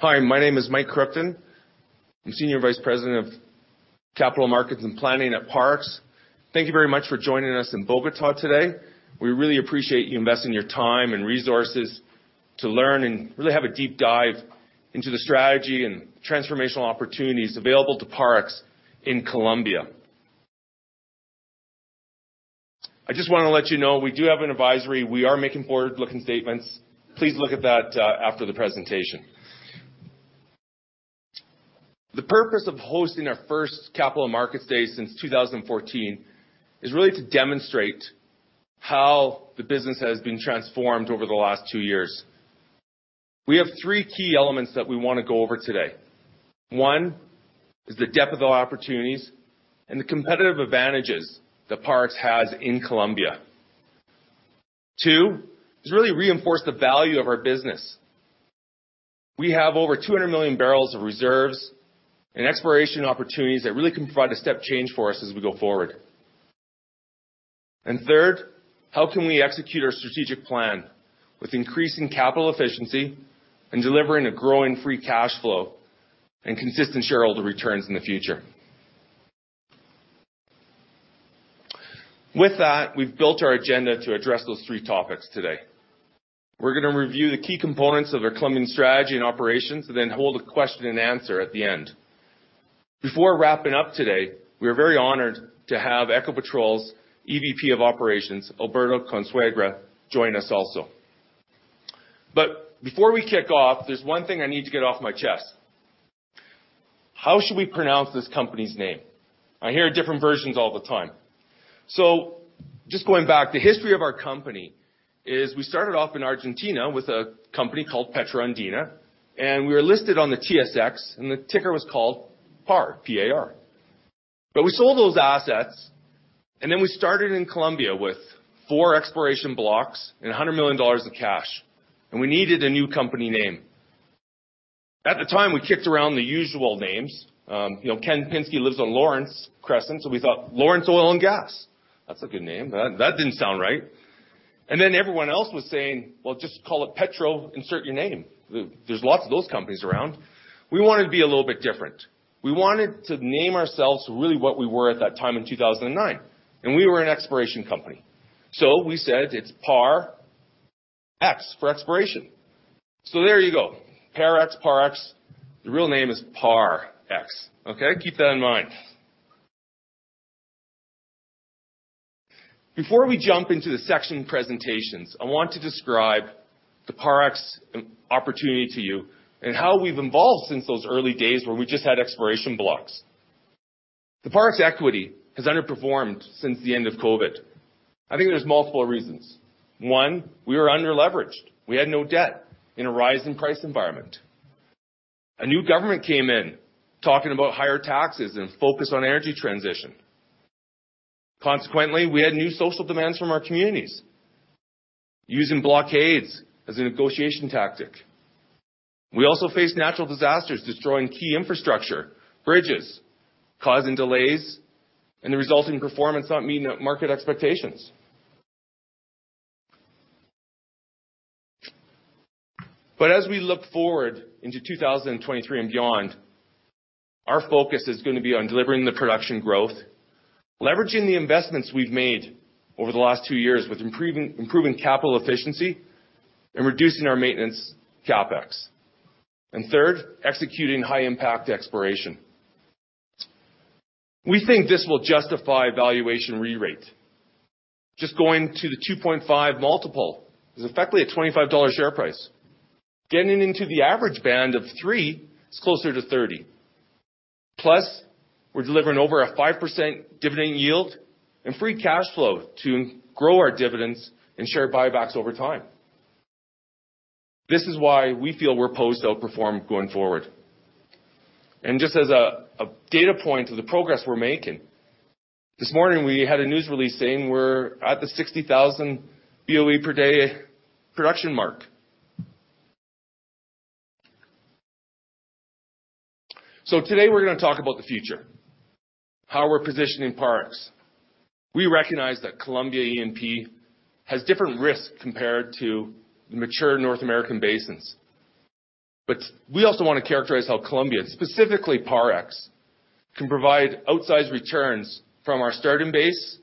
Hi, my name is Mike Kruchten. I'm Senior Vice President of Capital Markets & Corporate Planning at Parex. Thank you very much for joining us in Bogotá today. We really appreciate you investing your time and resources to learn and really have a deep dive into the strategy and transformational opportunities available to Parex in Colombia. I just wanna let you know we do have an advisory. We are making forward-looking statements. Please look at that after the presentation. The purpose of hosting our first capital markets day since 2014 is really to demonstrate how the business has been transformed over the last two years. We have three key elements that we wanna go over today. One, is the depth of the opportunities and the competitive advantages that Parex has in Colombia. Two, is really reinforce the value of our business. We have over 200 million barrels of reserves and exploration opportunities that really can provide a step change for us as we go forward. Third, how can we execute our strategic plan with increasing capital efficiency and delivering a growing free cash flow and consistent shareholder returns in the future? With that, we've built our agenda to address those three topics today. We're gonna review the key components of our Colombian strategy and operations, then hold a question and answer at the end. Before wrapping up today, we are very honored to have Ecopetrol's EVP of Operations, Alberto Consuegra, join us also. Before we kick off, there's one thing I need to get off my chest. How should we pronounce this company's name? I hear different versions all the time. Just going back, the history of our company is we started off in Argentina with a company called Petro Andina. We were listed on the TSX. The ticker was called PAR, P-A-R. We sold those assets. Then we started in Colombia with four exploration blocks and $100 million of cash. We needed a new company name. At the time, we kicked around the usual names. you know, Ken Pinsky lives on Lawrence Crescent. We thought Lawrence Oil and Gas. That's a good name. That didn't sound right. Then everyone else was saying, "Well, just call it Petro," insert your name. There's lots of those companies around. We wanted to be a little bit different. We wanted to name ourselves really what we were at that time in 2009. We were an exploration company. We said it's Parex for exploration. There you go, Parex. The real name is Parex, okay? Keep that in mind. Before we jump into the section presentations, I want to describe the Parex opportunity to you and how we've evolved since those early days where we just had exploration blocks. The Parex equity has underperformed since the end of COVID. I think there's multiple reasons. One, we were under-leveraged. We had no debt in a rising price environment. A new government came in talking about higher taxes and focus on energy transition. Consequently, we had new social demands from our communities using blockades as a negotiation tactic. We also faced natural disasters destroying key infrastructure, bridges, causing delays, and the resulting performance not meeting the market expectations. As we look forward into 2023 and beyond, our focus is gonna be on delivering the production growth, leveraging the investments we've made over the last two years with improving capital efficiency and reducing our maintenance CapEx. Third, executing high-impact exploration. We think this will justify valuation re-rate. Just going to the 2.5 multiple is effectively a $25 share price. Getting into the average band of three is closer to 30. Plus, we're delivering over a 5% dividend yield and free cash flow to grow our dividends and share buybacks over time. This is why we feel we're posed to outperform going forward. Just as a data point to the progress we're making, this morning we had a news release saying we're at the 60,000 BOE per day production mark. Today, we're going to talk about the future, how we're positioning Parex. We recognize that Colombia E&P has different risks compared to the mature North American basins. We also want to characterize how Colombia, specifically Parex, can provide outsized returns from our starting base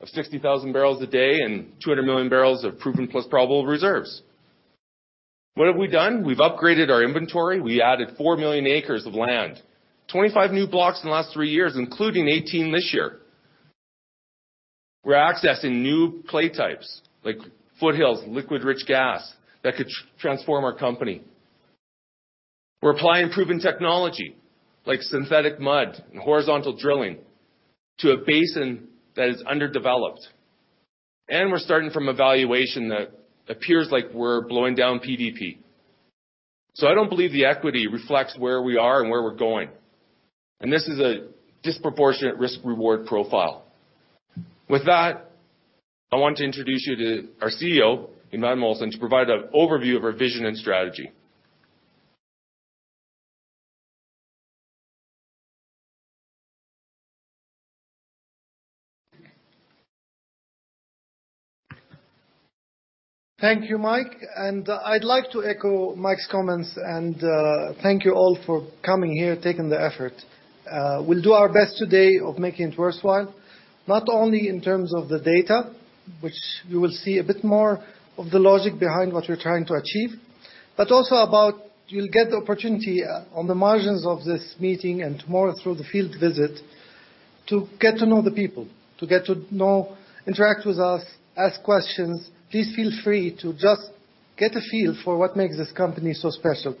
of 60,000 barrels a day and 200 million barrels of proven plus probable reserves. What have we done? We've upgraded our inventory. We added 4 million acres of land. 25 new blocks in the last 3 years, including 18 this year. We're accessing new play types like foothills, liquid rich gas that could transform our company. We're applying proven technology like synthetic mud and horizontal drilling to a basin that is underdeveloped. We're starting from a valuation that appears like we're blowing down PDP. I don't believe the equity reflects where we are and where we're going. This is a disproportionate risk-reward profile. With that, I want to introduce you to our CEO, Imad Mohsen, to provide an overview of our vision and strategy. Thank you, Mike. I'd like to echo Mike's comments and thank you all for coming here, taking the effort. We'll do our best today of making it worthwhile, not only in terms of the data, which you will see a bit more of the logic behind what we're trying to achieve, but also about you'll get the opportunity on the margins of this meeting and tomorrow through the field visit to get to know the people, to interact with us, ask questions. Please feel free to just get a feel for what makes this company so special.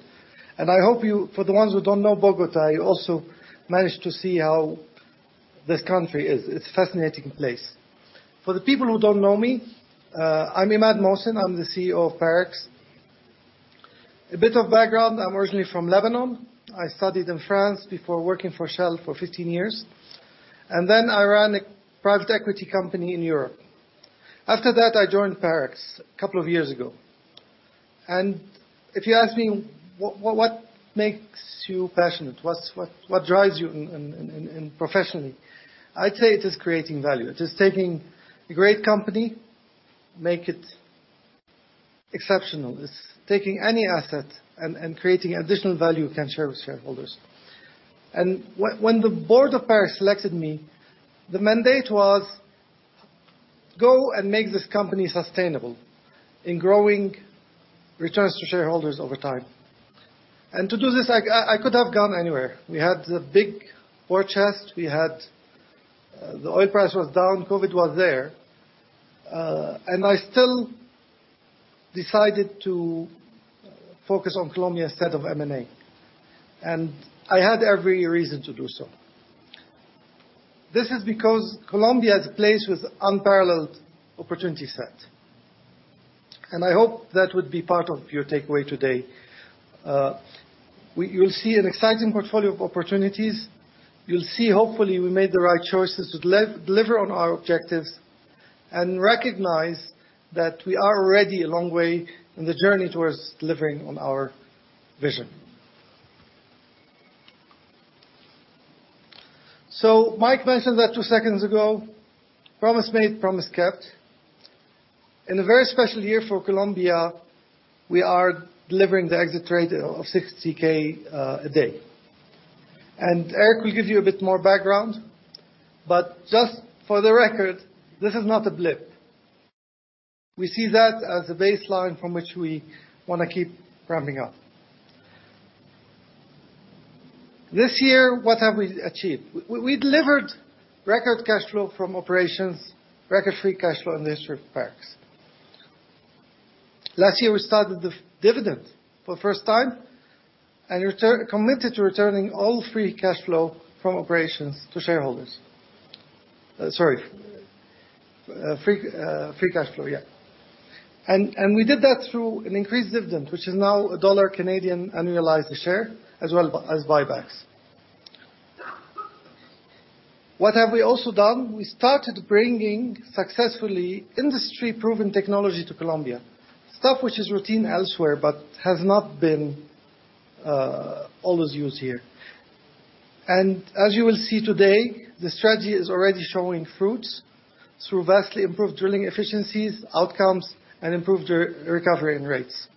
For the ones who don't know Bogotá, you also manage to see how this country is. It's a fascinating place. For the people who don't know me, I'm Imad Mohsen. I'm the CEO of Parex. A bit of background. I'm originally from Lebanon. I studied in France before working for Shell for 15 years, and then I ran a private equity company in Europe. After that, I joined Parex a couple of years ago. If you ask me, what makes you passionate? What's what drives you in professionally? I'd say it is creating value. It is taking a great company, make it exceptional. It's taking any asset and creating additional value you can share with shareholders. When the board of Parex selected me, the mandate was go and make this company sustainable in growing returns to shareholders over time. To do this, I could have gone anywhere. We had the big purchase. We had, the oil price was down, COVID was there, and I still decided to focus on Colombia instead of M&A, and I had every reason to do so. This is because Colombia is a place with unparalleled opportunity set, and I hope that would be part of your takeaway today. You'll see an exciting portfolio of opportunities. You'll see, hopefully, we made the right choices to deliver on our objectives and recognize that we are already a long way in the journey towards delivering on our vision. Mike mentioned that two seconds ago, promise made, promise kept. In a very special year for Colombia, we are delivering the exit rate of 60,000 a day. Eric will give you a bit more background, but just for the record, this is not a blip. We see that as a baseline from which we wanna keep ramping up. This year, what have we achieved? We delivered record cash flow from operations, record free cash flow in the history of Parex. Last year, we started the dividend for the first time committed to returning all free cash flow from operations to shareholders. Sorry, free cash flow, yeah. We did that through an increased dividend, which is now a CAD 1 annualized share, as well as buybacks. What have we also done? We started bringing successfully industry-proven technology to Colombia, stuff which is routine elsewhere, but has not been always used here. As you will see today, the strategy is already showing fruits through vastly improved drilling efficiencies, outcomes, and improved re-recovery and rates.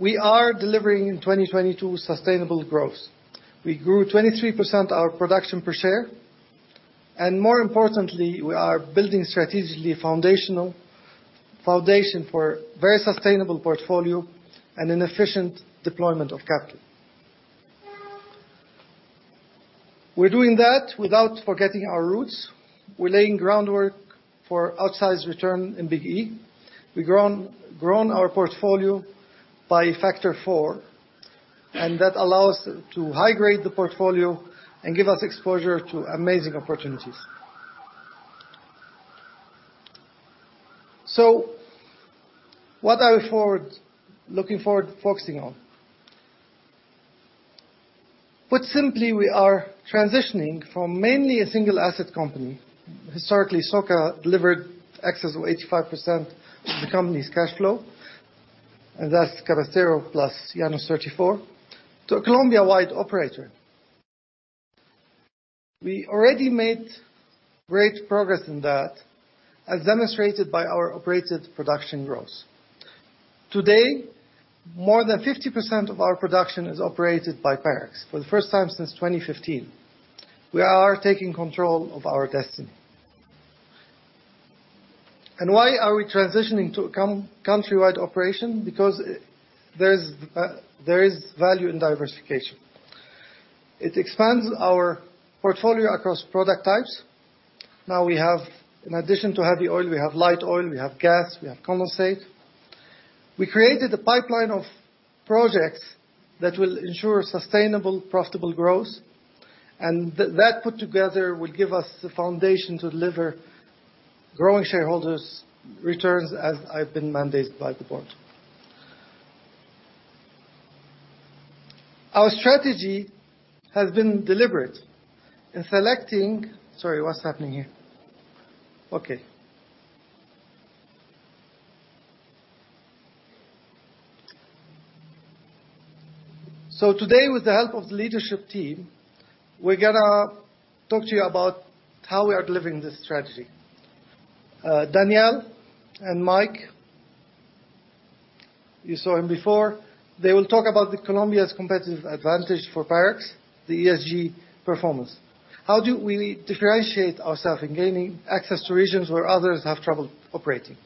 We are delivering in 2022 sustainable growth. We grew 23% our production per share. More importantly, we are building strategically foundational for very sustainable portfolio and an efficient deployment of capital. We're doing that without forgetting our roots. We're laying groundwork for outsized return in Big E. We've grown our portfolio by factor four, that allows to high grade the portfolio and give us exposure to amazing opportunities. What are we looking forward focusing on? Put simply, we are transitioning from mainly a single asset company. Historically, SoCa delivered excess of 85% of the company's cash flow, that's Cabrestero plus Llanos 34, to a Colombia-wide operator. We already made great progress in that, as demonstrated by our operated production growth. Today, more than 50% of our production is operated by Parex for the first time since 2015. We are taking control of our destiny. Why are we transitioning to a countrywide operation? There's, there is value in diversification. It expands our portfolio across product types. Now we have, in addition to heavy oil, we have light oil, we have gas, we have condensate. We created a pipeline of projects that will ensure sustainable, profitable growth. That put together will give us the foundation to deliver growing shareholders returns as I've been mandated by the board. Our strategy has been deliberate in selecting... Sorry, what's happening here? Okay, today with the help of the leadership team, we're gonna talk to you about how we are delivering this strategy. Daniel and Mike, you saw him before, they will talk about the Colombia's competitive advantage for Parex, the ESG performance. How do we differentiate ourself in gaining access to regions where others have trouble operating?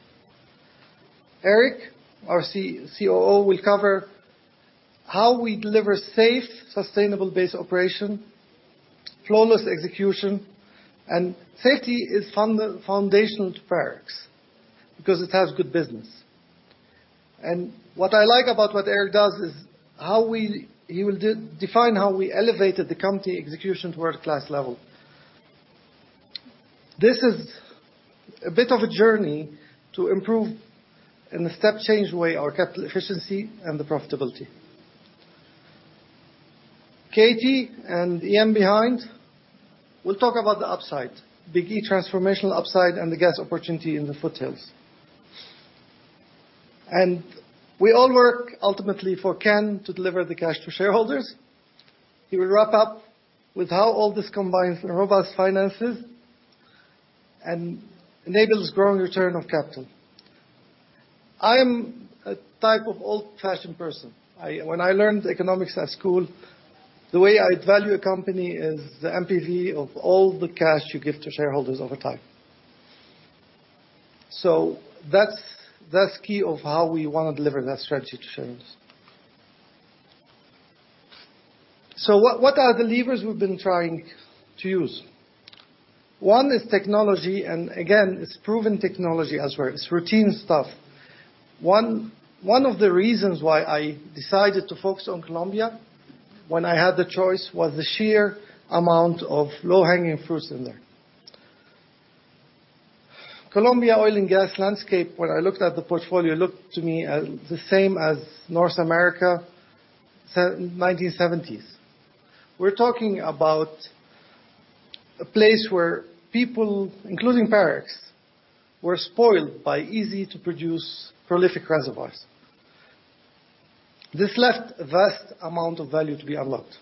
Eric, our COO will cover how we deliver safe, sustainable base operation, flawless execution, and safety is foundational to Parex because it has good business. What I like about what Eric does is how he will define how we elevated the company execution to world-class level. This is a bit of a journey to improve in a step change way our capital efficiency and the profitability. Katie and Ian behind will talk about the upside, Big E transformational upside and the gas opportunity in the foothills. We all work ultimately for Ken to deliver the cash to shareholders. He will wrap up with how all this combines in robust finances and enables growing return of capital. I am a type of old-fashioned person. When I learned economics at school, the way I value a company is the NPV of all the cash you give to shareholders over time. That's key of how we wanna deliver that strategy to shareholders. What are the levers we've been trying to use? One is technology, and again, it's proven technology as well. It's routine stuff. One of the reasons why I decided to focus on Colombia when I had the choice was the sheer amount of low-hanging fruits in there. Colombia oil and gas landscape, when I looked at the portfolio, looked to me as the same as North America 1970s. We're talking about a place where people, including Parex, were spoiled by easy to produce prolific reservoirs. This left a vast amount of value to be unlocked.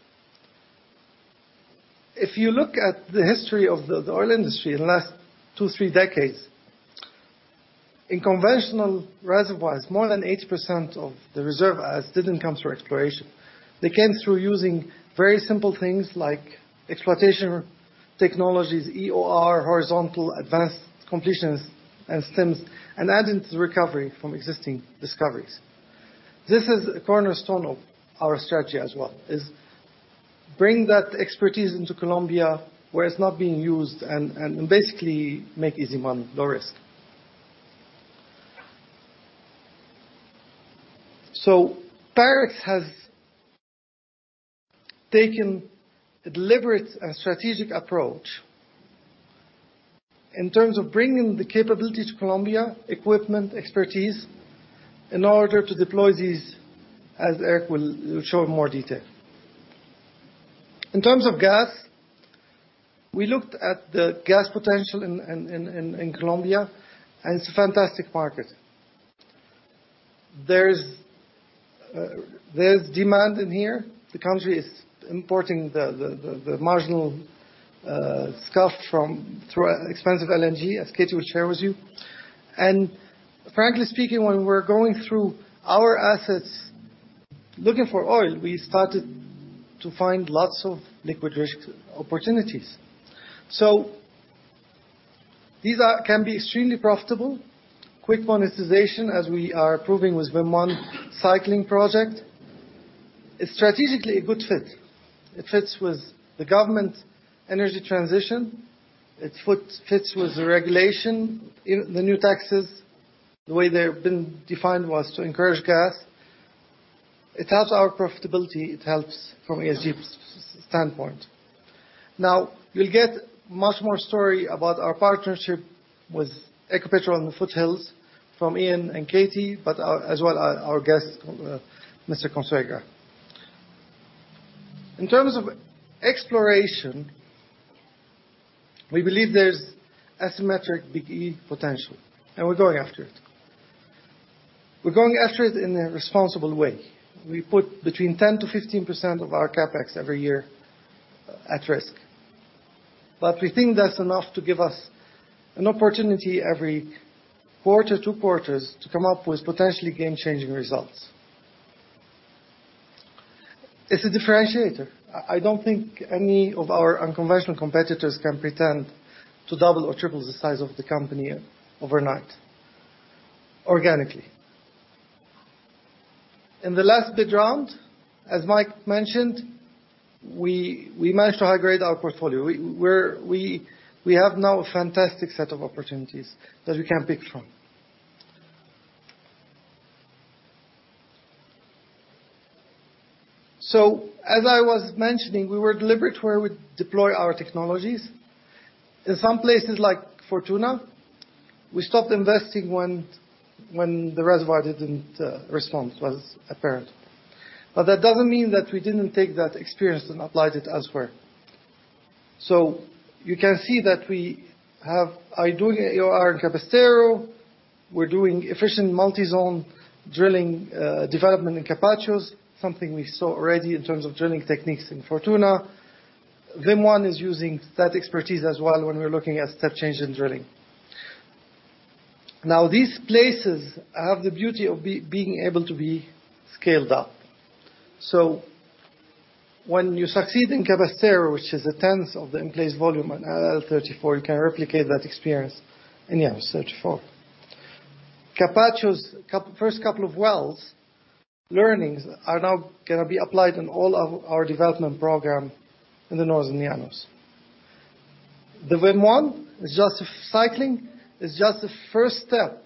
If you look at the history of the oil industry in the last two, three decades, in conventional reservoirs, more than 80% of the reserve as didn't come through exploration. They came through using very simple things like exploitation technologies, EOR, horizontal advanced completions and stems, and adding to the recovery from existing discoveries. This is a cornerstone of our strategy as well, is bring that expertise into Colombia where it's not being used and basically make easy money, low risk. Parex has taken a deliberate and strategic approach in terms of bringing the capability to Colombia, equipment, expertise, in order to deploy these, as Eric will show in more detail. In terms of gas, we looked at the gas potential in Colombia, and it's a fantastic market. There's demand in here. The country is importing the marginal scuff from through expensive LNG, as Katie will share with you. Frankly speaking, when we're going through our assets looking for oil, we started to find lots of liquid risk opportunities. These can be extremely profitable. Quick monetization as we are approving with VIM-1 cycling project. It's strategically a good fit. It fits with the government energy transition. It fits with the regulation in the new taxes. The way they've been defined was to encourage gas. It helps our profitability. It helps from ESG standpoint. You'll get much more story about our partnership with Ecopetrol in the foothills from Ian and Katie, but our guest, Mr. Consuegra. In terms of exploration, we believe there's asymmetric Big E potential, we're going after it. We're going after it in a responsible way. We put between 10% to 15% of our CapEx every year at risk. We think that's enough to give us an opportunity every quarter-to- quarters, to come up with potentially game-changing results. It's a differentiator. I don't think any of our unconventional competitors can pretend to double or triple the size of the company overnight organically. In the last bid round, as Mike mentioned, we managed to upgrade our portfolio. We have now a fantastic set of opportunities that we can pick from. As I was mentioning, we were deliberate where we deploy our technologies. In some places like Fortuna, we stopped investing when the reservoir didn't respond was apparent. That doesn't mean that we didn't take that experience and applied it elsewhere. You can see that we are doing EOR in Cabrestero. We're doing efficient multi-zone drilling, development in Capachos, something we saw already in terms of drilling techniques in Fortuna. VIM-1 is using that expertise as well when we're looking at step change in drilling. These places have the beauty of being able to be scaled up. When you succeed in Cabrestero, which is a tenth of the in-place volume at LLA-34, you can replicate that experience in LLA-34. Capachos' first couple of wells learnings are now gonna be applied in all of our development program in the North Llanos. The VIM-1 is just a cycling. It's just the first step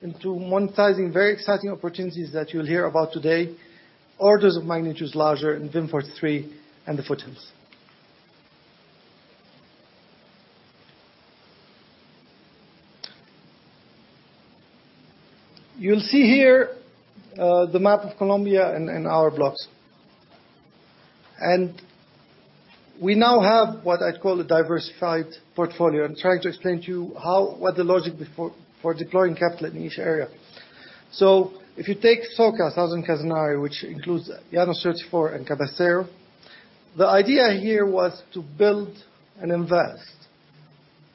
into monetizing very exciting opportunities that you'll hear about today, orders of magnitudes larger in VIM-3 and the foothills. You'll see here the map of Colombia and our blocks. We now have what I'd call a diversified portfolio. I'm trying to explain to you what the logic be for deploying capital in each area. If you take SoCa, Southern Casanare, which includes Llanos 34 and Cabrestero, the idea here was to build and invest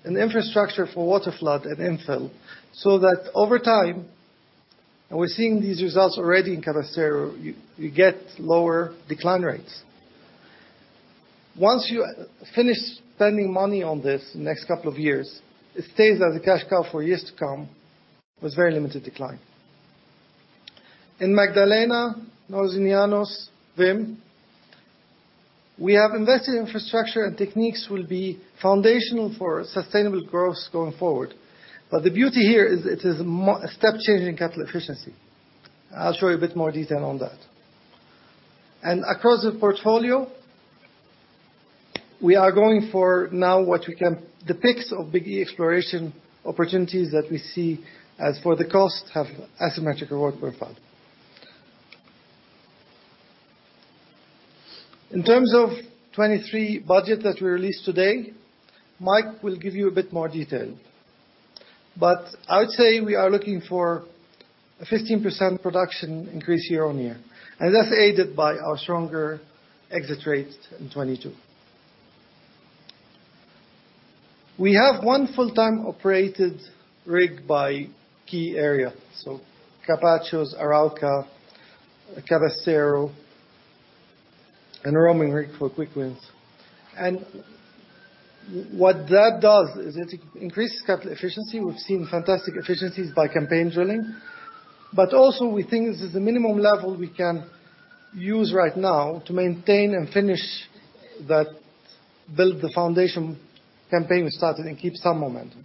in infrastructure for waterflood and infill, so that over time, and we're seeing these results already in Cabrestero, you get lower decline rates. Once you finish spending money on this in the next couple of years, it stays as a cash cow for years to come with very limited decline. In Magdalena, North Llanos, VIM, we have invested infrastructure and techniques will be foundational for sustainable growth going forward. The beauty here is it is a step change in capital efficiency. I'll show you a bit more detail on that. Across the portfolio, the picks of big exploration opportunities that we see as for the cost have asymmetric reward profile. In terms of 2023 budget that we released today, Mike will give you a bit more detail. I would say we are looking for a 15% production increase year-on-year, and that's aided by our stronger exit rates in 2022. We have one full-time operated rig by key area, so Capachos, Arauca, Cabrestero, and a roaming rig for quick wins. What that does is it increases capital efficiency. We've seen fantastic efficiencies by campaign drilling, but also we think this is the minimum level we can use right now to maintain and finish that build the foundation campaign we started and keep some momentum.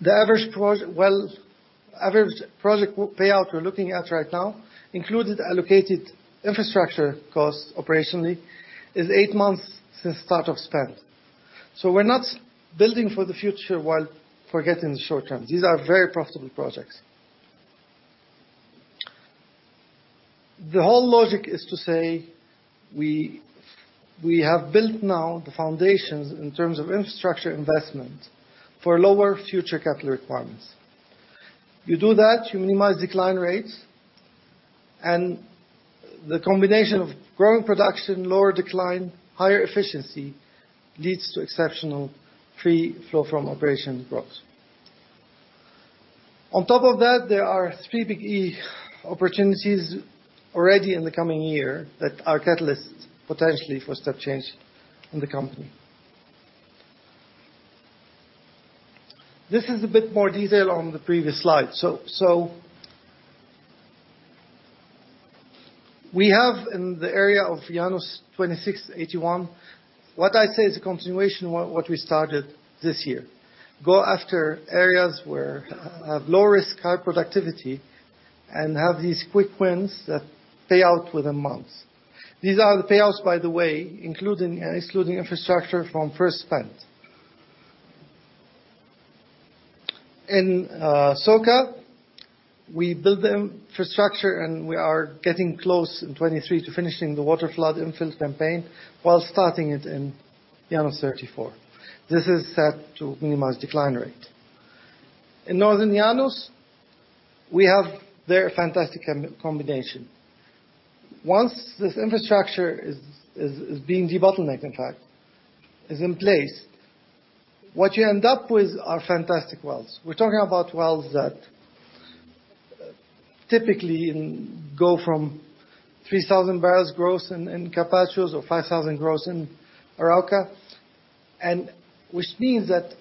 The average project payout we're looking at right now, included allocated infrastructure costs operationally, is eight months since start of spend. We're not building for the future while forgetting the short term. These are very profitable projects. The whole logic is to say we have built now the foundations in terms of infrastructure investment for lower future capital requirements. You do that, you minimize decline rates, and the combination of growing production, lower decline, higher efficiency, leads to exceptional free flow from operation growth. On top of that, there are three Big E opportunities already in the coming year that are catalysts potentially for step change in the company. This is a bit more detail on the previous slide. We have in the area of Llanos 26, 81, what I say is a continuation what we started this year. Go after areas where have low risk, high productivity, and have these quick wins that pay out within months. These are the payouts, by the way, including and excluding infrastructure from first spend. In SoCa, we built the infrastructure, and we are getting close in 2023 to finishing the waterflood infill campaign while starting it in Llanos 34. This is set to minimize decline rate. In Northern Llanos, we have there a fantastic combination. Once this infrastructure is being debottlenecked, in fact, is in place, what you end up with are fantastic wells. We're talking about wells that typically go from 3,000 barrels gross in Capachos or 5,000 gross in Arauca. Which means that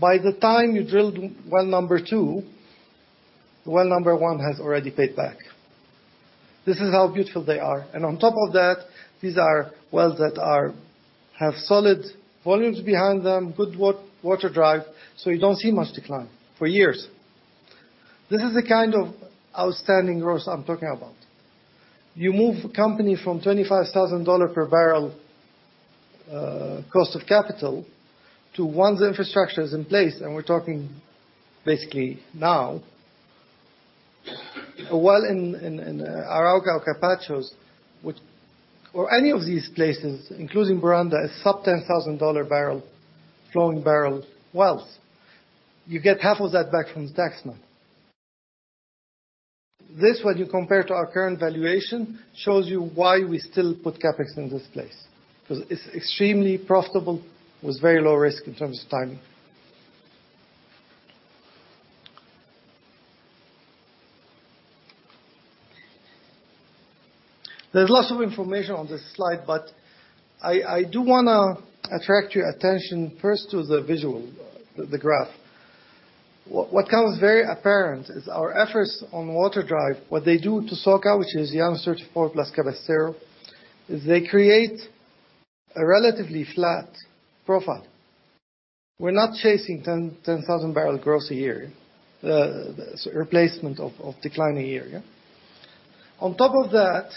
by the time you drill well two, well one has already paid back. This is how beautiful they are. On top of that, these are wells that have solid volumes behind them, good water drive, so you don't see much decline for years. This is the kind of outstanding growth I'm talking about. You move a company from $25,000 per barrel cost of capital to once the infrastructure is in place, and we're talking basically now a well in Arauca or Capachos, or any of these places, including Miranda, a sub $10,000 barrel flowing barrel wells, you get half of that back from tax money.. This, when you compare to our current valuation, shows you why we still put CapEx in this place. It's extremely profitable with very low risk in terms of timing. There's lots of information on this slide, I do wanna attract your attention first to the visual, the graph. What comes very apparent is our efforts on water drive, what they do to SoCa, which is the answer to Port Las Casanare, is they create a relatively flat profile. We're not chasing 10,000 barrel growth a year, replacement of declining area. On top of that,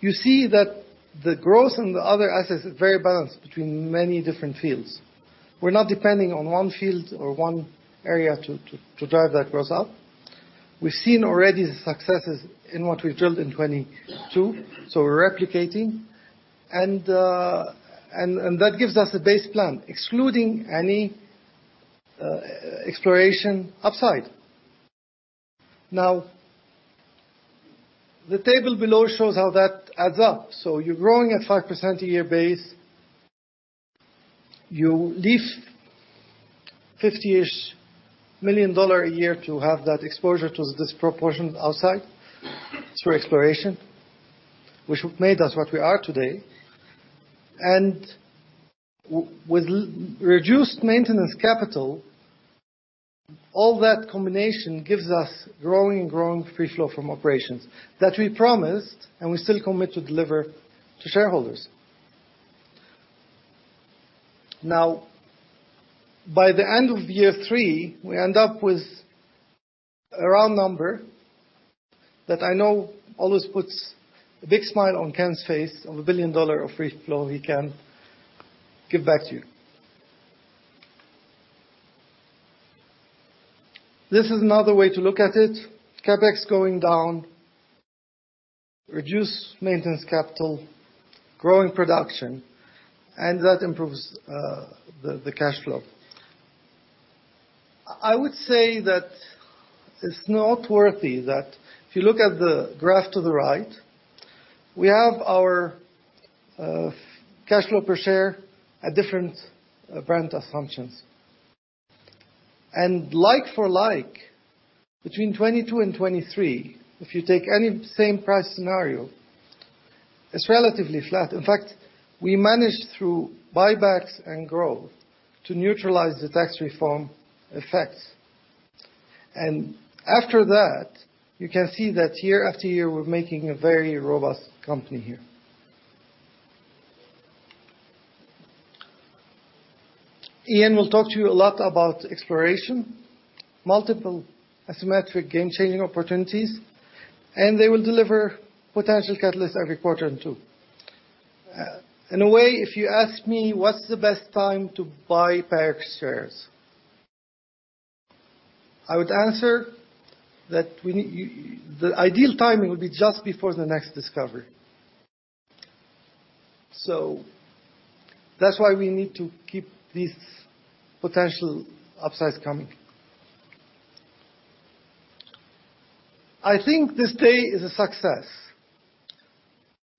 you see that the growth in the other assets is very balanced between many different fields. We're not depending on one field or one area to drive that growth up. We've seen already the successes in what we've drilled in 22, we're replicating. That gives us a base plan excluding any exploration upside. The table below shows how that adds up. You're growing at 5% a year base. You leave $50 million a year to have that exposure to this proportion outside through exploration, which made us what we are today. With reduced maintenance capital, all that combination gives us growing free flow from operations that we promised and we still commit to deliver to shareholders. By the end of year three, we end up with a round number that I know always puts a big smile on Ken's face of $1 billion of free flow he can give back to you. This is another way to look at it. CapEx going down, reduce maintenance capital, growing production, that improves the cash flow. I would say that it's noteworthy that if you look at the graph to the right, we have our cash flow per share at different Brent assumptions. Like for like, between 2022 and 2023, if you take any same price scenario, it's relatively flat. In fact, we managed through buybacks and growth to neutralize the tax reform effects. After that, you can see that year after year, we're making a very robust company here. Ian will talk to you a lot about exploration, multiple asymmetric game-changing opportunities, and they will deliver potential catalysts every quarter too. In a way, if you ask me what's the best time to buy Parex shares, I would answer that The ideal timing would be just before the next discovery. That's why we need to keep these potential upsides coming. I think this day is a success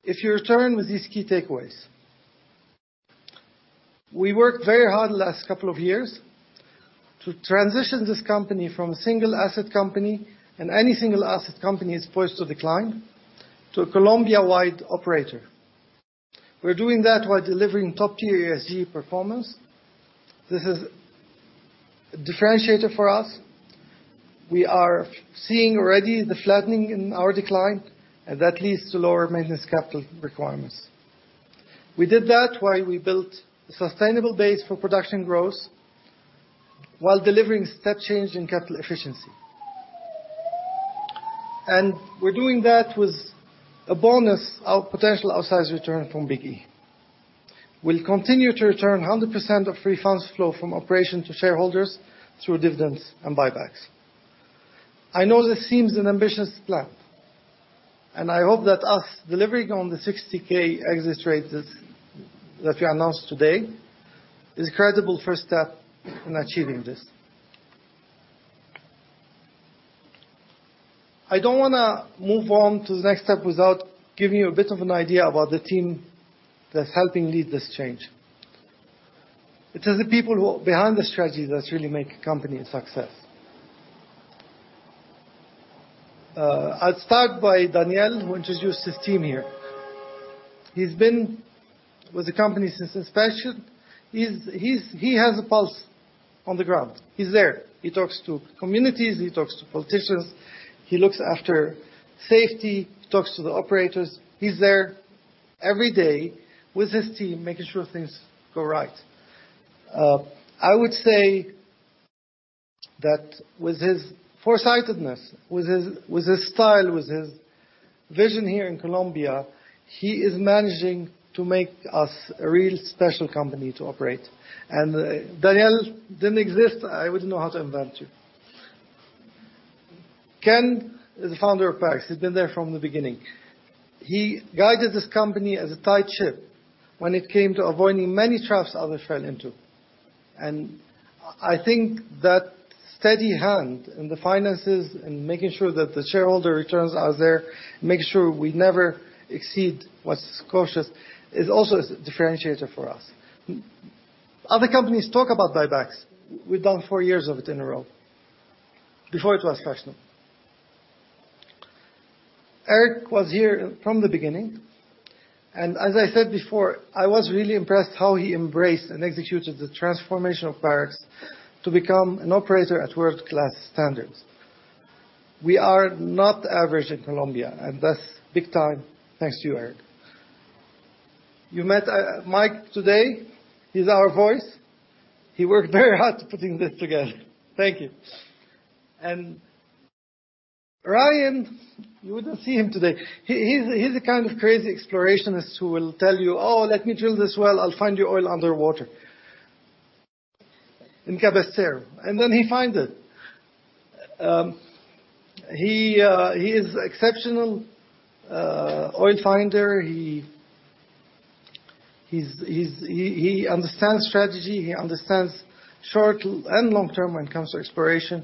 if you return with these key takeaways. We worked very hard the last couple of years to transition this company from a single asset company, and any single asset company is poised to decline, to a Colombia-wide operator. We're doing that while delivering top-tier ESG performance. This is a differentiator for us. We are seeing already the flattening in our decline, and that leads to lower maintenance capital requirements. We did that while we built a sustainable base for production growth while delivering step change in capital efficiency. We're doing that with a bonus of potential outsized return from Big E. We'll continue to return 100% of free funds flow from operation to shareholders through dividends and buybacks. I know this seems an ambitious plan, and I hope that us delivering on the 60,000 exit rate that we announced today is a credible first step in achieving this. I don't wanna move on to the next step without giving you a bit of an idea about the team that's helping lead this change. It is the people who are behind the strategy that really make a company a success. I'll start by Daniel, who introduced his team here. He's been with the company since its inception. He has a pulse on the ground. He's there. He talks to communities, he talks to politicians, he looks after safety, he talks to the operators. He's there every day with his team, making sure things go right. I would say that with his foresightedness, with his, with his style, with his vision here in Colombia, he is managing to make us a real special company to operate. Daniel didn't exist, I wouldn't know how to invent you. Ken is the founder of Parex. He's been there from the beginning. He guided this company as a tight ship when it came to avoiding many traps others fell into. I think that steady hand in the finances and making sure that the shareholder returns are there, making sure we never exceed what's cautious, is also a differentiator for us. Other companies talk about buybacks. We've done 4 years of it in a row. Before it was fashionable. Eric was here from the beginning. As I said before, I was really impressed how he embraced and executed the transformation of Parex to become an operator at world-class standards. We are not average in Colombia. That's big time. Thanks to you, Eric. You met Mike today. He's our voice. He worked very hard to putting this together. Thank you. Ryan, you wouldn't see him today. He's the kind of crazy explorationist who will tell you, "Oh, let me drill this well. I'll find you oil under water." In Cabecera. Then he finds it. He is exceptional oil finder. He understands strategy, he understands short and long term when it comes to exploration.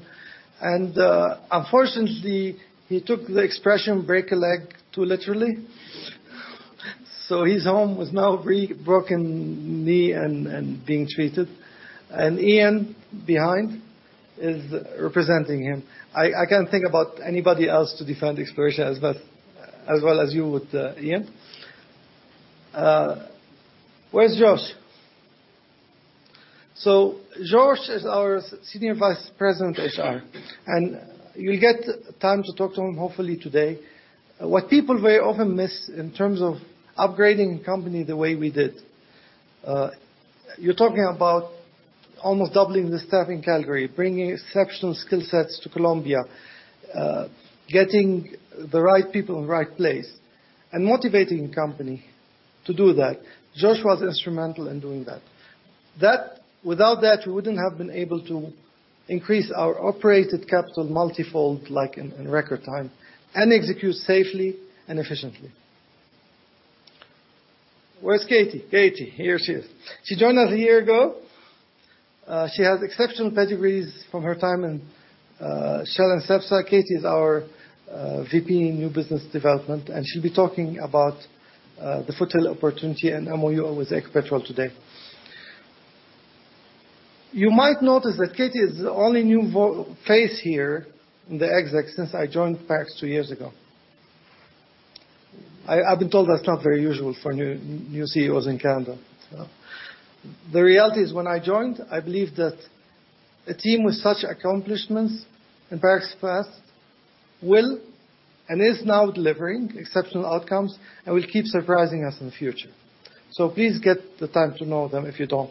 Unfortunately, he took the expression break a leg too literally. He's home with now broken knee and being treated. Ian behind is representing him. I can't think about anybody else to defend exploration as well, as well as you would, Ian. Where's George? George is our Senior Vice President, HR. You'll get time to talk to him hopefully today. What people very often miss in terms of upgrading a company the way we did, you're talking about almost doubling the staff in Calgary, bringing exceptional skill sets to Colombia, getting the right people in the right place, and motivating the company to do that. George was instrumental in doing that. Without that, we wouldn't have been able to increase our operated capital multifold like in record time, and execute safely and efficiently. Where's Katie? Katie, here she is. She has exceptional pedigrees from her time in Shell and Cepsa. Katie is our VP in New Business Development, and she'll be talking about the Foothills opportunity and MOU with Ecopetrol today. You might notice that Katie is the only new face here in the exec since I joined Parex two years ago. I've been told that's not very usual for new CEOs in Canada. The reality is, when I joined, I believed that a team with such accomplishments in Parex's past will and is now delivering exceptional outcomes and will keep surprising us in the future. Please get the time to know them if you don't.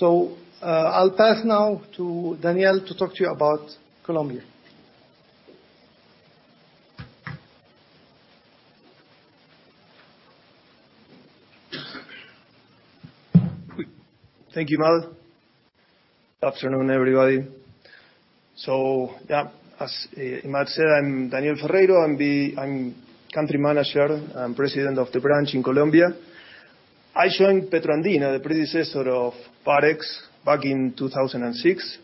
I'll pass now to Daniel to talk to you about Colombia. Thank you, Imad. Afternoon, everybody. Yeah, as Imad said, I'm Daniel Ferreiro. I'm Country Manager and President of the branch in Colombia. I joined Petro Andina, the predecessor of Parex, back in 2006,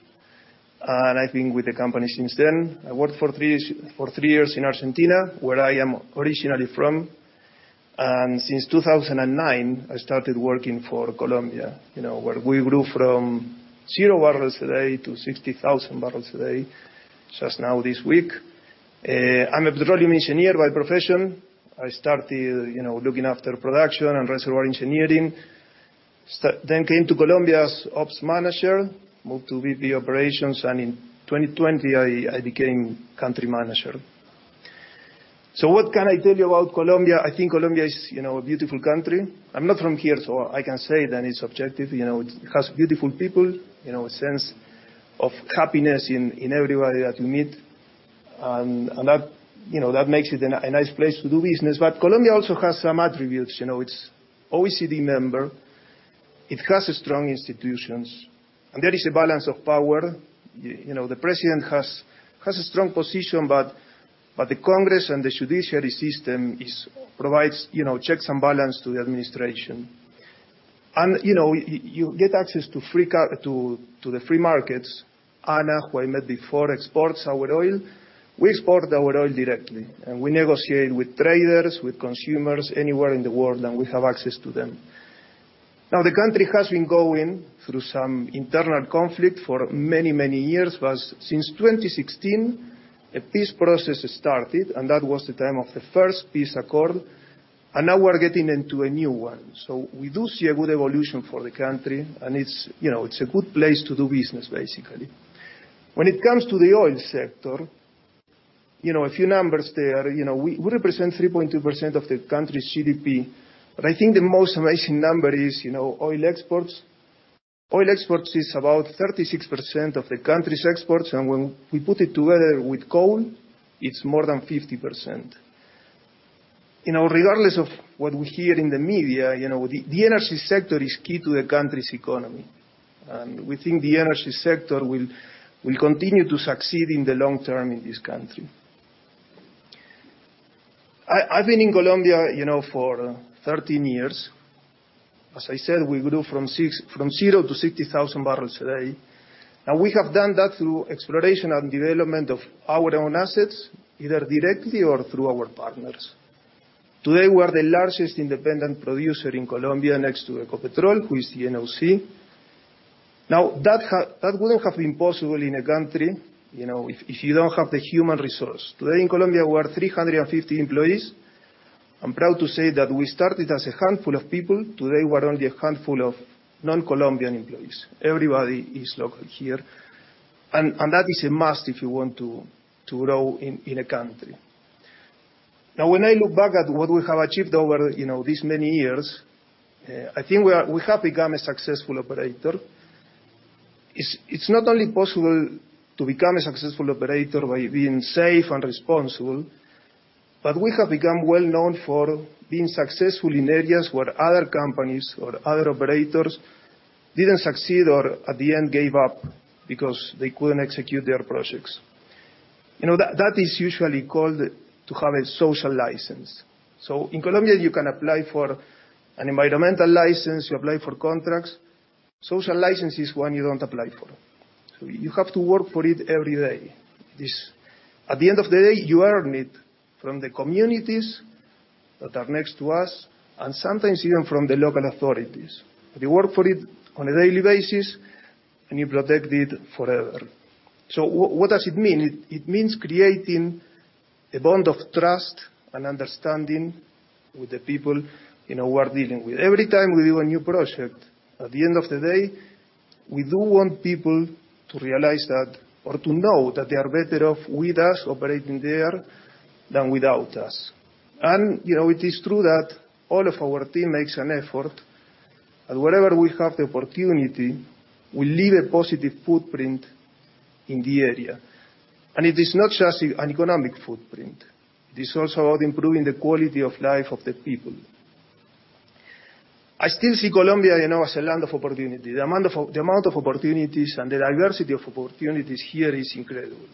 and I've been with the company since then. I worked for three years in Argentina, where I am originally from. Since 2009, I started working for Colombia, you know, where we grew from 0 barrels a day to 60,000 barrels a day just now this week. I'm a petroleum engineer by profession. I started, you know, looking after production and reservoir engineering. Then came to Colombia as ops manager, moved to VP Operations, and in 2020, I became Country Manager. What can I tell you about Colombia? I think Colombia is, you know, a beautiful country. I'm not from here, so I can say that it's objective. You know, it's has beautiful people, you know, a sense of happiness in everybody that you meet, and that, you know, that makes it a nice place to do business. Colombia also has some attributes. You know, it's OECD member. It has strong institutions, and there is a balance of power. You know, the president has a strong position, but the congress and the judiciary system is provides, you know, checks and balance to the administration. You know, you get access to free to the free markets. Ana, who I met before, exports our oil. We export our oil directly, and we negotiate with traders, with consumers anywhere in the world, and we have access to them. The country has been going through some internal conflict for many, many years. Since 2016, a peace process started, and that was the time of the first peace accord, and now we're getting into a new one. We do see a good evolution for the country and it's, you know, it's a good place to do business basically. When it comes to the oil sector, you know, a few numbers there. We represent 3.2% of the country's GDP. I think the most amazing number is, you know, oil exports is about 36% of the country's exports, and when we put it together with coal, it's more than 50%. Regardless of what we hear in the media, you know, the energy sector is key to the country's economy. We think the energy sector will continue to succeed in the long term in this country. I've been in Colombia, you know, for 13 years. As I said, we grew from 0 to 60,000 barrels a day. We have done that through exploration and development of our own assets, either directly or through our partners. Today, we are the largest independent producer in Colombia next to Ecopetrol, who is the NOC. That wouldn't have been possible in a country, you know, if you don't have the human resource. Today in Colombia, we're 350 employees. I'm proud to say that we started as a handful of people. Today, we're only a handful of non-Colombian employees. Everybody is local here. That is a must if you want to grow in a country. When I look back at what we have achieved over, you know, these many years, I think we have become a successful operator. It's not only possible to become a successful operator by being safe and responsible, but we have become well-known for being successful in areas where other companies or other operators didn't succeed or at the end gave up because they couldn't execute their projects. You know, that is usually called to have a social license. In Colombia, you can apply for an environmental license, you apply for contracts. Social license is one you don't apply for. You have to work for it every day. At the end of the day, you earn it from the communities that are next to us, and sometimes even from the local authorities. You work for it on a daily basis. You protect it forever. What does it mean? It means creating a bond of trust and understanding with the people, you know, we're dealing with. Every time we do a new project, at the end of the day, we do want people to realize that or to know that they are better off with us operating there than without us. You know, it is true that all of our team makes an effort that wherever we have the opportunity, we leave a positive footprint in the area. It is not just an economic footprint, it is also about improving the quality of life of the people. I still see Colombia, you know, as a land of opportunity. The amount of opportunities and the diversity of opportunities here is incredible.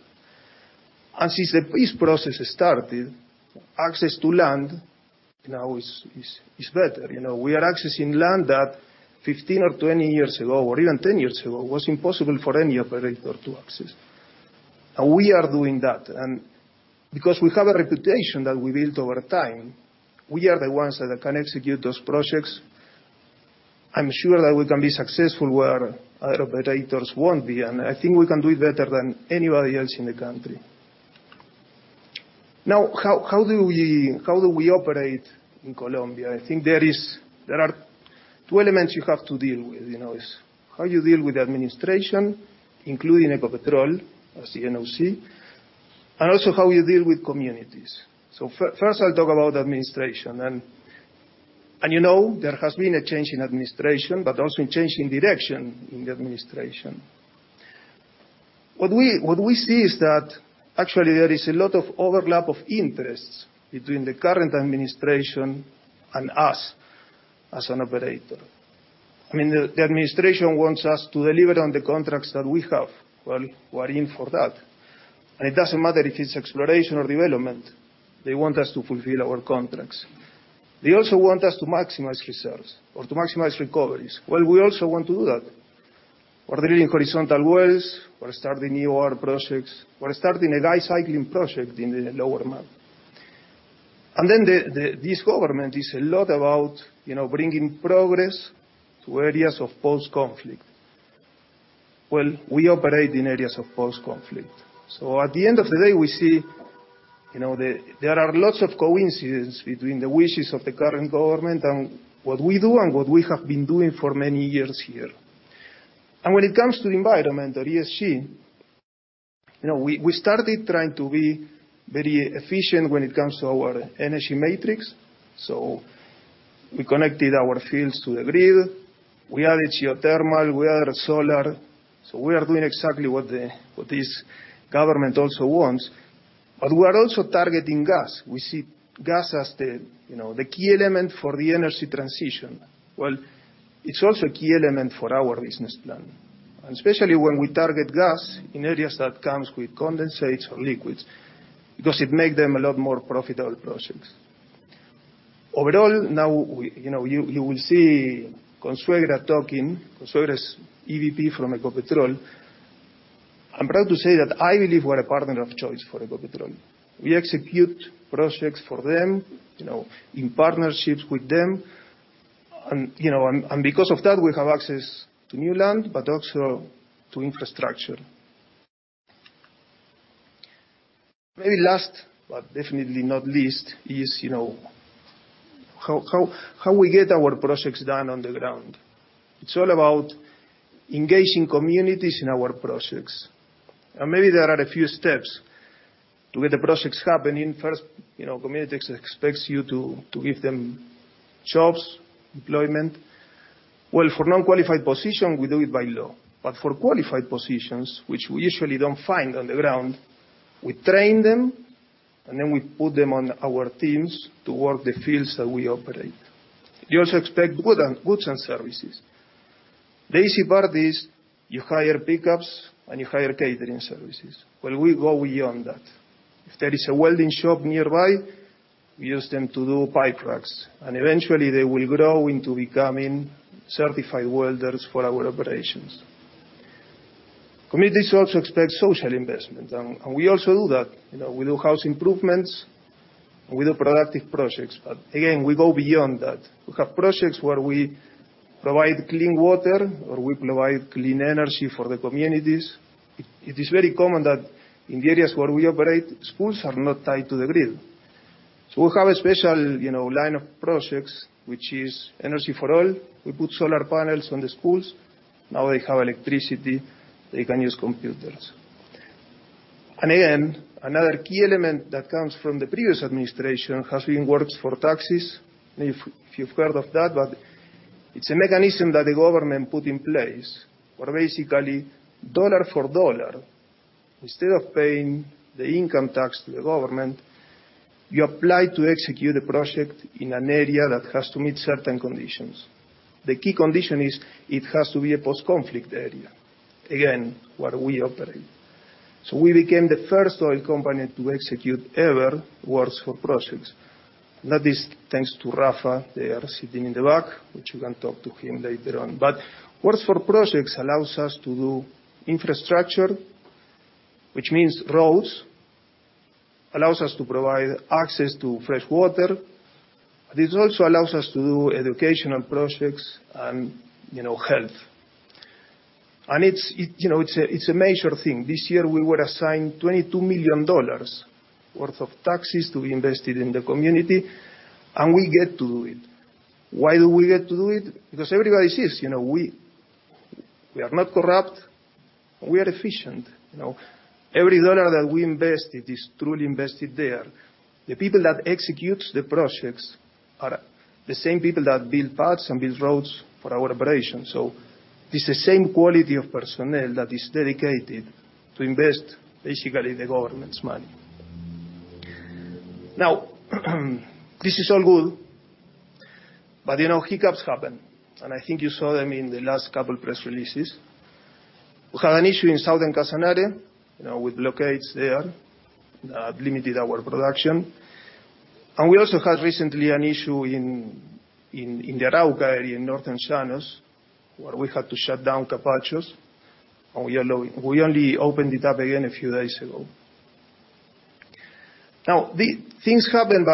Since the peace process started, access to land now is better. You know, we are accessing land that 15 or 20 years ago or even 10 years ago was impossible for any operator to access. We are doing that. Because we have a reputation that we built over time, we are the ones that can execute those projects. I'm sure that we can be successful where other operators won't be, and I think we can do it better than anybody else in the country. Now, how do we operate in Colombia? I think there are two elements you have to deal with, you know. It's how you deal with administration, including Ecopetrol as the NOC, and also how you deal with communities. First I'll talk about administration. You know, there has been a change in administration, but also a change in direction in the administration. What we see is that actually there is a lot of overlap of interests between the current administration and us as an operator. I mean, the administration wants us to deliver on the contracts that we have. Well, we're in for that. It doesn't matter if it's exploration or development, they want us to fulfill our contracts. They also want us to maximize reserves or to maximize recoveries. Well, we also want to do that. We're drilling horizontal wells. We're starting new oil projects. We're starting a recycling project in the lower map. Then this government is a lot about, you know, bringing progress to areas of post-conflict. Well, we operate in areas of post-conflict. At the end of the day, we see, you know, there are lots of coincidence between the wishes of the current government and what we do and what we have been doing for many years here. When it comes to the environment or ESG, you know, we started trying to be very efficient when it comes to our energy matrix. We connected our fields to the grid. We added geothermal, we added solar. We are doing exactly what this government also wants. We are also targeting gas. We see gas as the, you know, the key element for the energy transition. It's also a key element for our business plan, and especially when we target gas in areas that comes with condensates or liquids because it make them a lot more profitable projects. Overall, now we, you know, you will see Consuegra talking. Consuegra is EVP from Ecopetrol. I'm proud to say that I believe we're a partner of choice for Ecopetrol. We execute projects for them, you know, in partnerships with them. You know, and because of that, we have access to new land, but also to infrastructure. Maybe last, but definitely not least, is, you know, how we get our projects done on the ground. It's all about engaging communities in our projects. Maybe there are a few steps to get the projects happening, first, you know, communities expects you to give them jobs, employment. Well, for non-qualified position, we do it by law. For qualified positions, which we usually don't find on the ground, we train them, and then we put them on our teams to work the fields that we operate. You also expect goods and services. The easy part is you hire pickups and you hire catering services. Well, we go beyond that. If there is a welding shop nearby, we use them to do pipe racks, and eventually they will grow into becoming certified welders for our operations. Communities also expect social investment, and we also do that. You know, we do house improvements, and we do productive projects. Again, we go beyond that. We have projects where we provide clean water, or we provide clean energy for the communities. It is very common that in the areas where we operate, schools are not tied to the grid. We have a special, you know, line of projects, which is Energy for All. We put solar panels on the schools. Now they have electricity, they can use computers. Again, another key element that comes from the previous administration has been Works for Taxes, if you've heard of that. It's a mechanism that the government put in place, where basically dollar for dollar, instead of paying the income tax to the government, you apply to execute a project in an area that has to meet certain conditions. The key condition is it has to be a post-conflict area, again, where we operate. We became the first oil company to execute ever Works for Taxes. That is thanks to Rafa there sitting in the back, which you can talk to him later on. Works for Taxes allows us to do infrastructure, which means roads. Allows us to provide access to fresh water. This also allows us to do educational projects and, you know, health. It's, you know, it's a, it's a major thing. This year we were assigned $22 million worth of taxes to be invested in the community, and we get to do it. Why do we get to do it? Everybody sees, you know, we are not corrupt, and we are efficient. You know, every dollar that we invested is truly invested there. The people that executes the projects are the same people that build paths and build roads for our operations. It's the same quality of personnel that is dedicated to invest basically the government's money. Now, this is all good, but, you know, hiccups happen, and I think you saw them in the last couple press releases. We had an issue in southern Casanare, you know, with blockades there that limited our production. We also had recently an issue in the Arauca area, in northern Llanos, where we had to shut down Capachos, and we only opened it up again a few days ago. Things happen,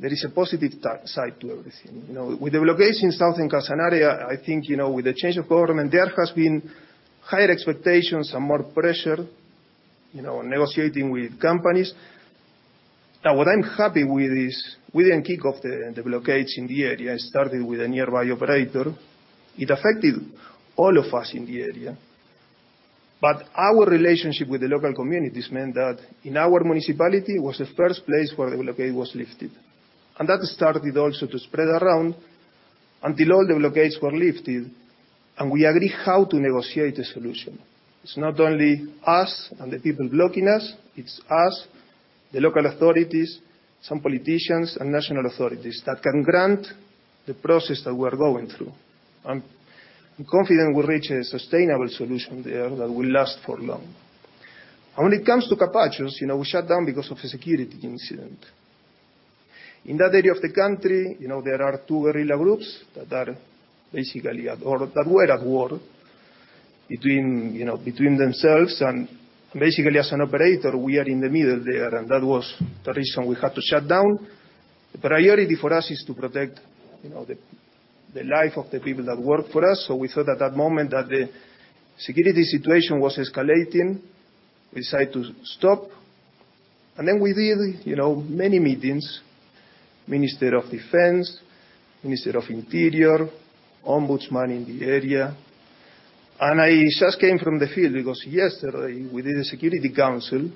there is a positive side to everything. You know, with the blockades in southern Casanare, I think, you know, with the change of government, there has been higher expectations and more pressure, you know, negotiating with companies. What I'm happy with is we didn't kick off the blockades in the area. It started with a nearby operator. It affected all of us in the area. Our relationship with the local communities meant that in our municipality was the first place where the blockade was lifted. That started also to spread around until all the blockades were lifted, and we agree how to negotiate a solution. It's not only us and the people blocking us, it's us, the local authorities, some politicians, and national authorities that can grant the process that we are going through. I'm confident we'll reach a sustainable solution there that will last for long. When it comes to Capachos, you know, we shut down because of a security incident. In that area of the country, you know, there are two guerrilla groups that are basically at, or that were at war between, you know, between themselves. Basically, as an operator, we are in the middle there, and that was the reason we had to shut down. The priority for us is to protect, you know, the life of the people that work for us. We thought at that moment that the security situation was escalating. We decided to stop. We did, you know, many meetings, Minister of Defense, Minister of Interior, Ombudsman in the area. I just came from the field because yesterday we did a security council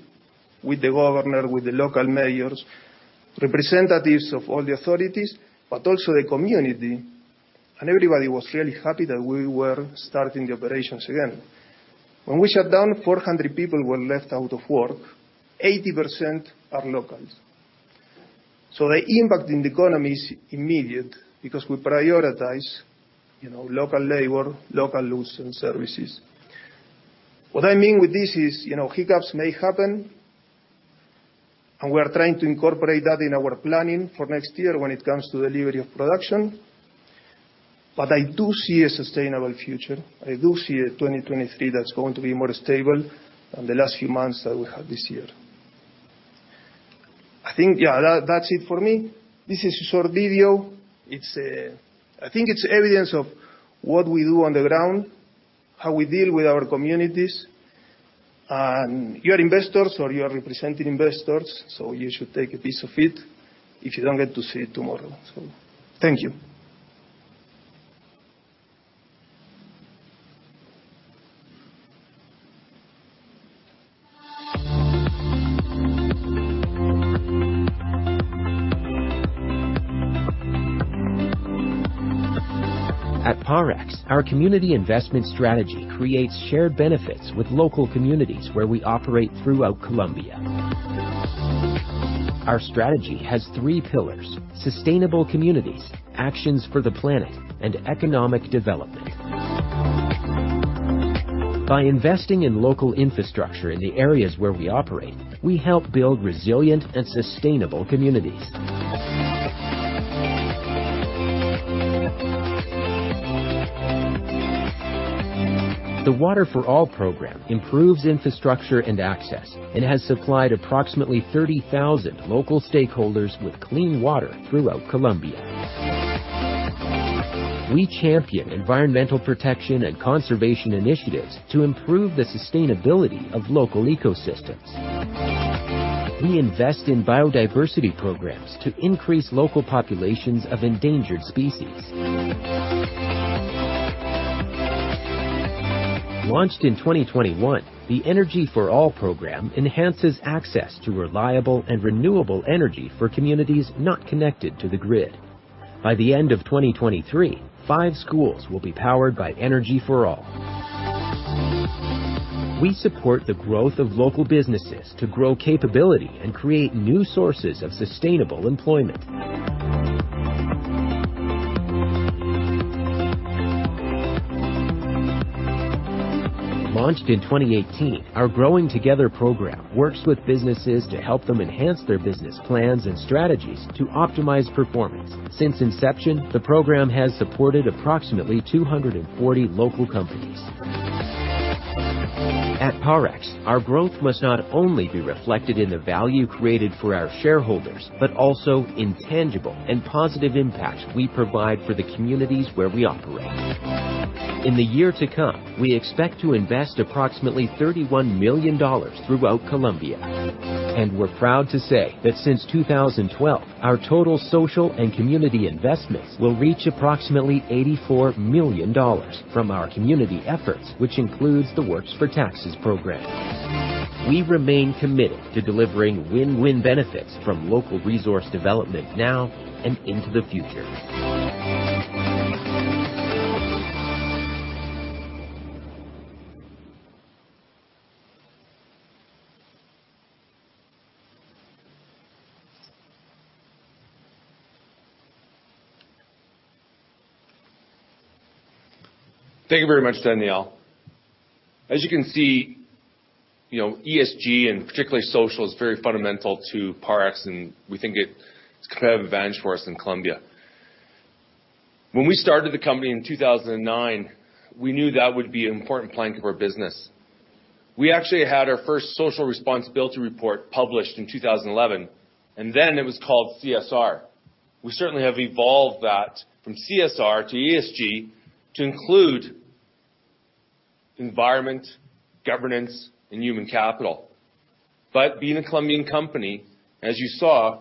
with the governor, with the local mayors, representatives of all the authorities, but also the community, and everybody was really happy that we were starting the operations again. When we shut down, 400 people were left out of work. 80% are locals. The impact in the economy is immediate because we prioritize, you know, local labor, local goods and services. What I mean with this is, you know, hiccups may happen, and we are trying to incorporate that in our planning for next year when it comes to delivery of production. I do see a sustainable future. I do see a 2023 that's going to be more stable than the last few months that we had this year. I think, yeah, that's it for me. This is a short video. It's, I think it's evidence of what we do on the ground, how we deal with our communities. You're investors or you're representing investors, so you should take a piece of it if you don't get to see it tomorrow. Thank you. At Parex, our community investment strategy creates shared benefits with local communities where we operate throughout Colombia. Our strategy has three pillars: sustainable communities, actions for the planet, and economic development. By investing in local infrastructure in the areas where we operate, we help build resilient and sustainable communities. The Water for All program improves infrastructure and access and has supplied approximately 30,000 local stakeholders with clean water throughout Colombia. We champion environmental protection and conservation initiatives to improve the sustainability of local ecosystems. We invest in biodiversity programs to increase local populations of endangered species. Launched in 2021, the Energy for All program enhances access to reliable and renewable energy for communities not connected to the grid. By the end of 2023, five schools will be powered by Energy for All. We support the growth of local businesses to grow capability and create new sources of sustainable employment. Launched in 2018, our Growing Together program works with businesses to help them enhance their business plans and strategies to optimize performance. Since inception, the program has supported approximately 240 local companies. At Parex, our growth must not only be reflected in the value created for our shareholders, but also in tangible and positive impact we provide for the communities where we operate. In the year to come, we expect to invest approximately $31 million throughout Colombia. We're proud to say that since 2012, our total social and community investments will reach approximately $84 million from our community efforts, which includes the Works for Taxes program. We remain committed to delivering win-win benefits from local resource development now and into the future. Thank you very much, Daniel. As you can see, you know, ESG, and particularly social, is very fundamental to Parex, and we think it's kind of advantage for us in Colombia. When we started the company in 2009, we knew that would be an important plank of our business. We actually had our first social responsibility report published in 2011, then it was called CSR. We certainly have evolved that from CSR to ESG to include environment, governance, and human capital. Being a Colombian company, as you saw,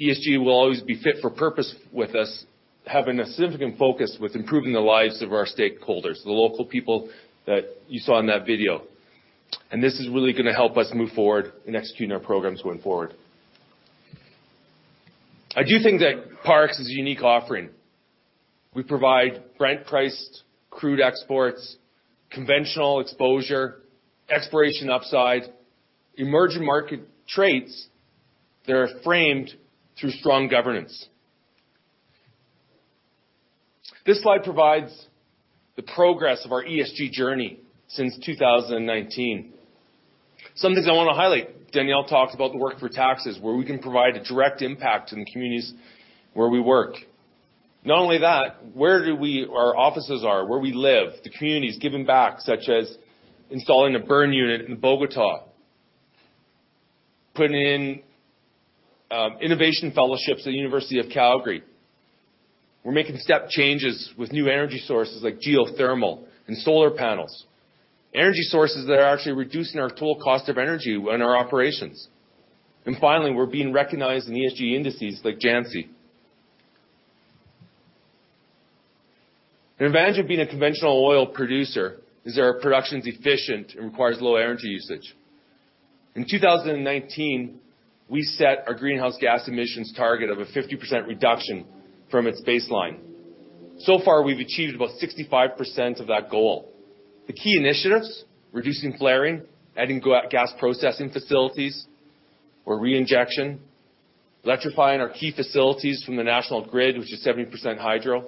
ESG will always be fit for purpose with us, having a significant focus with improving the lives of our stakeholders, the local people that you saw in that video. This is really gonna help us move forward in executing our programs going forward. I do think that Parex is a unique offering. We provide Brent-priced crude exports, conventional exposure, exploration upside, emerging market traits that are framed through strong governance. This slide provides the progress of our ESG journey since 2019. Some things I want to highlight. Daniel talked about the Works for Taxes, where we can provide a direct impact in the communities where we work. Not only that, where our offices are, where we live, the communities giving back, such as installing a burn unit in Bogota, putting in innovation fellowships at University of Calgary. We're making step changes with new energy sources like geothermal and solar panels, energy sources that are actually reducing our total cost of energy in our operations. Finally, we're being recognized in ESG indices like Jantzi. An advantage of being a conventional oil producer is our production's efficient and requires low energy usage. In 2019, we set our greenhouse gas emissions target of a 50% reduction from its baseline. So far, we've achieved about 65% of that goal. The key initiatives, reducing flaring, adding gas processing facilities or reinjection, electrifying our key facilities from the national grid, which is 70% hydro,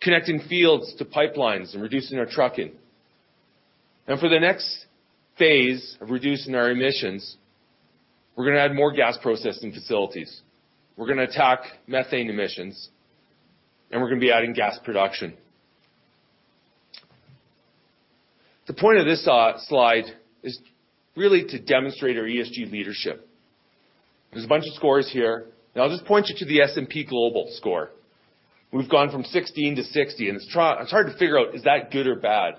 connecting fields to pipelines and reducing our trucking. For the next phase of reducing our emissions, we're gonna add more gas processing facilities. We're gonna attack methane emissions, and we're gonna be adding gas production. The point of this slide is really to demonstrate our ESG leadership. There's a bunch of scores here, and I'll just point you to the S&P Global score. We've gone from 16 to 60, and it's hard to figure out, is that good or bad?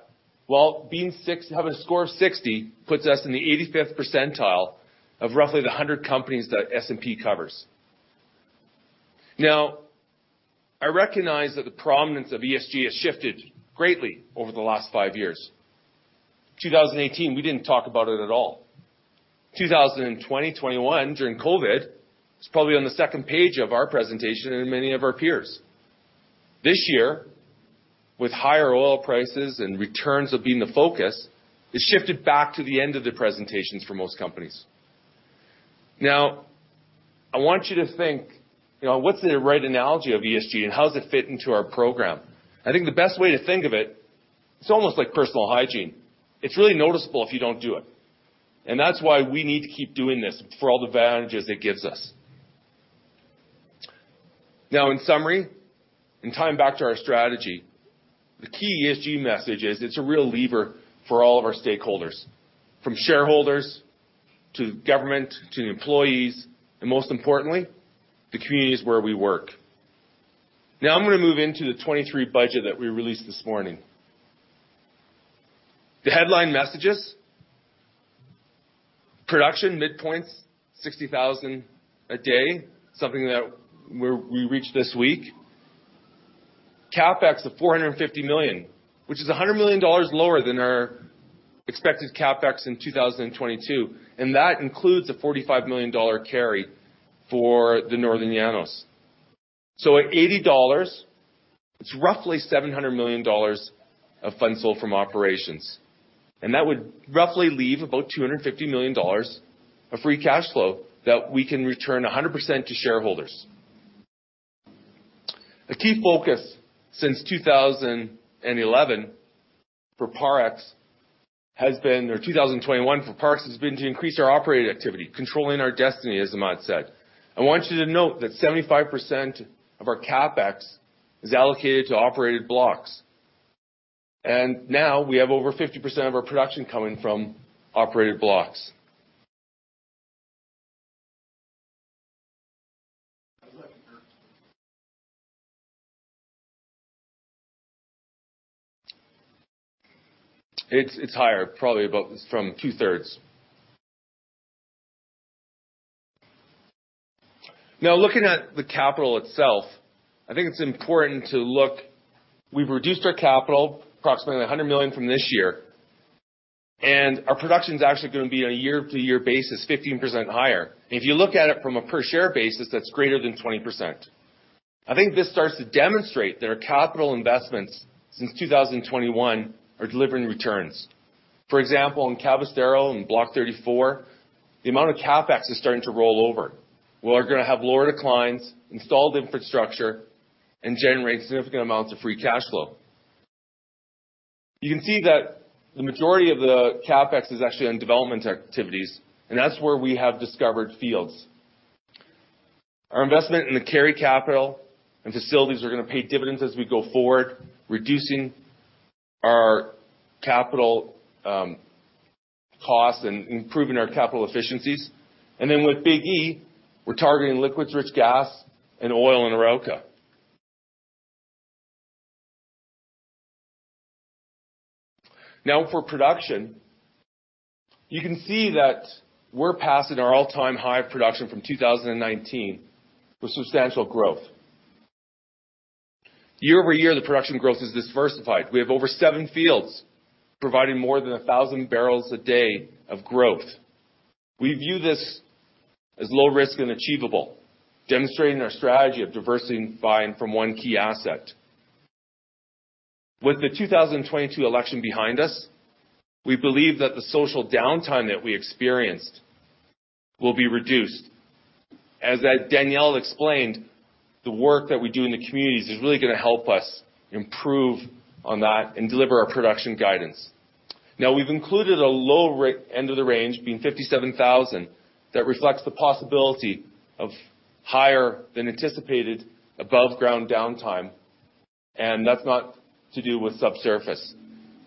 Well, having a score of 60 puts us in the 85th percentile of roughly the 100 companies that S&P covers. I recognize that the prominence of ESG has shifted greatly over the last five years. 2018, we didn't talk about it at all. 2020, 2021, during COVID, it's probably on the second page of our presentation and many of our peers. This year, with higher oil prices and returns of being the focus, it shifted back to the end of the presentations for most companies. I want you to think, you know, what's the right analogy of ESG, and how does it fit into our program? I think the best way to think of it's almost like personal hygiene. It's really noticeable if you don't do it. That's why we need to keep doing this for all the advantages it gives us. Now, in summary, in tying back to our strategy, the key ESG message is it's a real lever for all of our stakeholders, from shareholders to government to employees, and most importantly, the communities where we work. Now, I'm gonna move into the 23 budget that we released this morning. The headline messages, production midpoints, 60,000 a day, something that we reached this week. CapEx of $450 million, which is $100 million lower than our expected CapEx in 2022, and that includes a $45 million carry for the Northern Llanos. At $80, it's roughly $700 million of funds sold from operations. That would roughly leave about $250 million of free cash flow that we can return 100% to shareholders. A key focus since 2011 for Parex has been or 2021 for Parex has been to increase our operated activity, controlling our destiny, as Ahmad said. I want you to note that 75% of our CapEx is allocated to operated blocks. Now we have over 50% of our production coming from operated blocks. It's higher, probably about from 2/3. Now, looking at the capital itself, I think it's important to look. We've reduced our capital approximately $100 million from this year, and our production is actually gonna be on a year-to-year basis, 15% higher. If you look at it from a per share basis, that's greater than 20%. I think this starts to demonstrate that our capital investments since 2021 are delivering returns. For example, in Cabrestero, in Block 34, the amount of CapEx is starting to roll over. We are gonna have lower declines, installed infrastructure, and generate significant amounts of free cash flow. You can see that the majority of the CapEx is actually on development activities. That's where we have discovered fields. Our investment in the carry capital and facilities are gonna pay dividends as we go forward, reducing our capital costs and improving our capital efficiencies. With Big E, we're targeting liquids rich gas and oil in Arauca. Now, for production, you can see that we're passing our all-time high production from 2019 with substantial growth. Year-over-year, the production growth is diversified. We have over seven fields providing more than 1,000 barrels a day of growth. We view this as low risk and achievable, demonstrating our strategy of diversifying from one key asset. With the 2022 election behind us, we believe that the social downtime that we experienced will be reduced. As Daniel explained, the work that we do in the communities is really gonna help us improve on that and deliver our production guidance. We've included a low end of the range, being 57,000, that reflects the possibility of higher than anticipated above-ground downtime, and that's not to do with subsurface.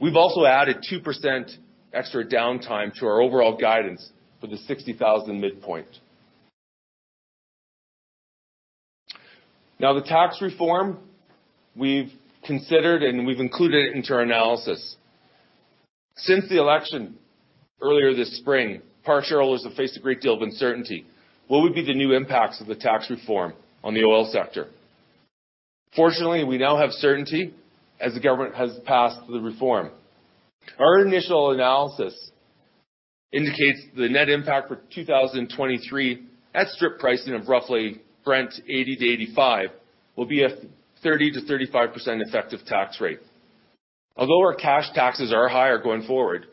We've also added 2% extra downtime to our overall guidance for the 60,000 midpoint. The tax reform we've considered, and we've included it into our analysis. Since the election earlier this spring, Parex shareholders have faced a great deal of uncertainty. What would be the new impacts of the tax reform on the oil sector? Fortunately, we now have certainty as the government has passed the reform. Our initial analysis indicates the net impact for 2023 at strip pricing of roughly Brent $80-$85, will be a 30%-35% effective tax rate. Although our cash taxes are higher going forward,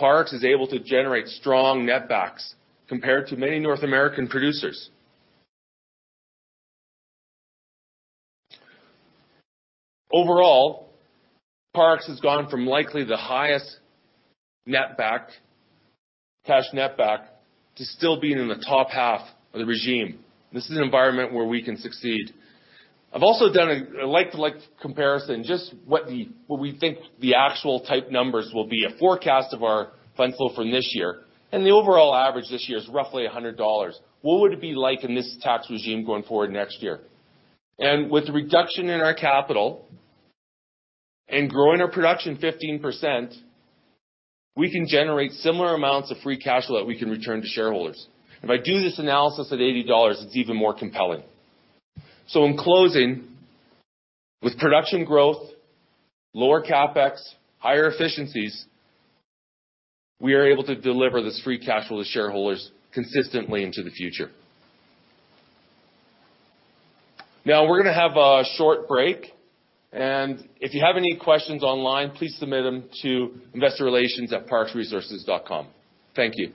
Parex is able to generate strong net backs compared to many North American producers. Overall, Parex has gone from likely the highest net back, cash net back, to still being in the top half of the regime. This is an environment where we can succeed. I've also done a like-to-like comparison, just what we think the actual type numbers will be, a forecast of our fund flow from this year, and the overall average this year is roughly $100. What would it be like in this tax regime going forward next year? With the reduction in our capital and growing our production 15%, we can generate similar amounts of free cash flow that we can return to shareholders. If I do this analysis at $80, it's even more compelling. In closing, with production growth, lower CapEx, higher efficiencies, we are able to deliver this free cash flow to shareholders consistently into the future. We're gonna have a short break, and if you have any questions online, please submit them to investorrelations@parexresources.com. Thank you.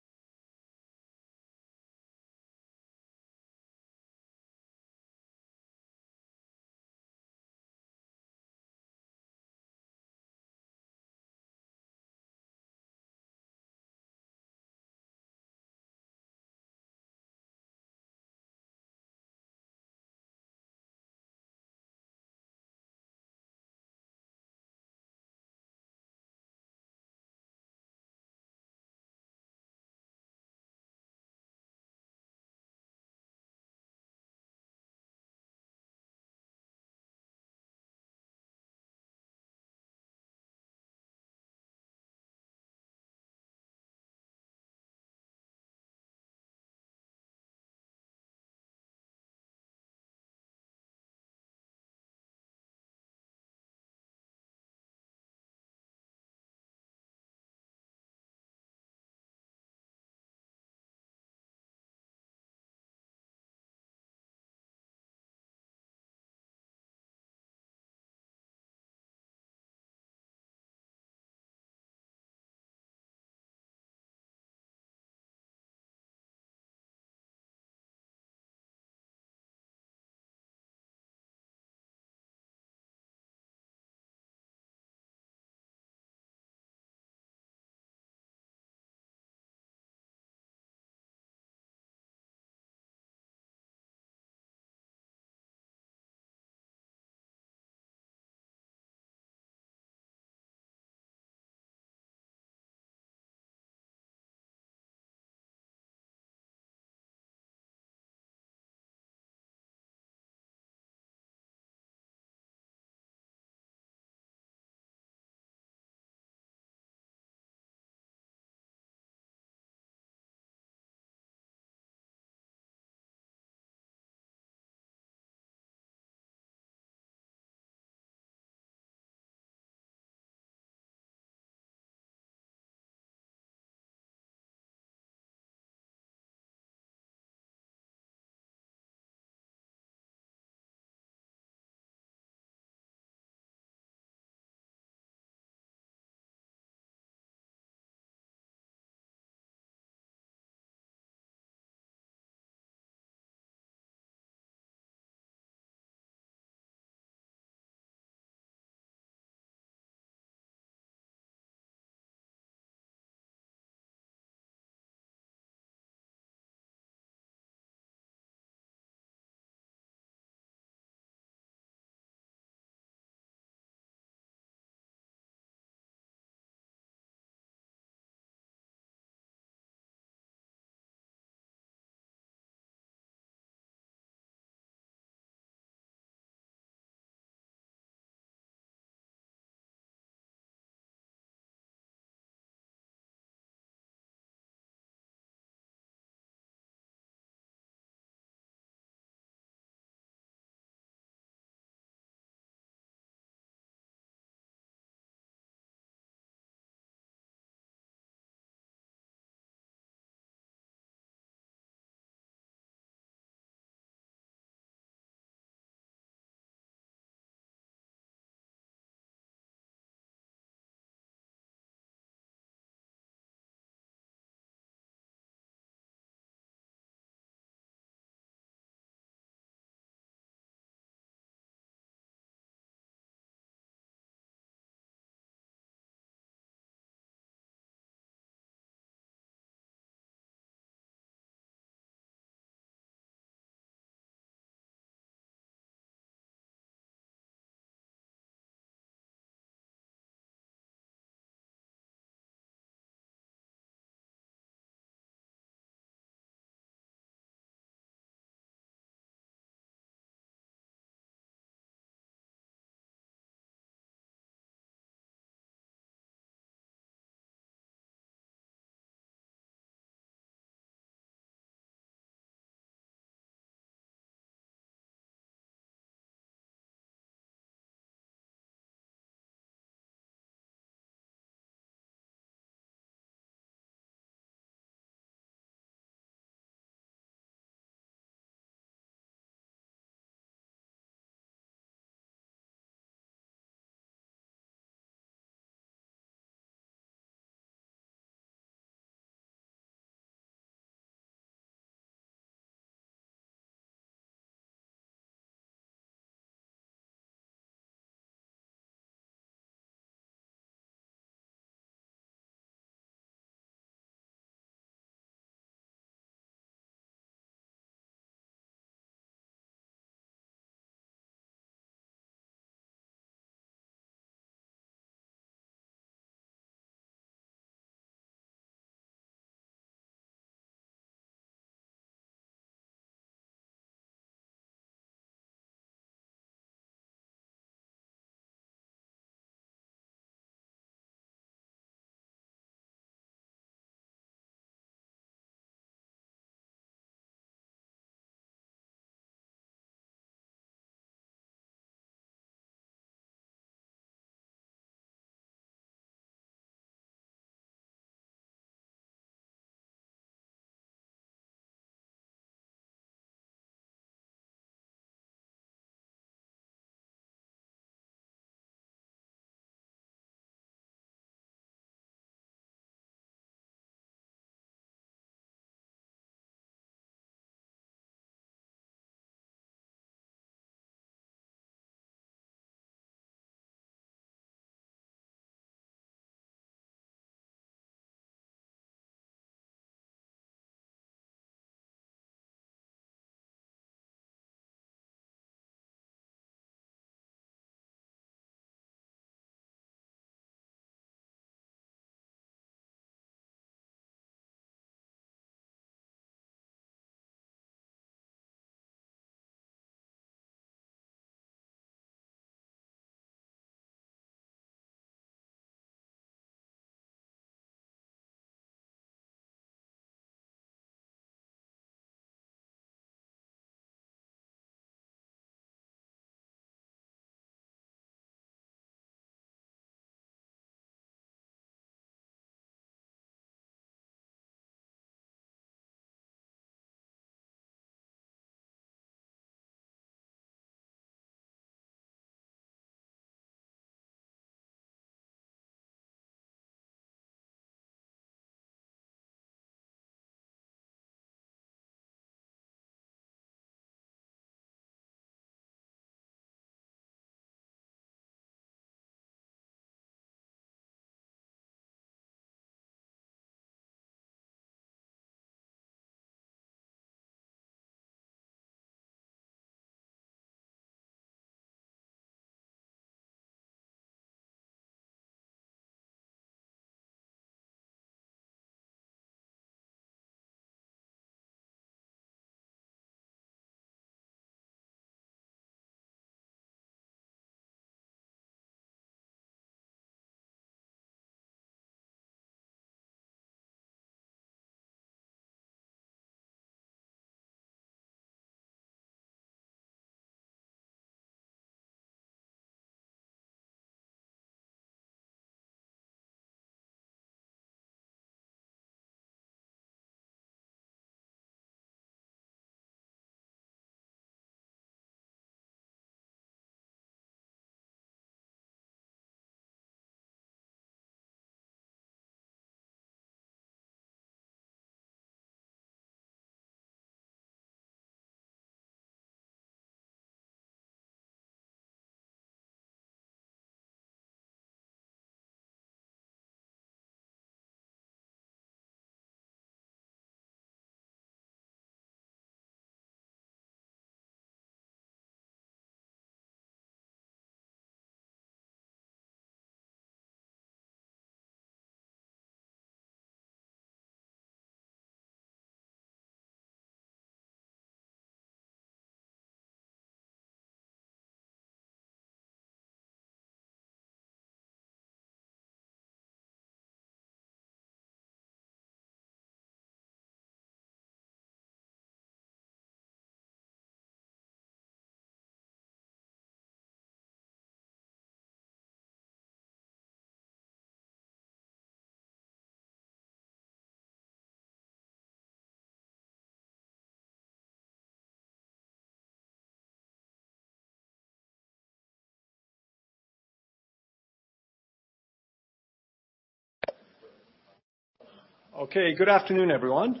Good afternoon, everyone.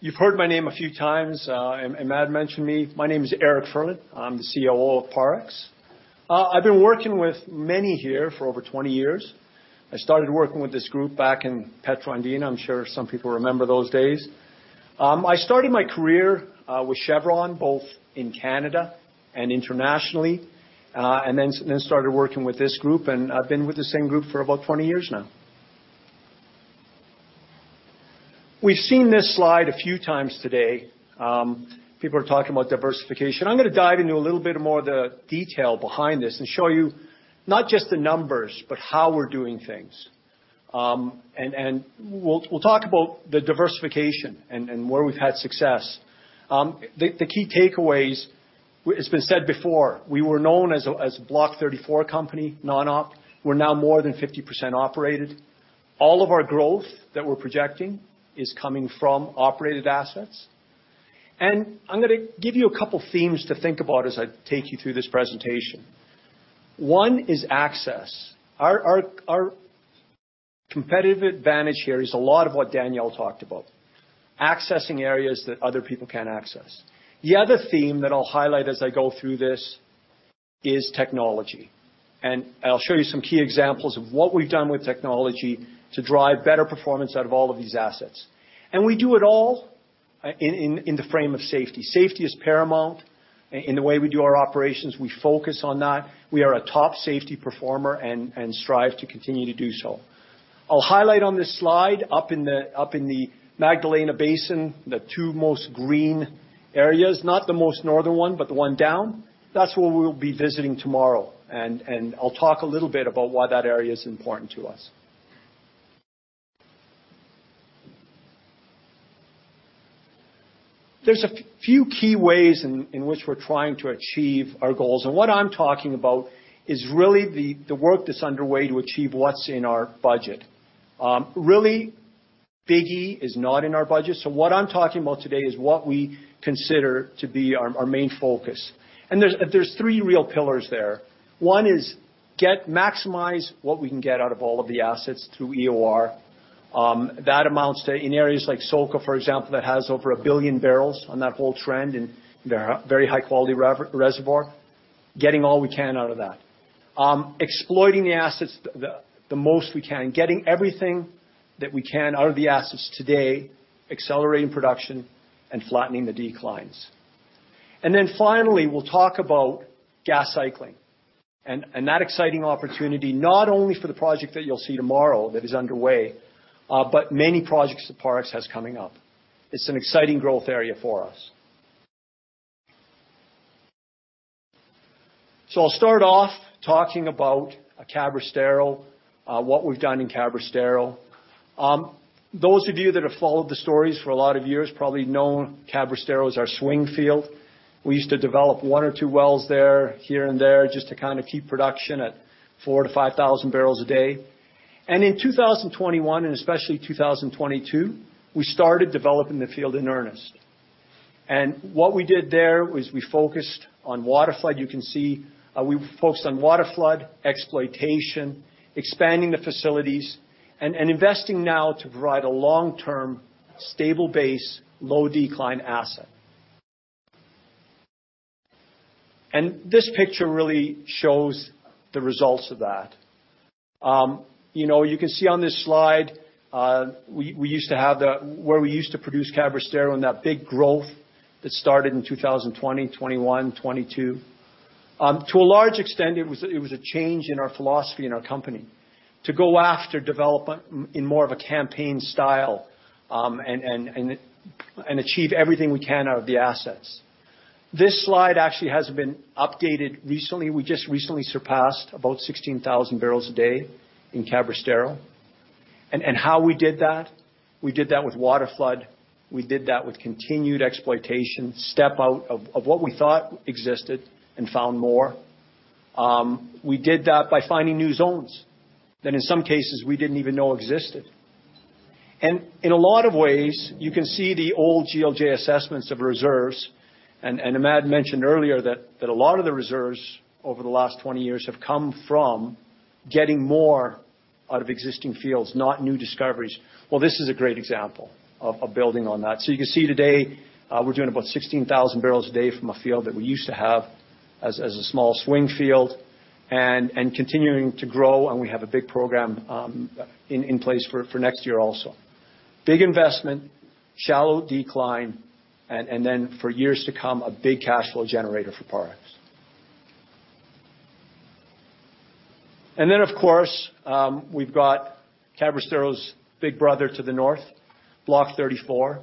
You've heard my name a few times, and Imad mentioned me. My name is Eric Furlan. I'm the COO of Parex. I've been working with many here for over 20 years. I started working with this group back in Petro Andina. I'm sure some people remember those days. I started my career with Chevron, both in Canada and internationally. Then started working with this group, and I've been with the same group for about 20 years now. We've seen this slide a few times today. People are talking about diversification. I'm gonna dive into a little bit more of the detail behind this and show you not just the numbers, but how we're doing things. We'll talk about the diversification and where we've had success. The key takeaways it's been said before. We were known as a Block 34 company, non-op. We're now more than 50% operated. All of our growth that we're projecting is coming from operated assets. I'm gonna give you a couple themes to think about as I take you through this presentation. One is access. Our competitive advantage here is a lot of what Daniel talked about. Accessing areas that other people can't access. The other theme that I'll highlight as I go through this is technology, I'll show you some key examples of what we've done with technology to drive better performance out of all of these assets. We do it all in the frame of safety. Safety is paramount in the way we do our operations. We focus on that. We are a top safety performer and strive to continue to do so. I'll highlight on this slide up in the Magdalena Basin, the two most green areas, not the most northern one, but the one down. That's where we'll be visiting tomorrow. I'll talk a little bit about why that area is important to us. There's a few key ways in which we're trying to achieve our goals. What I'm talking about is really the work that's underway to achieve what's in our budget. Really biggie is not in our budget. What I'm talking about today is what we consider to be our main focus. There's three real pillars there. One is get maximize what we can get out of all of the assets through EOR. That amounts to... In areas like SoCa, for example, that has over 1 billion barrels on that whole trend in the very high-quality reservoir. Getting all we can out of that. Exploiting the assets the most we can. Getting everything that we can out of the assets today, accelerating production and flattening the declines. Finally, we'll talk about gas cycling and that exciting opportunity, not only for the project that you'll see tomorrow that is underway, but many projects that Parex has coming up. It's an exciting growth area for us. I'll start off talking about Cabrestero, what we've done in Cabrestero. Those of you that have followed the stories for a lot of years probably know Cabrestero is our swing field. We used to develop one or two wells there, here and there, just to kinda keep production at 4,000-5,000 barrels a day. In 2021, and especially 2022, we started developing the field in earnest. What we did there was we focused on waterflood. You can see, we focused on waterflood, exploitation, expanding the facilities and investing now to provide a long-term, stable base, low-decline asset. This picture really shows the results of that. You know, you can see on this slide, Where we used to produce Cabrestero and that big growth that started in 2020, 2021, 2022. To a large extent, it was a change in our philosophy in our company to go after development in more of a campaign style, and achieve everything we can out of the assets. This slide actually hasn't been updated recently. We just recently surpassed about 16,000 barrels a day in Cabrestero. How we did that, we did that with waterflood, we did that with continued exploitation, step out of what we thought existed and found more. We did that by finding new zones that in some cases we didn't even know existed. In a lot of ways, you can see the old GLJ assessments of reserves, and Imad mentioned earlier that a lot of the reserves over the last 20 years have come from getting more out of existing fields, not new discoveries. Well, this is a great example of building on that. You can see today, we're doing about 16,000 barrels a day from a field that we used to have as a small swing field and continuing to grow, and we have a big program in place for next year also. Big investment, shallow decline, and then for years to come, a big cash flow generator for Parex. Of course, we've got Cabrestero's big brother to the north, Block 34.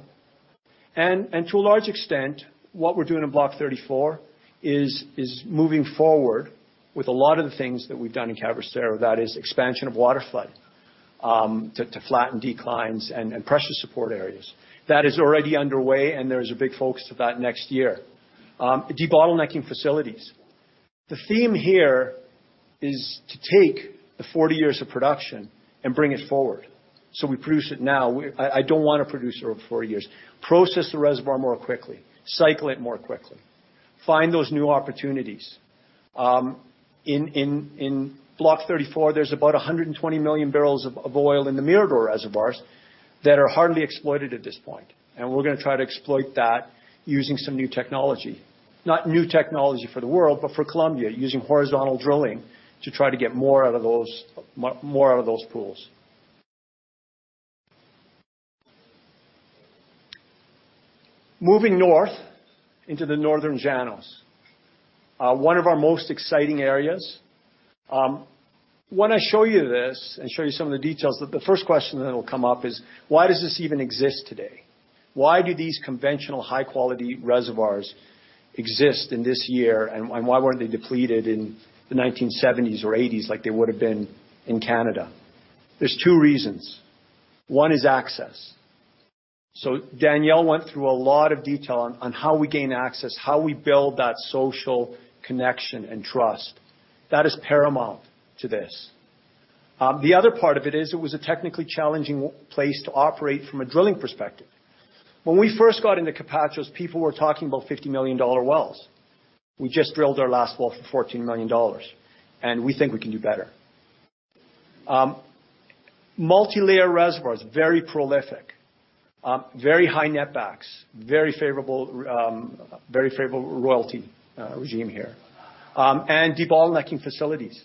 To a large extent, what we're doing in Block 34 is moving forward with a lot of the things that we've done in Cabrestero. That is expansion of waterflood to flatten declines and pressure support areas. That is already underway, there's a big focus of that next year. Debottlenecking facilities. The theme here is to take the 40 years of production and bring it forward. We produce it now. I don't wanna produce over 40 years. Process the reservoir more quickly, cycle it more quickly, find those new opportunities. In Block 34, there's about 120 million barrels of oil in the Mirador reservoirs that are hardly exploited at this point. We're gonna try to exploit that using some new technology. Not new technology for the world, but for Colombia, using horizontal drilling to try to get more out of those more out of those pools. Moving north into the Northern Llanos, one of our most exciting areas. When I show you this and show you some of the details, the first question that'll come up is, why does this even exist today? Why do these conventional high-quality reservoirs exist in this year, and why weren't they depleted in the 1970s or '80s like they would have been in Canada? There's two reasons. One is access. Daniel went through a lot of detail on how we gain access, how we build that social connection and trust. That is paramount to this. The other part of it is it was a technically challenging place to operate from a drilling perspective. When we first got into Capachos, people were talking about $50 million wells. We just drilled our last well for $14 million, and we think we can do better. Multilayer reservoirs, very prolific, very high netbacks, very favorable, very favorable royalty regime here, and debottlenecking facilities.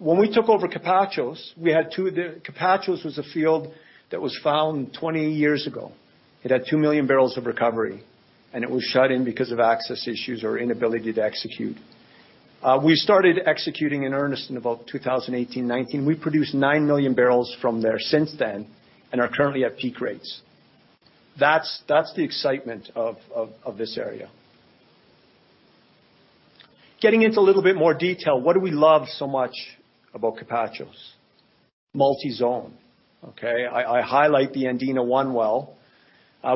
When we took over Capachos, we had two of the... Capachos was a field that was found 20 years ago. It had 2 million barrels of recovery, and it was shut in because of access issues or inability to execute. We started executing in earnest in about 2018, 2019. We produced 9 million barrels from there since then and are currently at peak rates. That's the excitement of this area. Getting into a little bit more detail, what do we love so much about Capachos? Multi-zone, okay? I highlight the Andina one well.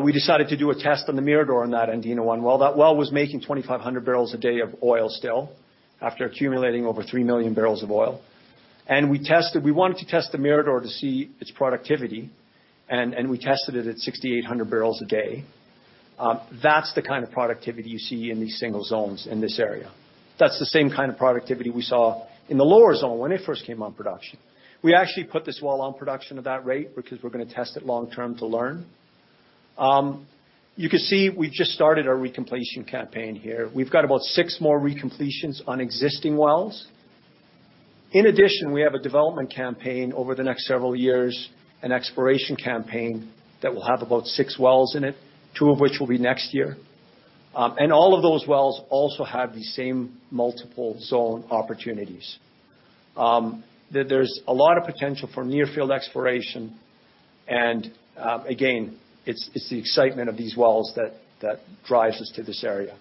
We decided to do a test on the Mirador in that Andina one well. That well was making 2,500 barrels a day of oil still after accumulating over 3 million barrels of oil. We wanted to test the Mirador to see its productivity, and we tested it at 6,800 barrels a day. That's the kind of productivity you see in these single zones in this area. That's the same kind of productivity we saw in the lower zone when it first came on production. We actually put this well on production at that rate because we're gonna test it long term to learn. You can see we've just started our recompletion campaign here. We've got about 6 more recompletions on existing wells. In addition, we have a development campaign over the next several years, an exploration campaign that will have about 6 wells in it, 2 of which will be next year. All of those wells also have the same multiple zone opportunities. There's a lot of potential for near field exploration, again, it's the excitement of these wells that drives us to this area.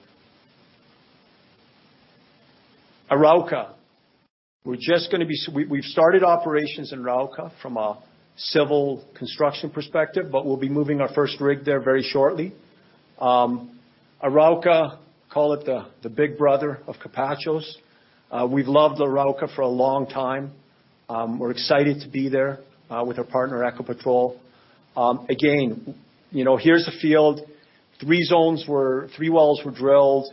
Arauca. We've started operations in Arauca from a civil construction perspective. We'll be moving our first rig there very shortly. Arauca, call it the big brother of Capachos. We've loved Arauca for a long time. We're excited to be there with our partner, Ecopetrol. Again, you know, here's the field. Three wells were drilled.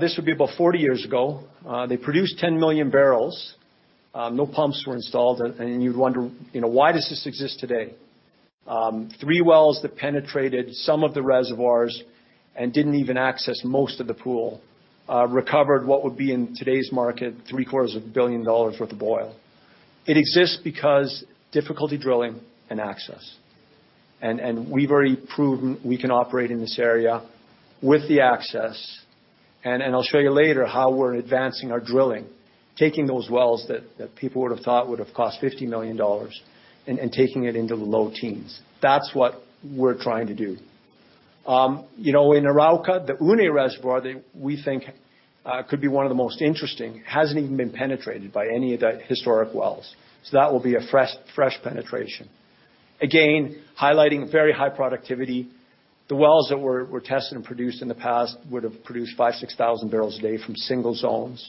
This would be about 40 years ago. They produced 10 million barrels. No pumps were installed. You'd wonder, you know, why does this exist today? Three wells that penetrated some of the reservoirs and didn't even access most of the pool recovered what would be in today's market three-quarters of a billion dollars worth of oil. It exists because difficulty drilling and access. We've already proven we can operate in this area with the access, I'll show you later how we're advancing our drilling, taking those wells that people would've thought would've cost $50 million and taking it into the low teens. That's what we're trying to do. You know, in Arauca, the Une reservoir that we think could be one of the most interesting hasn't even been penetrated by any of the historic wells. That will be a fresh penetration. Again, highlighting very high productivity. The wells that were tested and produced in the past would've produced 5,000-6,000 barrels a day from single zones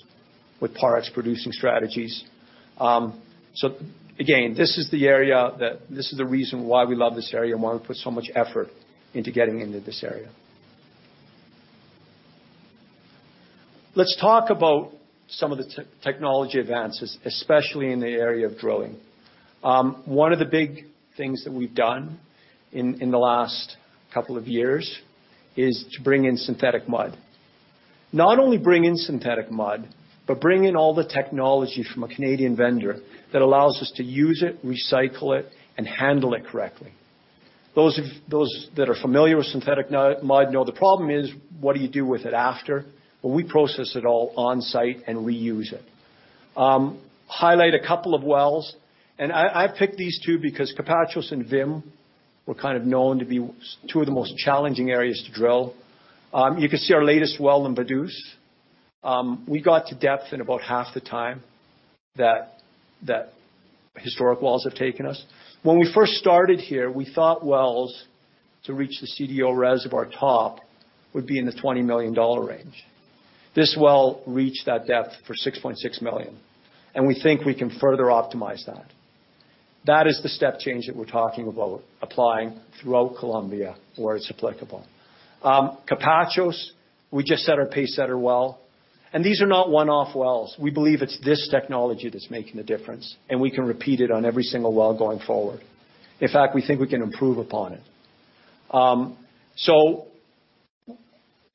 with Parex's producing strategies. Again, this is the reason why we love this area and why we put so much effort into getting into this area. Let's talk about some of the technology advances, especially in the area of drilling. One of the big things that we've done in the last 2 years is to bring in synthetic mud. Not only bring in synthetic mud, but bring in all the technology from a Canadian vendor that allows us to use it, recycle it, and handle it correctly. Those that are familiar with synthetic mud know the problem is, what do you do with it after? Well, we process it all on-site and reuse it. Highlight 2 wells, and I picked these two because Capachos and VIM were kind of known to be two of the most challenging areas to drill. You can see our latest well in Vaduz. We got to depth in about half the time that historic wells have taken us. When we first started here, we thought wells to reach the CDO reservoir top would be in the $20 million range. This well reached that depth for $6.6 million. We think we can further optimize that. That is the step change that we're talking about applying throughout Colombia where it's applicable. Capachos, we just set our pacesetter well. These are not one-off wells. We believe it's this technology that's making a difference, and we can repeat it on every single well going forward. In fact, we think we can improve upon it.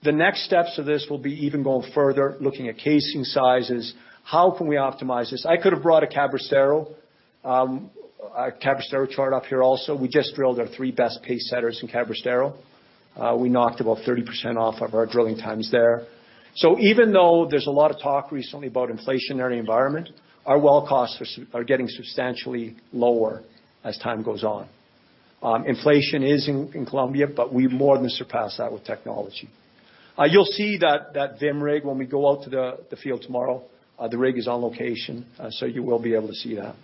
The next steps of this will be even going further, looking at casing sizes. How can we optimize this? I could have brought a Cabrestero, a Cabrestero chart up here also. We just drilled our three best pacesetters in Cabrestero. We knocked about 30% off of our drilling times there. Even though there's a lot of talk recently about inflationary environment, our well costs are getting substantially lower as time goes on. Inflation is in Colombia, but we more than surpass that with technology. You'll see that VIM rig when we go out to the field tomorrow. The rig is on location, so you will be able to see that.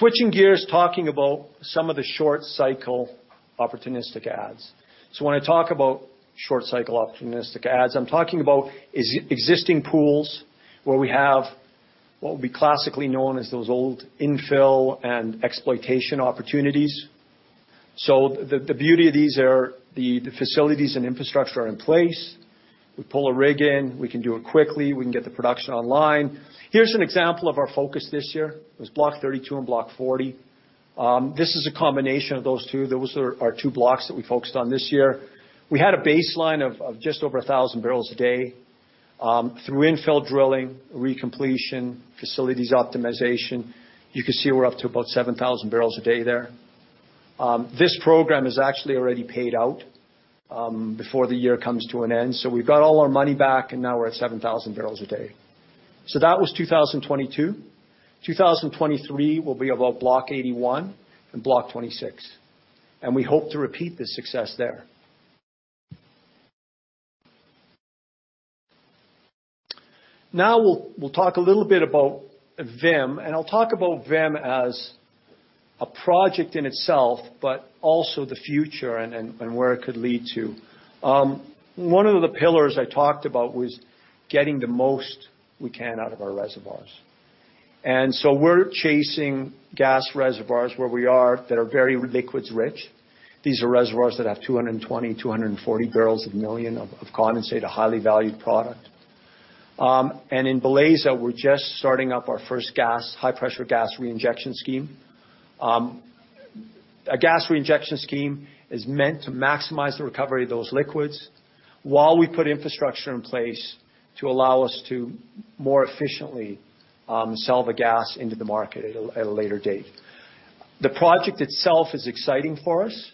Switching gears, talking about some of the short cycle opportunistic adds. When I talk about short cycle opportunistic adds, I'm talking about existing pools where we have what would be classically known as those old infill and exploitation opportunities. The beauty of these are the facilities and infrastructure are in place. We pull a rig in, we can do it quickly, we can get the production online. Here's an example of our focus this year. It was Block 32 and Block 40. This is a combination of those two. Those are our two blocks that we focused on this year. We had a baseline of just over 1,000 barrels a day. Through infill drilling, recompletion, facilities optimization, you can see we're up to about 7,000 barrels a day there. This program is actually already paid out before the year comes to an end. We've got all our money back, and now we're at 7,000 barrels a day. That was 2022. 2023 will be about Block 81 and Block 26, and we hope to repeat the success there. Now we'll talk a little bit about VIM, and I'll talk about VIM as a project in itself, but also the future and where it could lead to. One of the pillars I talked about was getting the most we can out of our reservoirs. So we're chasing gas reservoirs where we are, that are very liquids rich. These are reservoirs that have 220, 240 barrels of million of condensate, a highly valued product. In La Belleza, we're just starting up our first gas high-pressure gas reinjection scheme. A gas reinjection scheme is meant to maximize the recovery of those liquids while we put infrastructure in place to allow us to more efficiently sell the gas into the market at a later date. The project itself is exciting for us,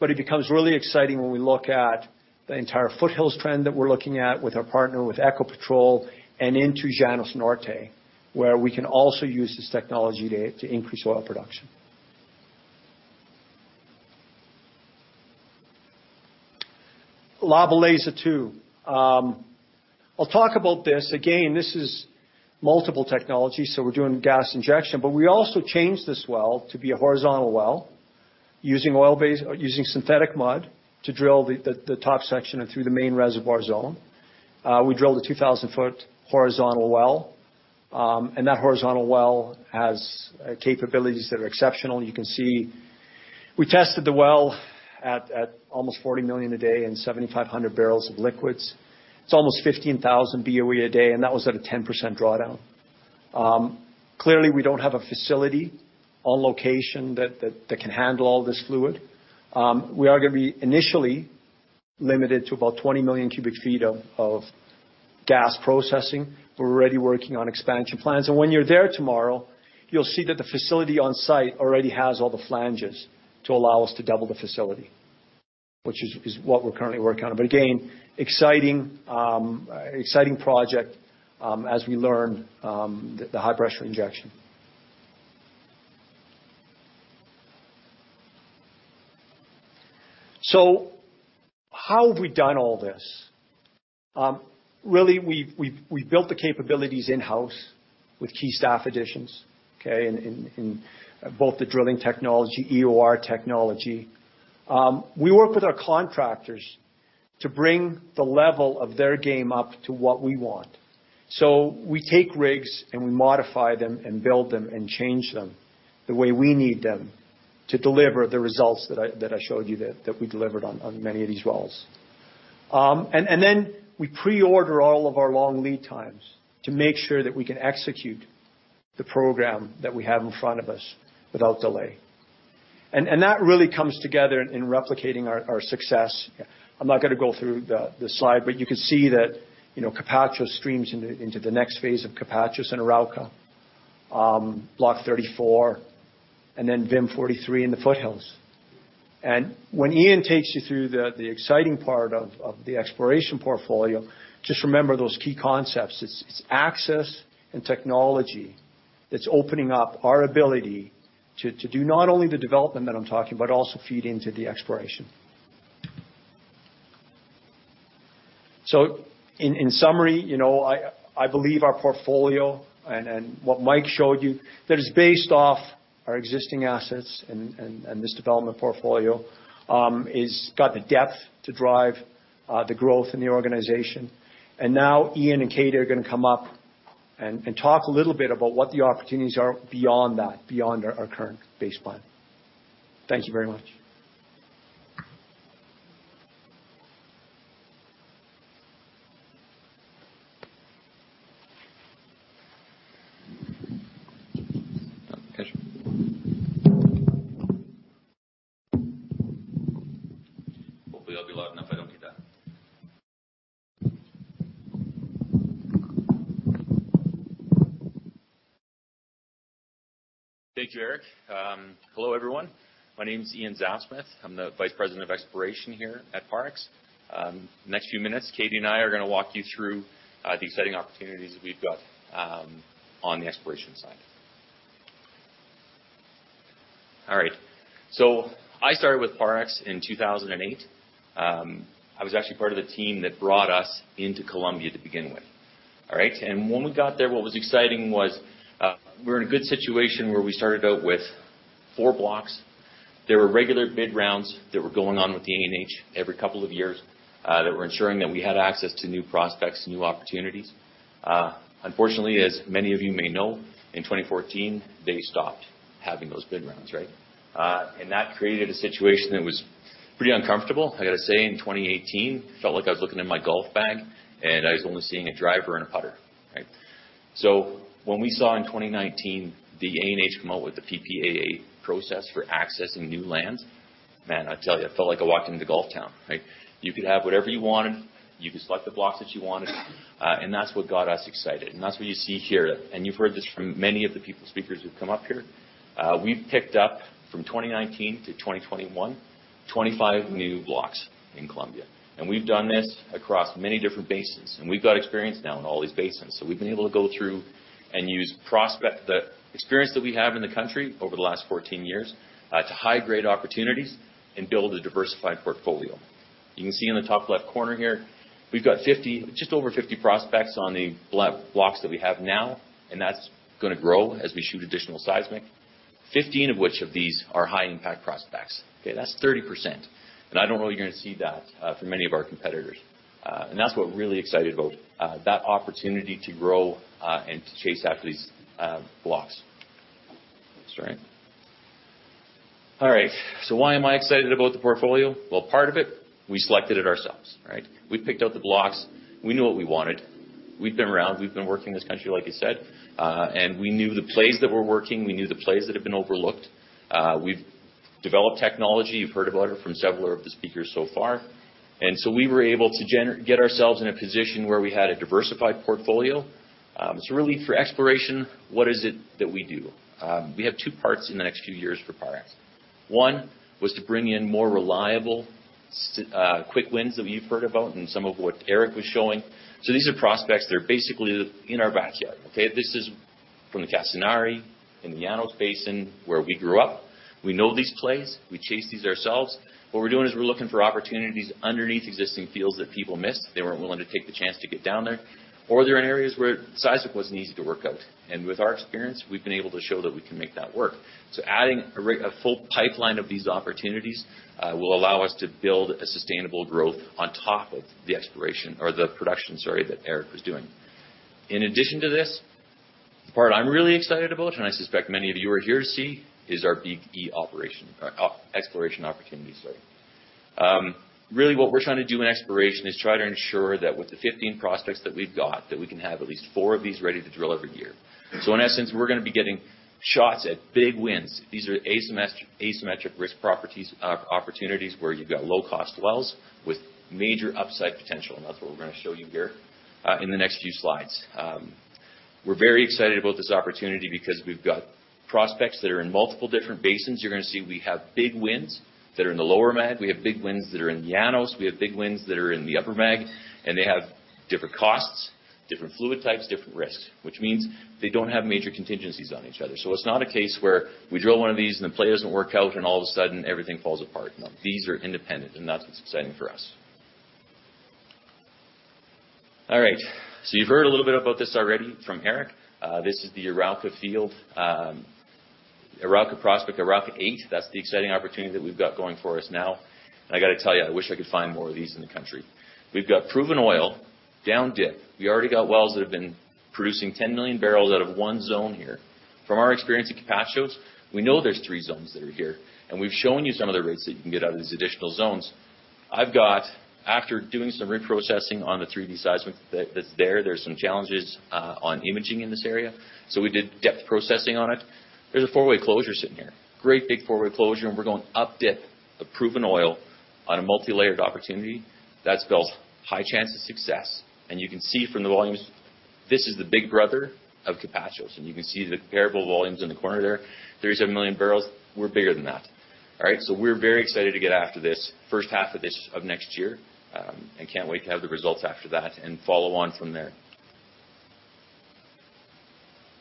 but it becomes really exciting when we look at the entire Foothills trend that we're looking at with our partner, with Ecopetrol and into Llanos Norte, where we can also use this technology to increase oil production. La Belleza-2. I'll talk about this. Again, this is multiple technologies, so we're doing gas injection, but we also changed this well to be a horizontal well using synthetic mud to drill the top section and through the main reservoir zone. We drilled a 2,000 ft horizontal well, and that horizontal well has capabilities that are exceptional. You can see we tested the well at almost 40 million a day and 7,500 barrels of liquids. It's almost 15,000 BOE a day, and that was at a 10% drawdown. Clearly, we don't have a facility on location that can handle all this fluid. We are gonna be initially limited to about 20 million cu ft of gas processing. We're already working on expansion plans. When you're there tomorrow, you'll see that the facility on site already has all the flanges to allow us to double the facility, which is what we're currently working on. Again, exciting project, as we learn the high-pressure injection. How have we done all this? Really, we've built the capabilities in-house with key staff additions, okay? In both the drilling technology, EOR technology. We work with our contractors to bring the level of their game up to what we want. We take rigs, and we modify them and build them and change them the way we need them to deliver the results that I showed you that we delivered on many of these wells. Then we pre-order all of our long lead times to make sure that we can execute the program that we have in front of us without delay. That really comes together in replicating our success. I'm not gonna go through the slide, but you can see that, you know, Capachos streams into the next phase of Capachos and Arauca, Block 34, and then VIM-43 and the Foothills. When Ian takes you through the exciting part of the exploration portfolio, just remember those key concepts. It's access and technology that's opening up our ability to do not only the development that I'm talking, but also feed into the exploration. In summary, you know, I believe our portfolio and what Mike showed you, that is based off our existing assets and this development portfolio has got the depth to drive the growth in the organization. Now Ian and Katie are gonna come up and talk a little bit about what the opportunities are beyond that, beyond our current baseline. Thank you very much. Hope we all be loud enough. I don't think that. Thank you, Eric. Hello, everyone. My name is Ian Zapfe-Smith. I'm the vice president of exploration here at Parex. Next few minutes, Katie and I are gonna walk you through the exciting opportunities we've got on the exploration side. All right. I started with Parex in 2008. I was actually part of the team that brought us into Colombia to begin with. All right? When we got there, what was exciting was, we're in a good situation where we started out with four blocks. There were regular bid rounds that were going on with the ANH every couple of years that were ensuring that we had access to new prospects, new opportunities. Unfortunately, as many of you may know, in 2014, they stopped having those bid rounds, right? That created a situation that was pretty uncomfortable. I gotta say in 2018, felt like I was looking in my golf bag, and I was only seeing a driver and a putter, right? When we saw in 2019 the ANH come out with the PPAA process for accessing new lands, man, I tell you, I felt like I walked into golf town, right? You could have whatever you wanted, you could select the blocks that you wanted, that's what got us excited. That's what you see here. You've heard this from many of the people, speakers who've come up here. We've picked up from 2019 to 2021, 25 new blocks in Colombia. We've done this across many different basins. We've got experience now in all these basins. We've been able to go through and use the experience that we have in the country over the last 14 years to high-grade opportunities and build a diversified portfolio. You can see in the top left corner here, we've got just over 50 prospects on the blocks that we have now, that's gonna grow as we shoot additional seismic. 15 of which of these are high impact prospects. Okay? That's 30%. I don't know you're gonna see that for many of our competitors. That's what we're really excited about, that opportunity to grow and to chase after these blocks. Sorry. All right. Why am I excited about the portfolio? Well, part of it, we selected it ourselves, right? We picked out the blocks. We knew what we wanted. We've been around. We've been working in this country, like I said. We knew the plays that were working. We knew the plays that have been overlooked. We've developed technology. You've heard about it from several of the speakers so far. We were able to get ourselves in a position where we had a diversified portfolio. Really for exploration, what is it that we do? We have two parts in the next few years for Parex. One was to bring in more reliable quick wins that you've heard about and some of what Eric was showing. These are prospects that are basically in our backyard. Okay? This is from the Casanare, in the Llanos Basin, where we grew up. We know these plays. We chase these ourselves. What we're doing is we're looking for opportunities underneath existing fields that people missed. They weren't willing to take the chance to get down there. They're in areas where seismic wasn't easy to work out. With our experience, we've been able to show that we can make that work. Adding a full pipeline of these opportunities will allow us to build a sustainable growth on top of the exploration or the production, sorry, that Eric was doing. In addition to this, the part I'm really excited about, and I suspect many of you are here to see, is our BE operation. Exploration opportunity, sorry. Really what we're trying to do in exploration is try to ensure that with the 15 prospects that we've got, that we can have at least four of these ready to drill every year. In essence, we're gonna be getting shots at big wins. These are asymmetric risk properties, opportunities where you've got low-cost wells with major upside potential, that's what we're gonna show you here in the next few slides. We're very excited about this opportunity because we've got prospects that are in multiple different basins. You're gonna see we have big wins that are in the Lower Mag. We have big wins that are in Llanos. We have big wins that are in the Upper Mag, they have different costs, different fluid types, different risks. Which means they don't have major contingencies on each other. It's not a case where we drill one of these and the play doesn't work out and all of a sudden everything falls apart. No, these are independent, that's what's exciting for us. All right. You've heard a little bit about this already from Eric. This is the Arauca field. Arauca prospect, Arauca East. That's the exciting opportunity that we've got going for us now. I gotta tell you, I wish I could find more of these in the country. We've got proven oil down dip. We already got wells that have been producing 10 million barrels out of one zone here. From our experience at Capachos, we know there's three zones that are here, and we've shown you some of the rates that you can get out of these additional zones. I've got after doing some reprocessing on the 3D seismic that's there's some challenges on imaging in this area. We did depth processing on it. There's a four-way closure sitting here. Great big four-way closure, we're going up dip of proven oil on a multilayered opportunity that spells high chance of success. You can see from the volumes, this is the big brother of Capachos. You can see the comparable volumes in the corner there, 37 million barrels. We're bigger than that. All right? We're very excited to get after this first half of next year. I can't wait to have the results after that and follow on from there.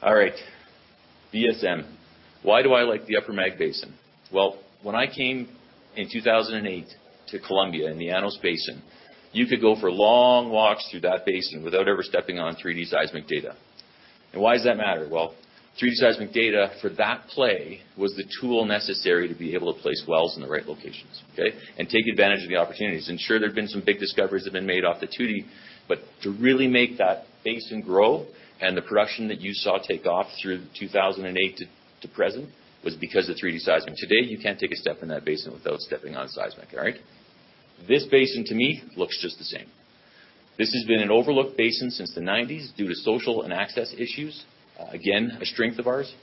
All right. VSM. Why do I like the Upper Mag Basin? Well, when I came in 2008 to Colombia in the Llanos Basin, you could go for long walks through that basin without ever stepping on 3D seismic data. Why does that matter? 3D seismic data for that play was the tool necessary to be able to place wells in the right locations, okay. Take advantage of the opportunities. Sure, there have been some big discoveries that have been made off the 2D, but to really make that basin grow and the production that you saw take off through 2008 to present was because of 3D seismic. Today, you can't take a step in that basin without stepping on seismic. All right. This basin, to me, looks just the same. This has been an overlooked basin since the 1990s due to social and access issues. Again, a strength of ours.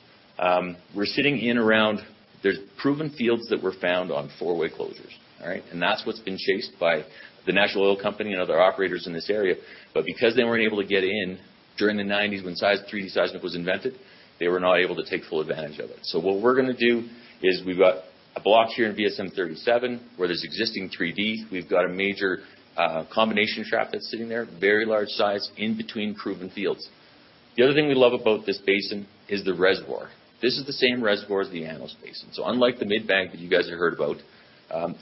We're sitting in around. There's proven fields that were found on four-way closures. All right. That's what's been chased by the national oil company and other operators in this area. Because they weren't able to get in during the 90s when 3D seismic was invented, they were not able to take full advantage of it. What we're gonna do is we've got a block here in VSM-37 where there's existing 3D. We've got a major combination trap that's sitting there, very large size in between proven fields. The other thing we love about this basin is the reservoir. This is the same reservoir as the Llanos Basin. Unlike the Mid-Band that you guys have heard about,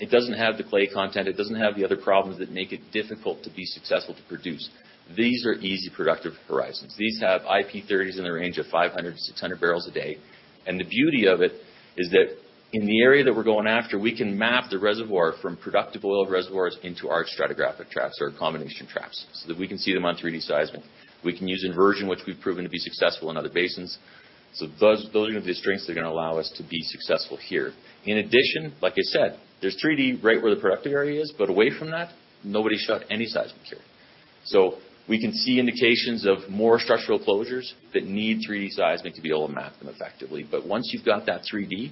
it doesn't have the clay content, it doesn't have the other problems that make it difficult to be successful to produce. These are easy, productive horizons. These have IP30s in the range of 500-600 barrels a day. The beauty of it is that in the area that we're going after, we can map the reservoir from productive oil reservoirs into our stratigraphic traps or combination traps, so that we can see them on 3D seismic. We can use inversion, which we've proven to be successful in other basins. Those are the strengths that are gonna allow us to be successful here. In addition, like I said, there's 3D right where the productive area is, but away from that, nobody's shot any seismic here. We can see indications of more structural closures that need 3D seismic to be able to map them effectively. Once you've got that 3D,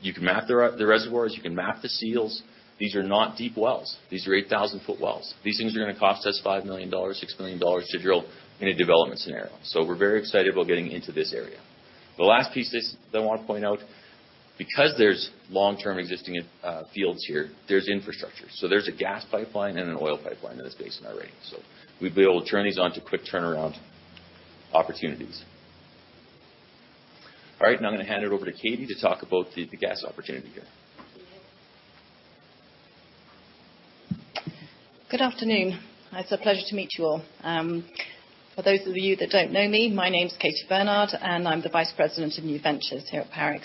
you can map the reservoirs, you can map the seals. These are not deep wells. These are 8,000 ft wells. These things are gonna cost us $5 million-$6 million to drill in a development scenario. We're very excited about getting into this area. The last piece that I wanna point out, because there's long-term existing fields here, there's infrastructure. There's a gas pipeline and an oil pipeline that is based in Arantes. We'd be able to turn these on to quick turnaround opportunities. All right, now I'm gonna hand it over to Katie to talk about the gas opportunity here. Good afternoon. It's a pleasure to meet you all. For those of you that don't know me, my name's Katie Bernard, and I'm the Vice President of New Ventures here at Parex.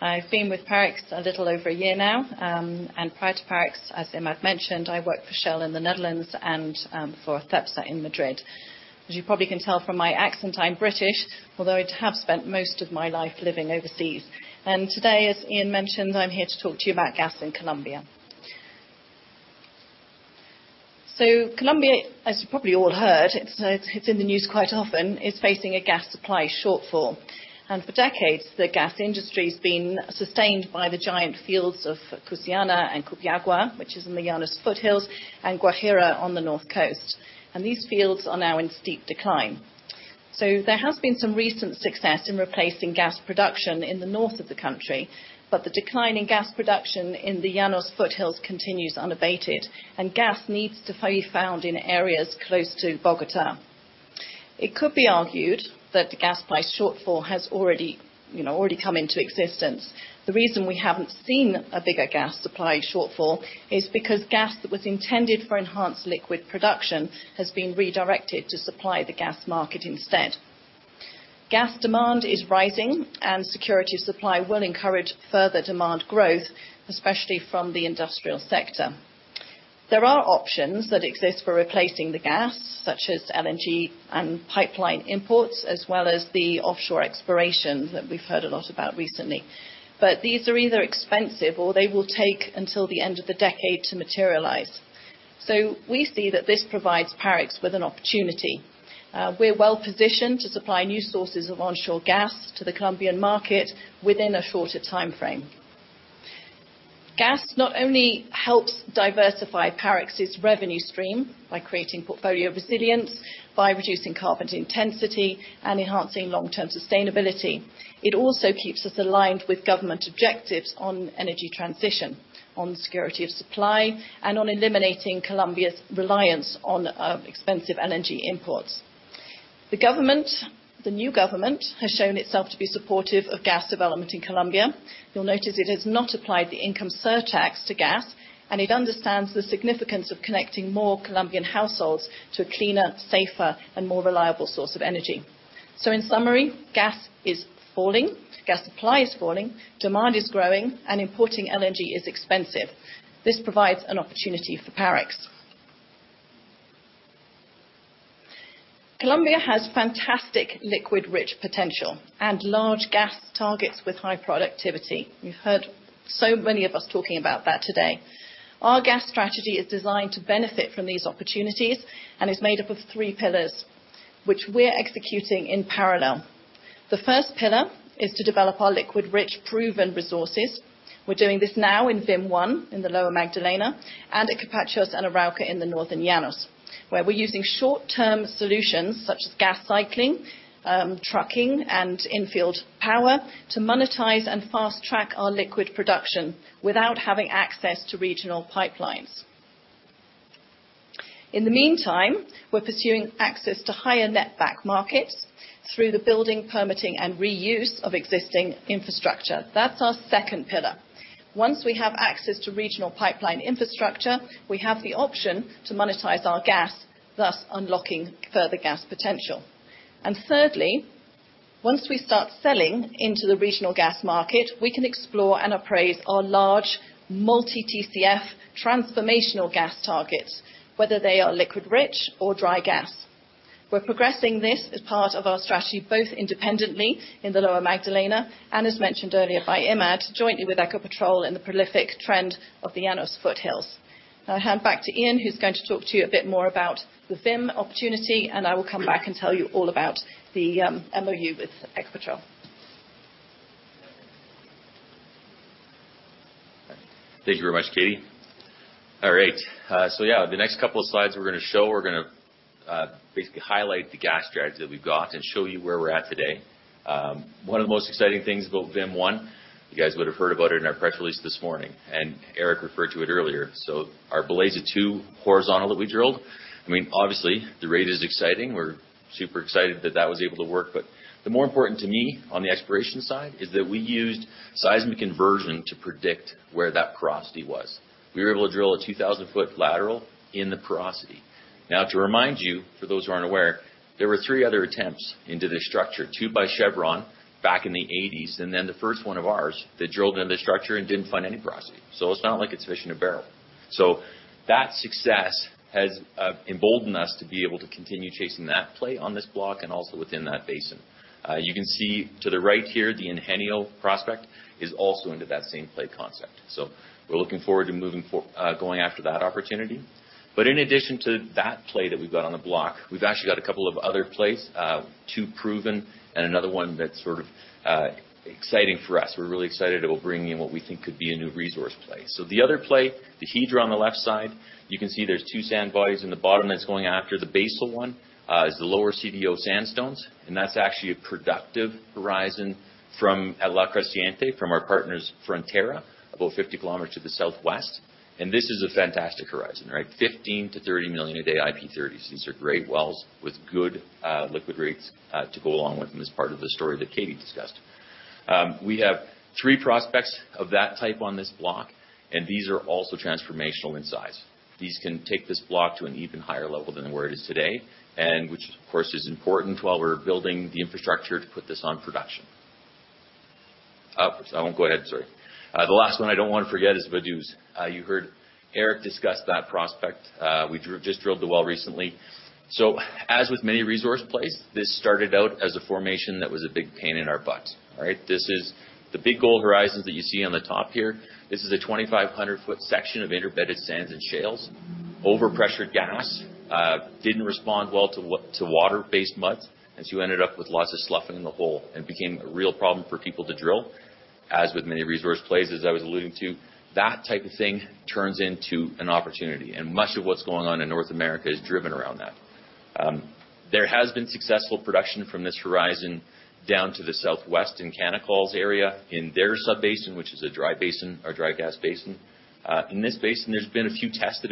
I've been with Parex a little over a year now, and prior to Parex, as Imad mentioned, I worked for Shell in the Netherlands and, for Cepsa in Madrid. As you probably can tell from my accent, I'm British, although I have spent most of my life living overseas. Today, as Ian mentioned, I'm here to talk to you about gas in Colombia. Colombia, as you probably all heard, it's in the news quite often, is facing a gas supply shortfall. For decades, the gas industry's been sustained by the giant fields of Cusiana and Cupiagua, which is in the Llanos foothills, and Guajira on the north coast. These fields are now in steep decline. There has been some recent success in replacing gas production in the north of the country, but the decline in gas production in the Llanos foothills continues unabated and gas needs to be found in areas close to Bogota. It could be argued that the gas price shortfall has already, you know, already come into existence. The reason we haven't seen a bigger gas supply shortfall is because gas that was intended for enhanced liquid production has been redirected to supply the gas market instead. Gas demand is rising, and security of supply will encourage further demand growth, especially from the industrial sector. There are options that exist for replacing the gas, such as LNG and pipeline imports, as well as the offshore exploration that we've heard a lot about recently. These are either expensive or they will take until the end of the decade to materialize. We see that this provides Parex with an opportunity. We're well-positioned to supply new sources of onshore gas to the Colombian market within a shorter timeframe. Gas not only helps diversify Parex's revenue stream by creating portfolio resilience by reducing carbon intensity and enhancing long-term sustainability, it also keeps us aligned with government objectives on energy transition, on security of supply, and on eliminating Colombia's reliance on expensive energy imports. The government, the new government has shown itself to be supportive of gas development in Colombia. You'll notice it has not applied the income surtax to gas, and it understands the significance of connecting more Colombian households to a cleaner, safer, and more reliable source of energy. In summary, gas is falling, gas supply is falling, demand is growing, and importing energy is expensive. This provides an opportunity for Parex. Colombia has fantastic liquid rich potential and large gas targets with high productivity. You've heard so many of us talking about that today. Our gas strategy is designed to benefit from these opportunities and is made up of three pillars, which we're executing in parallel. The first pillar is to develop our liquid rich proven resources. We're doing this now in VIM-1, in the Lower Magdalena and at Capachos and Arauca in the northern Llanos, where we're using short-term solutions such as gas cycling, trucking and infield power to monetize and fast-track our liquid production without having access to regional pipelines. In the meantime, we're pursuing access to higher net back markets through the building, permitting, and reuse of existing infrastructure. That's our second pillar. Once we have access to regional pipeline infrastructure, we have the option to monetize our gas, thus unlocking further gas potential. Thirdly, once we start selling into the regional gas market, we can explore and appraise our large multi TCF transformational gas targets, whether they are liquid rich or dry gas. We're progressing this as part of our strategy, both independently in the Lower Magdalena, and as mentioned earlier by Imad, jointly with Ecopetrol in the prolific trend of the Llanos foothills. I'll hand back to Ian, who's going to talk to you a bit more about the VIM opportunity, and I will come back and tell you all about the MOU with Ecopetrol. Thank you very much, Katie. All right. Yeah, the next couple of slides we're gonna show, we're gonna basically highlight the gas strides that we've got and show you where we're at today. One of the most exciting things about VIM-1, you guys would have heard about it in our press release this morning, and Eric referred to it earlier. Our La Belleza-2 horizontal that we drilled. I mean, obviously, the rate is exciting. We're super excited that that was able to work. The more important to me on the exploration side is that we used seismic inversion to predict where that porosity was. We were able to drill a 2,000 ft lateral in the porosity. To remind you, for those who aren't aware, there were three other attempts into this structure, two by Chevron back in the '80s, and then the first one of ours that drilled into the structure and didn't find any porosity. It's not like it's fishing a barrel. That success has emboldened us to be able to continue chasing that play on this block and also within that basin. You can see to the right here, the Ingenio prospect is also into that same play concept. We're looking forward to going after that opportunity. In addition to that play that we've got on the block, we've actually got two other plays, two proven and another one that's sort of exciting for us. We're really excited it will bring in what we think could be a new resource play. The other play, the Hidra on the left side, you can see there's two sand bodies in the bottom that's going after. The basal one is the lower CDO sandstones, and that's actually a productive horizon from La Creciente, from our partners Frontera, about 50 km to the southwest. This is a fantastic horizon, right? 15 to 30 million a day IP30s. These are great wells with good liquid rates to go along with them as part of the story that Katie discussed. We have three prospects of that type on this block, and these are also transformational in size. These can take this block to an even higher level than where it is today, and which of course is important while we're building the infrastructure to put this on production. Up. I won't go ahead, sorry. The last one I don't wanna forget is Vaduz. You heard Eric discuss that prospect. We just drilled the well recently. As with many resource plays, this started out as a formation that was a big pain in our butt, all right? The big gold horizons that you see on the top here, this is a 2,500 ft section of interbedded sands and shales. Overpressure gas, didn't respond well to water-based muds, and so you ended up with lots of sloughing in the hole and became a real problem for people to drill. As with many resource plays, as I was alluding to, that type of thing turns into an opportunity. Much of what's going on in North America is driven around that. There has been successful production from this horizon down to the southwest in Canacol's area, in their sub-basin, which is a dry basin or dry gas basin. In this basin, there's been a few tests that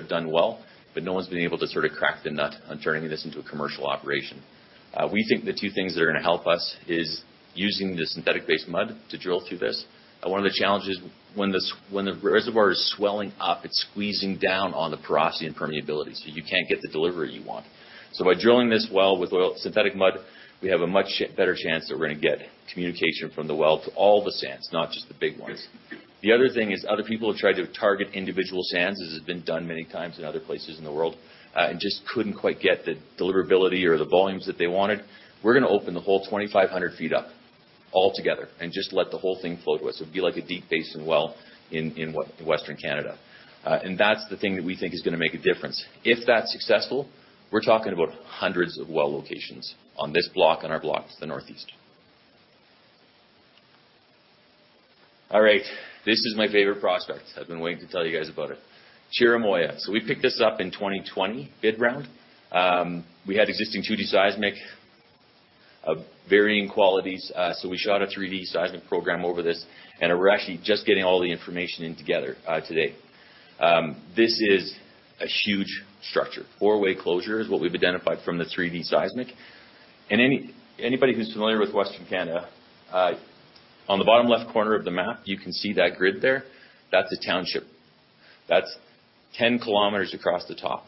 have done well, no one's been able to sort of crack the nut on turning this into a commercial operation. We think the two things that are gonna help us is using the synthetic-based mud to drill through this. One of the challenges when the reservoir is swelling up, it's squeezing down on the porosity and permeability, you can't get the delivery you want. By drilling this well with synthetic mud, we have a much better chance that we're gonna get communication from the well to all the sands, not just the big ones. The other thing is other people have tried to target individual sands, as has been done many times in other places in the world, just couldn't quite get the deliverability or the volumes that they wanted. We're gonna open the whole 2,500 ft up altogether and just let the whole thing flow to us. It'd be like a deep basin well in Western Canada. That's the thing that we think is gonna make a difference. If that's successful, we're talking about hundreds of well locations on this block, on our blocks, the Northeast. This is my favorite prospect. I've been waiting to tell you guys about it. Chirimoya. We picked this up in 2020 bid round. We had existing 2D seismic, varying qualities. We shot a 3D seismic program over this, and we're actually just getting all the information in together today. This is a huge structure. Four-way closure is what we've identified from the 3D seismic. Anybody who's familiar with Western Canada, on the bottom left corner of the map, you can see that grid there. That's a township. That's 10 km across the top.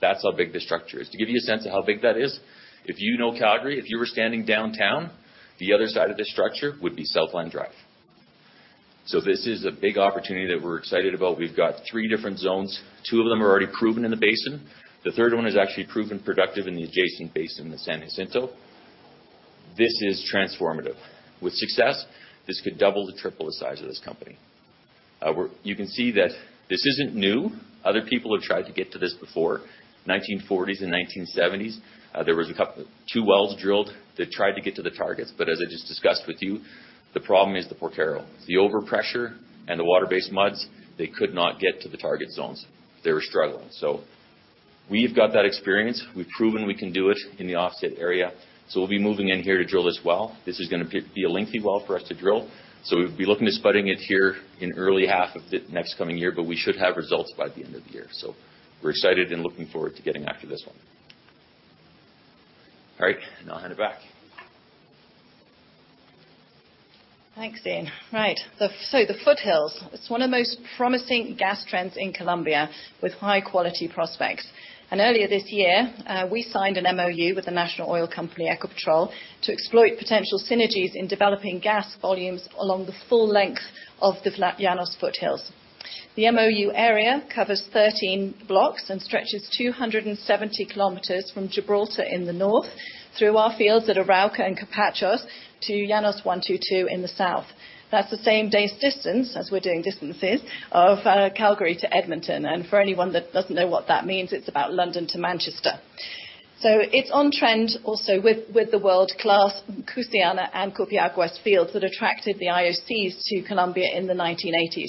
That's how big this structure is. To give you a sense of how big that is, if you know Calgary, if you were standing downtown, the other side of this structure would be Southland Drive. This is a big opportunity that we're excited about. We've got three different zones. Two of them are already proven in the basin. The third one is actually proven productive in the adjacent basin, the San Jacinto. This is transformative. You can see that this isn't new. Other people have tried to get to this before. 1940s and 1970s, there was two wells drilled that tried to get to the targets. As I just discussed with you, the problem is the Porquero. The overpressure and the water-based muds, they could not get to the target zones. They were struggling. We've got that experience. We've proven we can do it in the Offset area. We'll be moving in here to drill this well. This is gonna be a lengthy well for us to drill. We'll be looking to spudding it here in early half of the next coming year, but we should have results by the end of the year. We're excited and looking forward to getting after this one. All right, now I'll hand it back. Thanks, Ian. The foothills, it's one of the most promising gas trends in Colombia with high-quality prospects. Earlier this year, we signed an MOU with the National Oil Company, Ecopetrol, to exploit potential synergies in developing gas volumes along the full length of the Llanos foothills. The MOU area covers 13 blocks and stretches 270 km from Gibraltar in the north through our fields at Arauca and Capachos to Llanos 122 in the south. That's the same day's distance, as we're doing distances, of Calgary to Edmonton. For anyone that doesn't know what that means, it's about London to Manchester. It's on trend also with the world-class Cusiana and Cupiagua fields that attracted the IOCs to Colombia in the 1980s.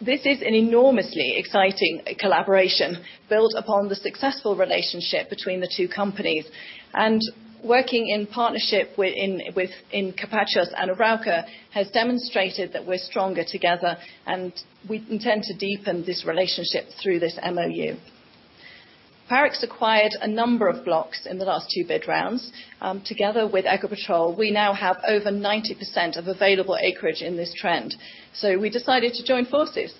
This is an enormously exciting collaboration built upon the successful relationship between the two companies. Working in partnership in Capachos and Arauca has demonstrated that we're stronger together, and we intend to deepen this relationship through this MOU. Parex acquired a number of blocks in the last two bid rounds. Together with Ecopetrol, we now have over 90% of available acreage in this trend, we decided to join forces.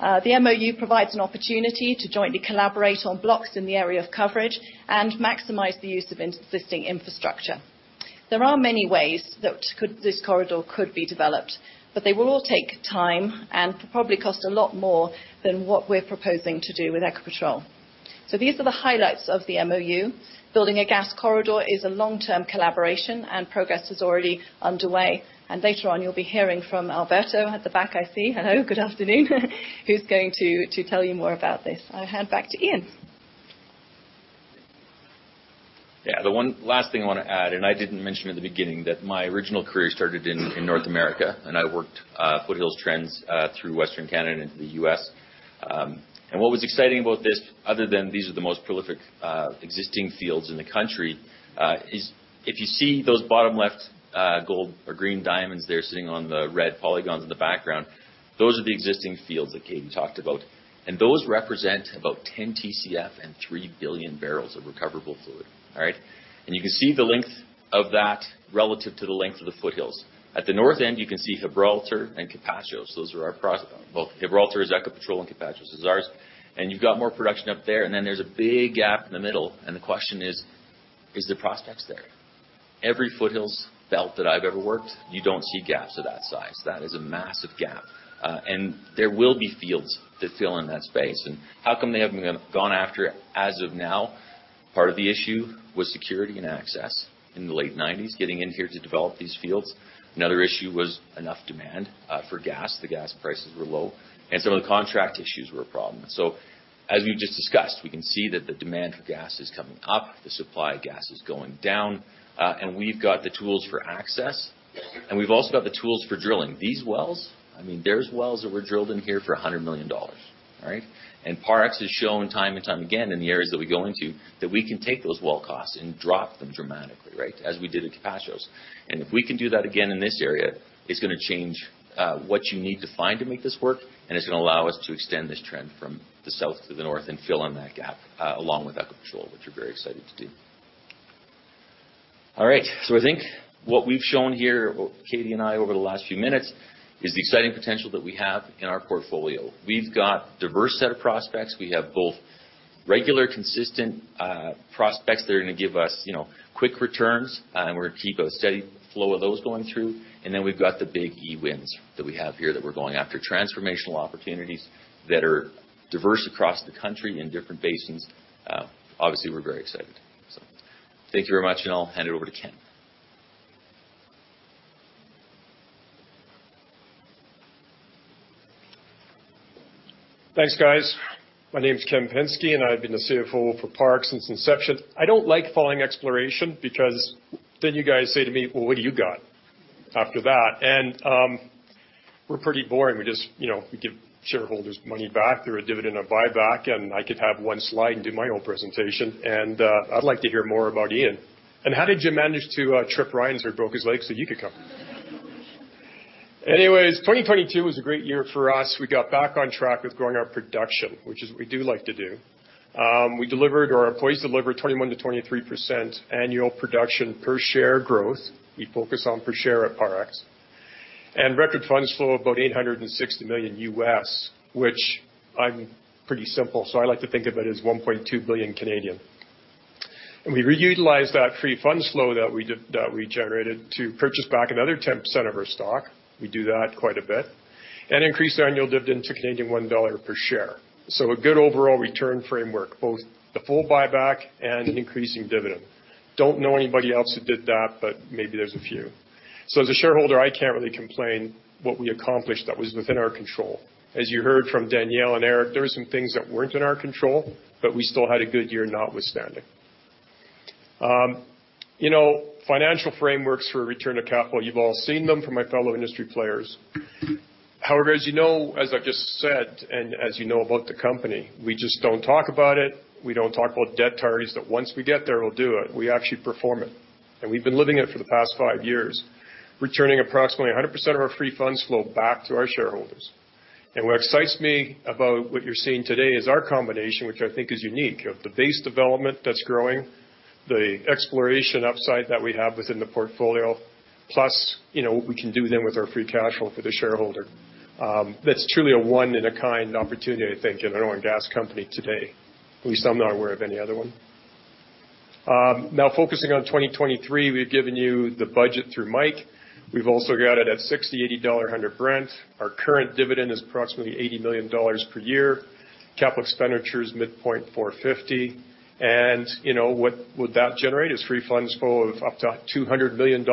The MOU provides an opportunity to jointly collaborate on blocks in the area of coverage and maximize the use of existing infrastructure. There are many ways that could this corridor could be developed, they will all take time and probably cost a lot more than what we're proposing to do with Ecopetrol. These are the highlights of the MOU. Building a gas corridor is a long-term collaboration, progress is already underway. Later on, you'll be hearing from Alberto at the back, I see. Hello, good afternoon. Who's going to tell you more about this. I'll hand back to Ian. Yeah. The one last thing I want to add, I didn't mention at the beginning, that my original career started in North America, and I worked foothills trends through Western Canada into the U.S. What was exciting about this, other than these are the most prolific existing fields in the country, is if you see those bottom left gold or green diamonds there sitting on the red polygons in the background, those are the existing fields that Katie talked about. Those represent about 10 TCF and 3 billion barrels of recoverable fluid. All right? You can see the length of that relative to the length of the foothills. At the north end, you can see Gibraltar and Capachos. Well, Gibraltar is Ecopetrol, Capachos is ours. You've got more production up there, and then there's a big gap in the middle, and the question is there prospects there? Every foothills belt that I've ever worked, you don't see gaps of that size. That is a massive gap. There will be fields to fill in that space. How come they haven't gone after it as of now? Part of the issue was security and access in the late nineties, getting in here to develop these fields. Another issue was enough demand for gas. The gas prices were low. Some of the contract issues were a problem. As we've just discussed, we can see that the demand for gas is coming up, the supply of gas is going down, and we've got the tools for access, and we've also got the tools for drilling. These wells, I mean, there's wells that were drilled in here for $100 million. All right? Parex has shown time and time again in the areas that we go into that we can take those well costs and drop them dramatically, right? As we did at Capachos. If we can do that again in this area, it's gonna change what you need to find to make this work, and it's gonna allow us to extend this trend from the south to the north and fill in that gap along with Ecopetrol, which we're very excited to do. All right. I think what we've shown here, Katie and I over the last few minutes, is the exciting potential that we have in our portfolio. We've got diverse set of prospects. We have both regular, consistent prospects that are gonna give us, you know, quick returns, and we're gonna keep a steady flow of those going through. We've got the Big E wins that we have here that we're going after, transformational opportunities that are diverse across the country in different basins. Obviously, we're very excited. Thank you very much, and I'll hand it over to Ken. Thanks, guys. My name is Ken Pinsky, I've been the CFO for Parex since inception. I don't like following exploration because then you guys say to me, "Well, what do you got after that?" We're pretty boring. We just, you know, we give shareholders money back through a dividend of buyback, and I could have one slide and do my own presentation. I'd like to hear more about Ian. How did you manage to trip Ryan so he broke his leg so you could come? Anyways, 2022 was a great year for us. We got back on track with growing our production, which is what we do like to do. We delivered or our employees delivered 21%-23% annual production per share growth. We focus on per share at Parex. Record funds flow of about $860 million, which I'm pretty simple, so I like to think of it as 1.2 billion. We reutilized that free funds flow that we generated to purchase back another 10% of our stock. We do that quite a bit. Increased our annual dividend to 1 Canadian dollar per share. A good overall return framework, both the full buyback and increasing dividend. Don't know anybody else who did that, but maybe there's a few. As a shareholder, I can't really complain what we accomplished that was within our control. As you heard from Daniel and Eric, there were some things that weren't in our control, but we still had a good year notwithstanding. You know, financial frameworks for return to capital, you've all seen them from my fellow industry players. However, as you know, as I just said, and as you know about the company, we just don't talk about it, we don't talk about debt targets that once we get there, we'll do it. We actually perform it. We've been living it for the past five years, returning approximately 100% of our free funds flow back to our shareholders. What excites me about what you're seeing today is our combination, which I think is unique, of the base development that's growing, the exploration upside that we have within the portfolio, plus, you know, what we can do then with our free cash flow for the shareholder. That's truly a one in a kind opportunity, I think, in an oil and gas company today. At least I'm not aware of any other one. Now focusing on 2023, we've given you the budget through Mike. We've also got it at $60, $80, $100 Brent. Our current dividend is approximately $80 million per year. Capital expenditures, midpoint $450 million. You know, what would that generate is free funds flow of up to $200 million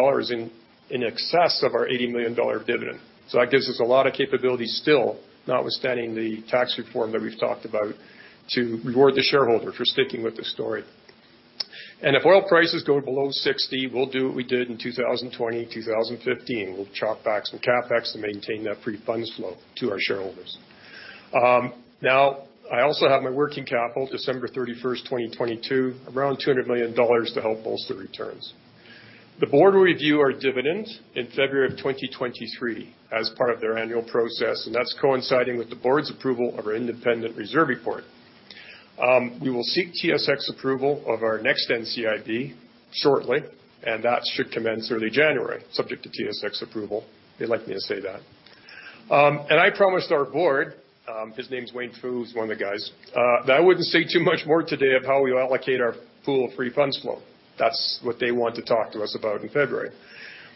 in excess of our $80 million dividend. That gives us a lot of capability still, notwithstanding the tax reform that we've talked about, to reward the shareholder for sticking with the story. If oil prices go below $60, we'll do what we did in 2020, 2015. We'll chop back some CapEx to maintain that free funds flow to our shareholders. Now I also have my working capital, December 31st, 2022, around $200 million to help bolster returns. The board will review our dividend in February 2023 as part of their annual process. That's coinciding with the board's approval of our independent reserve report. We will seek TSX approval of our next NCIB shortly. That should commence early January, subject to TSX approval. They'd like me to say that. I promised our board, his name is Wayne Foo, he's one of the guys, that I wouldn't say too much more today of how we allocate our pool of free funds flow. That's what they want to talk to us about in February.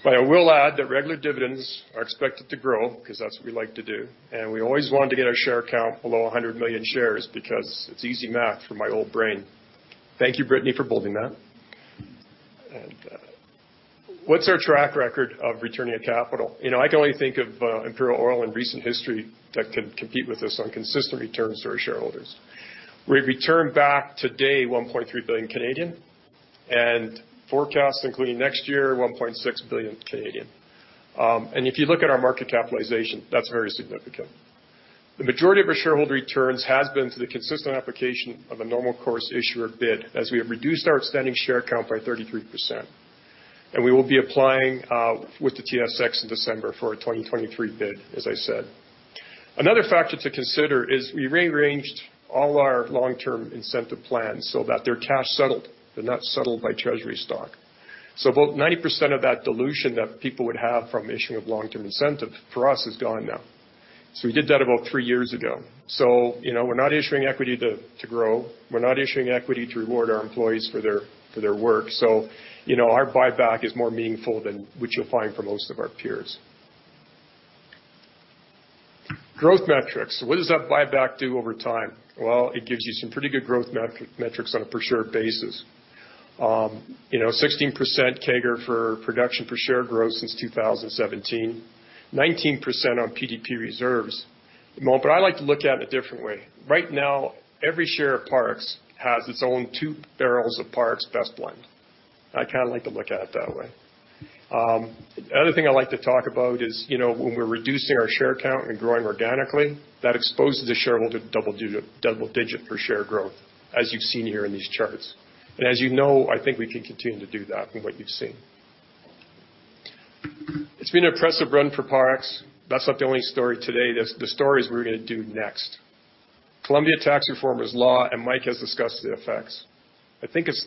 I will add that regular dividends are expected to grow because that's what we like to do, and we always want to get our share count below 100 million shares because it's easy math for my old brain. Thank you, Brittany, for building that. What's our track record of returning a capital? You know, I can only think of Imperial Oil in recent history that could compete with this on consistent returns for our shareholders. We've returned back today 1.3 billion and forecast including next year, 1.6 billion. If you look at our market capitalization, that's very significant. The majority of our shareholder returns has been through the consistent application of a normal course issuer bid as we have reduced our outstanding share count by 33%. We will be applying with the TSX in December for a 2023 bid, as I said. Another factor to consider is we rearranged all our long-term incentive plans so that they're cash settled. They're not settled by Treasury stock. About 90% of that dilution that people would have from issuing of long-term incentive for us is gone now. We did that about three years ago. You know, we're not issuing equity to grow. We're not issuing equity to reward our employees for their work. You know, our buyback is more meaningful than what you'll find for most of our peers. Growth metrics. What does that buyback do over time? Well, it gives you some pretty good growth metrics on a per share basis. You know, 16% CAGR for production per share growth since 2017, 19% on PDP reserves. I like to look at it a different way. Right now, every share of Parex has its own two barrels of Parex best blend. I kind of like to look at it that way. The other thing I like to talk about is, you know, when we're reducing our share count and growing organically, that exposes the shareholder to double digit per share growth, as you've seen here in these charts. As you know, I think we can continue to do that from what you've seen. It's been an impressive run for Parex. That's not the only story today. The story is we're going to do next. Colombia tax reform is law. Mike has discussed the effects. I think it's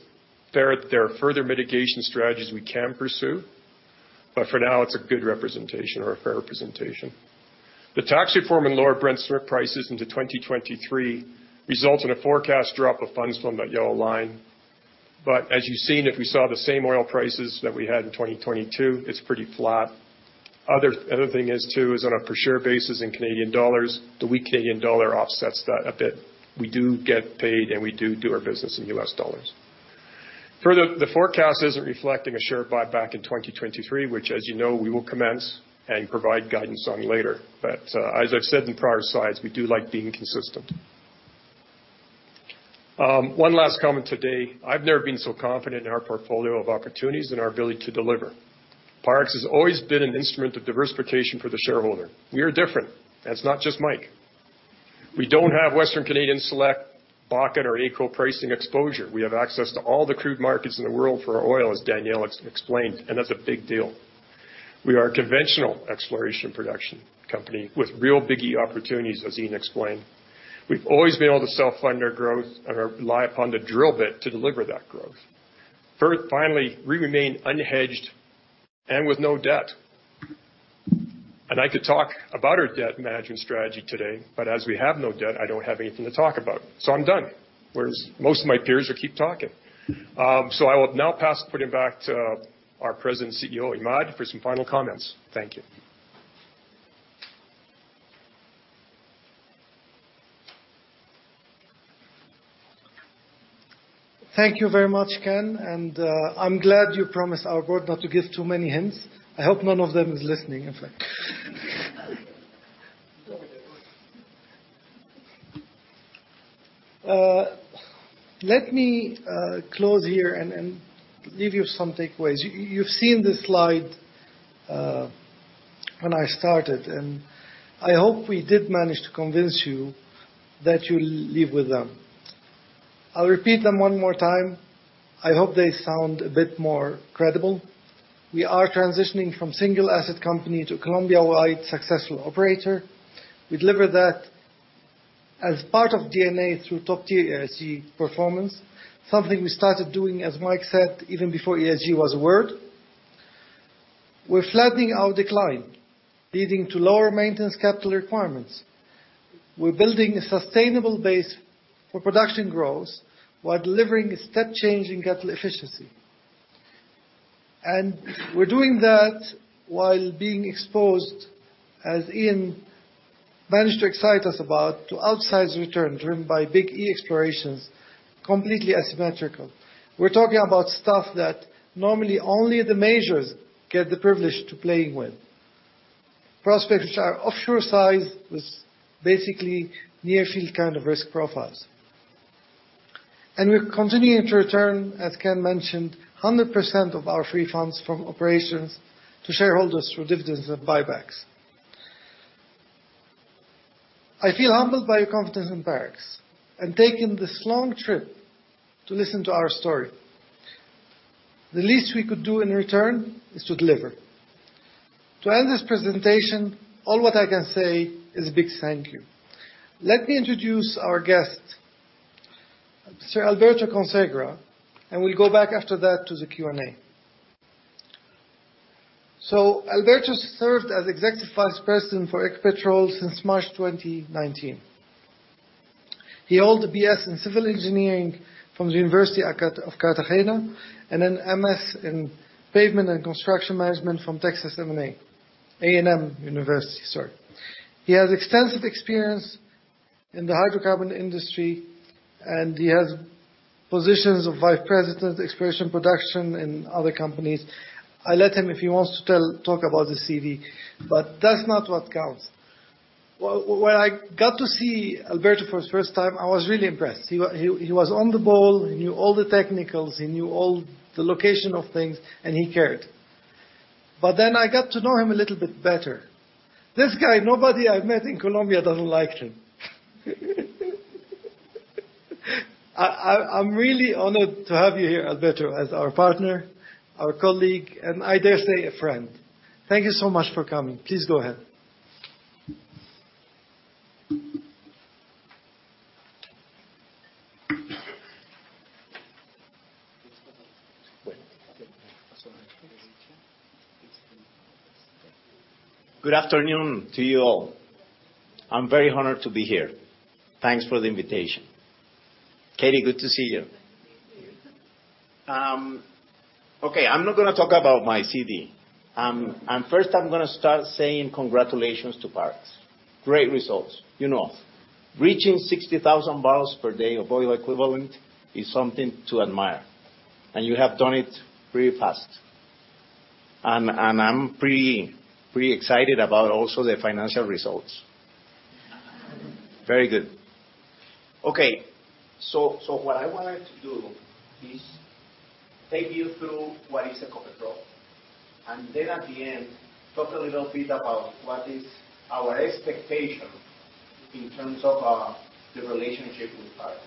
fair that there are further mitigation strategies we can pursue, but for now, it's a good representation or a fair representation. The tax reform and lower Brent prices into 2023 results in a forecast drop of funds from that yellow line. As you've seen, if we saw the same oil prices that we had in 2022, it's pretty flat. Other thing is too is on a per share basis in Canadian dollars, the weak Canadian dollar offsets that a bit. We do get paid, and we do our business in U.S. dollars. Further, the forecast isn't reflecting a share buyback in 2023, which as you know, we will commence and provide guidance on later. As I've said in prior slides, we do like being consistent. One last comment today. I've never been so confident in our portfolio of opportunities and our ability to deliver. Parex has always been an instrument of diversification for the shareholder. We are different, and it's not just Mike. We don't have Western Canadian Select, Bakken or AECO pricing exposure. We have access to all the crude markets in the world for our oil, as Daniel explained, and that's a big deal. We are a conventional exploration production company with real biggie opportunities, as Ian explained. We've always been able to self-fund our growth and rely upon the drill bit to deliver that growth. Finally, we remain unhedged and with no debt. I could talk about our debt management strategy today, as we have no debt, I don't have anything to talk about. I'm done, whereas most of my peers will keep talking. I will now pass putting back to our President CEO, Imad, for some final comments. Thank you. Thank you very much, Ken. I'm glad you promised our board not to give too many hints. I hope none of them is listening, in fact. Let me close here and leave you some takeaways. You've seen this slide when I started, and I hope we did manage to convince you that you leave with them. I'll repeat them one more time. I hope they sound a bit more credible. We are transitioning from single asset company to Colombia-wide successful operator. We deliver that as part of DNA through top-tier ESG performance, something we started doing, as Mike said, even before ESG was a word. We're flattening our decline, leading to lower maintenance capital requirements. We're building a sustainable base for production growth while delivering a step change in capital efficiency. We're doing that while being exposed, as Ian managed to excite us about, to outsize return driven by big explorations, completely asymmetrical. We're talking about stuff that normally only the majors get the privilege to playing with. Prospects which are offshore size with basically near-field kind of risk profiles. We're continuing to return, as Ken mentioned, 100% of our free funds from operations to shareholders through dividends and buybacks. I feel humbled by your confidence in Parex and taking this long trip to listen to our story. The least we could do in return is to deliver. To end this presentation, all what I can say is a big thank you. Let me introduce our guest, Sir Alberto Consuegra, and we'll go back after that to the Q&A. Alberto served as Executive Vice President for Ecopetrol since March 2019. He hold a BS in Civil Engineering from the University of Cartagena, and an MS in Pavement and Construction Management from Texas A&M University, sorry. He has extensive experience in the hydrocarbon industry, he has positions of Vice President Exploration Production in other companies. I'll let him, if he wants to talk about his CV, that's not what counts. When I got to see Alberto for the first time, I was really impressed. He was on the ball, he knew all the technicals, he knew all the location of things, and he cared. I got to know him a little bit better. This guy, nobody I've met in Colombia doesn't like him. I'm really honored to have you here, Alberto, as our partner, our colleague, and I dare say a friend. Thank you so much for coming. Please go ahead. Good afternoon to you all. I'm very honored to be here. Thanks for the invitation. Katie, good to see you. Thank you. Okay, I'm not gonna talk about my CV. First, I'm gonna start saying congratulations to Parex. Great results, you know. Reaching 60,000 barrels per day of oil equivalent is something to admire, you have done it pretty fast. I'm pretty excited about also the financial results. Very good. Okay. So what I wanted to do is take you through what is Ecopetrol, and then at the end, talk a little bit about what is our expectation in terms of the relationship with Parex.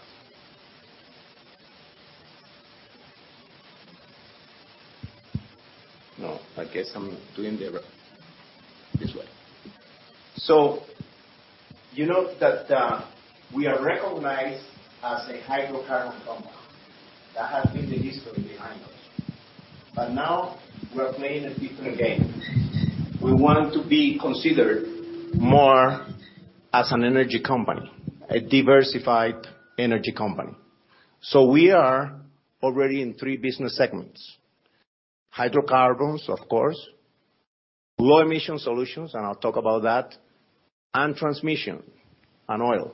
No, I guess I'm doing This way. You know that we are recognized as a hydrocarbon company. That has been the history behind us. Now we're playing a different game. We want to be considered more as an energy company, a diversified energy company. We are already in three business segments: hydrocarbons, of course, low emission solutions, and I'll talk about that, and transmission and oil.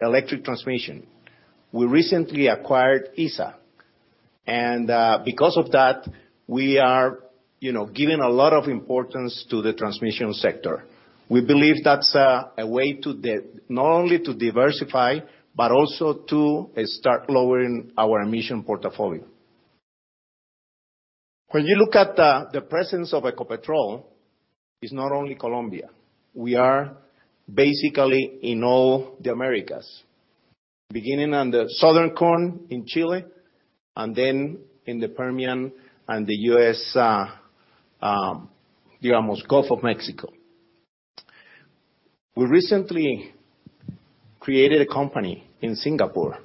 Electric transmission. We recently acquired ISA and, because of that, we are, you know, giving a lot of importance to the transmission sector. We believe that's a way not only to diversify, but also to start lowering our emission portfolio. When you look at the presence of Ecopetrol, it's not only Colombia. We are basically in all the Americas, beginning on the Southern Cone in Chile and then in the Permian and the U.S., the almost Gulf of Mexico. We recently created a company in Singapore,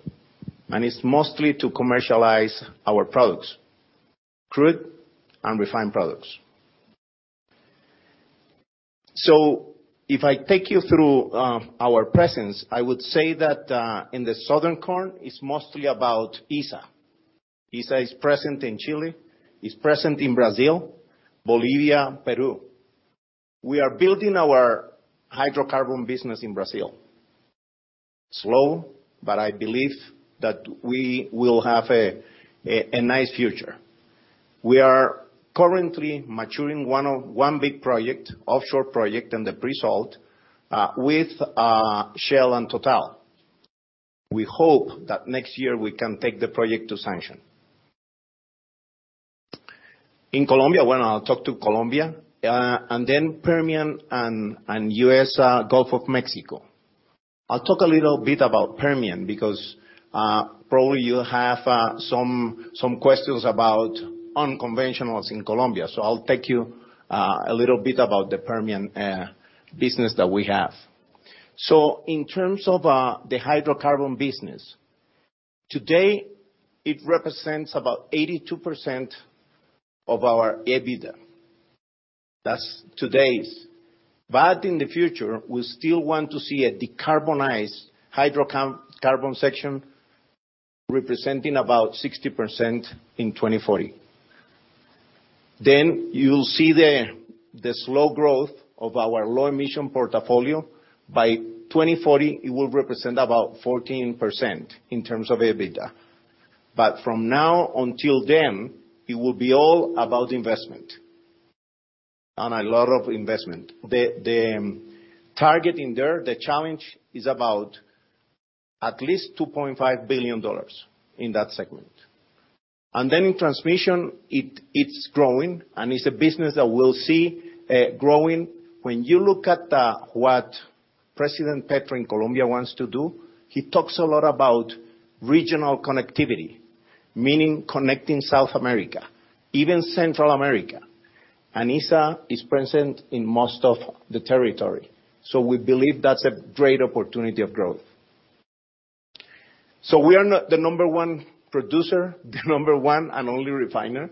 and it's mostly to commercialize our products, crude and refined products. If I take you through our presence, I would say that in the Southern Cone, it's mostly about ISA. ISA is present in Chile, is present in Brazil, Bolivia, Peru. We are building our hydrocarbon business in Brazil. Slow, I believe that we will have a nice future. We are currently maturing one big project, offshore project in the pre-salt, with Shell and Total. We hope that next year we can take the project to sanction. In Colombia, I'll talk to Colombia, and then Permian and U.S. Gulf of Mexico. I'll talk a little bit about Permian because probably you have some questions about unconventionals in Colombia, so I'll take you a little bit about the Permian business that we have. In terms of the hydrocarbon business, today it represents about 82% of our EBITDA. That's today's. In the future, we still want to see a decarbonized hydrocarbon section representing about 60% in 2040. You'll see the slow growth of our low emission portfolio. By 2040, it will represent about 14% in terms of EBITDA. From now until then, it will be all about investment and a lot of investment. The target in there, the challenge is at least $2.5 billion in that segment. Transmission, it's growing and it's a business that we'll see growing. When you look at what President Petro in Colombia wants to do, he talks a lot about regional connectivity, meaning connecting South America, even Central America. ISA is present in most of the territory. We believe that's a great opportunity of growth. We are not the number 1 producer, the number 1 and only refiner,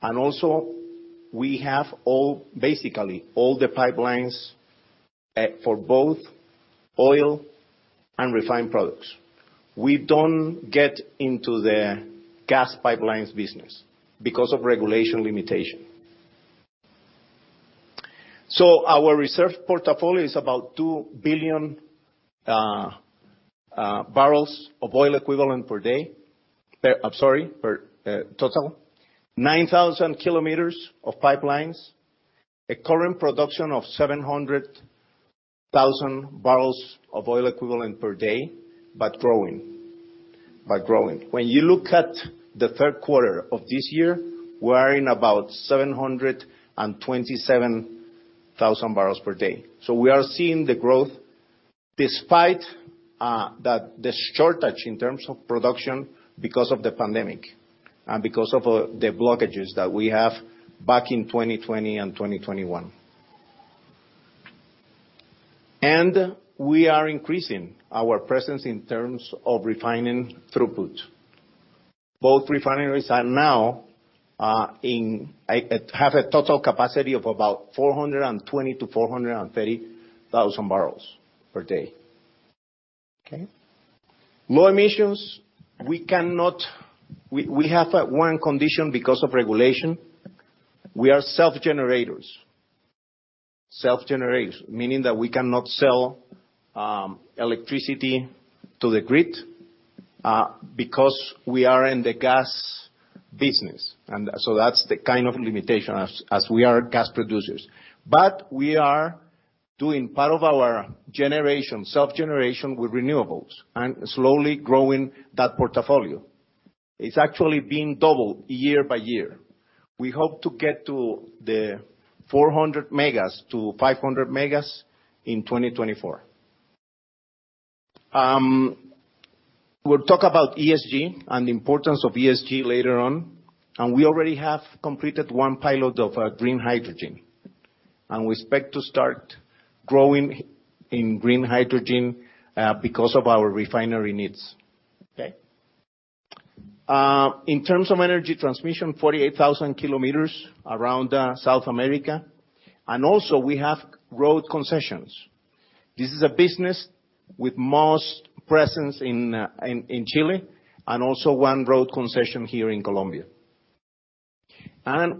and also, we have basically all the pipelines for both oil and refined products. We don't get into the gas pipelines business because of regulation limitation. Our reserve portfolio is about 2 billion barrels of oil equivalent per day. I'm sorry, per total. 9,000 kilometers of pipelines, a current production of 700,000 barrels of oil equivalent per day, but growing. When you look at the third quarter of this year, we are in about 727,000 barrels per day. We are seeing the growth despite the shortage in terms of production because of the pandemic and because of the blockages that we have back in 2020 and 2021. We are increasing our presence in terms of refining throughput. Both refineries are now in have a total capacity of about 420-430 thousand barrels per day. Okay? Low emissions, we have one condition because of regulation. We are self-generators. Self-generators, meaning that we cannot sell electricity to the grid because we are in the gas business. That's the kind of limitation as we are gas producers. We are doing part of our generation, self-generation, with renewables and slowly growing that portfolio. It's actually been doubled year by year. We hope to get to the 400-500 megas in 2024. We'll talk about ESG and the importance of ESG later on. We already have completed one pilot of green hydrogen, and we expect to start growing in green hydrogen because of our refinery needs. In terms of energy transmission, 48,000 kilometers around South America. Also we have road concessions. This is a business with most presence in Chile and also one road concession here in Colombia.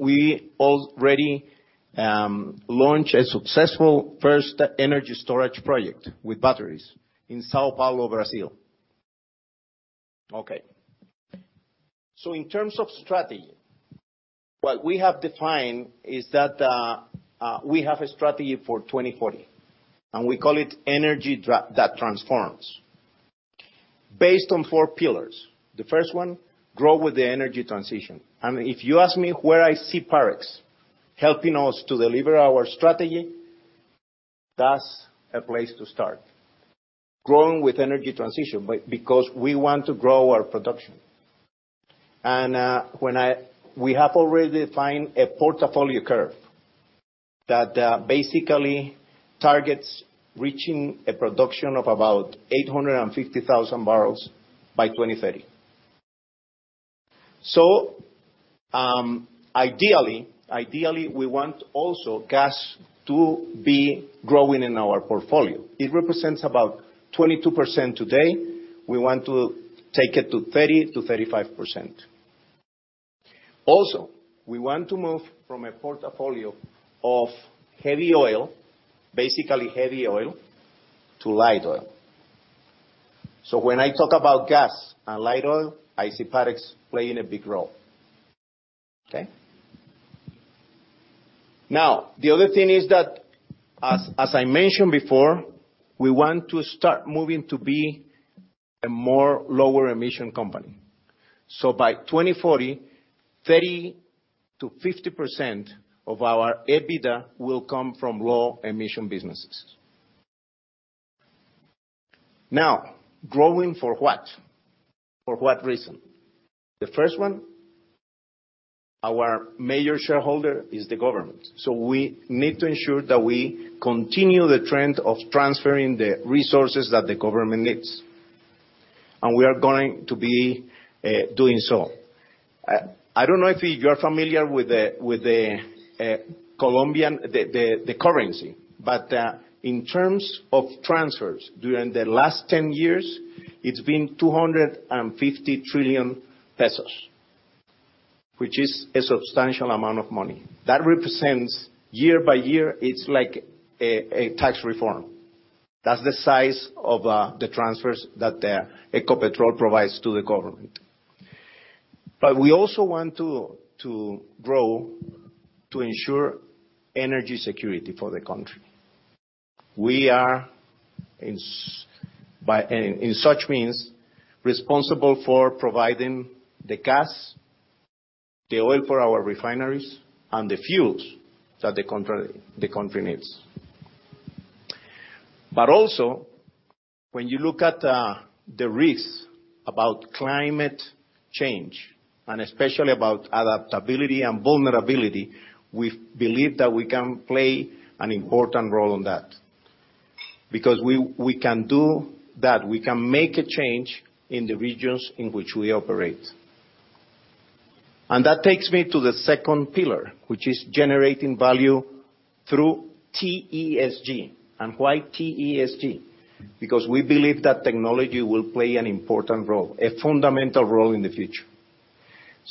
We already launched a successful first energy storage project with batteries in São Paulo, Brazil. In terms of strategy, what we have defined is that we have a strategy for 2040. We call it energy that transforms. Based on four pillars. The 1st one, grow with the energy transition. If you ask me where I see Parex helping us to deliver our strategy, that's a place to start. Growing with energy transition because we want to grow our production. We have already defined a portfolio curve that basically targets reaching a production of about 850,000 barrels by 2030. Ideally, we want also gas to be growing in our portfolio. It represents about 22% today. We want to take it to 30%-35%. We want to move from a portfolio of heavy oil, basically heavy oil, to light oil. When I talk about gas and light oil, I see Parex playing a big role. Okay? The other thing is that as I mentioned before, we want to start moving to be a more lower emission company. By 2040, 30%-50% of our EBITDA will come from low emission businesses. Growing for what? For what reason? The first one, our major shareholder is the government. We need to ensure that we continue the trend of transferring the resources that the government needs. We are going to be doing so. I don't know if you're familiar with the Colombian currency, in terms of transfers, during the last 10 years, it's been COP 250 trillion, which is a substantial amount of money. That represents, year by year, it's like a tax reform. That's the size of the transfers that Ecopetrol provides to the government. We also want to grow to ensure energy security for the country. We are in such means responsible for providing the gas, the oil for our refineries, and the fuels that the country needs. Also, when you look at the risks about climate change, and especially about adaptability and vulnerability, we believe that we can play an important role in that. We can do that, we can make a change in the regions in which we operate. That takes me to the second pillar, which is generating value through TESG. Why TESG? We believe that technology will play an important role, a fundamental role in the future.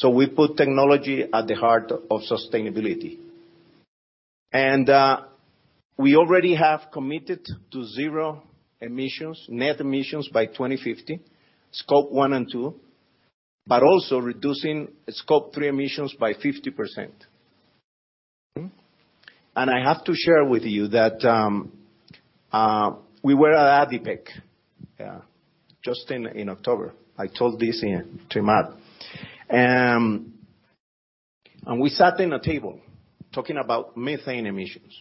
We put technology at the heart of sustainability. We already have committed to zero emissions, net emissions by 2050, scope one and two, but also reducing scope three emissions by 50%. I have to share with you that we were at ADIPEC just in October. I told this to Imad. We sat in a table talking about methane emissions.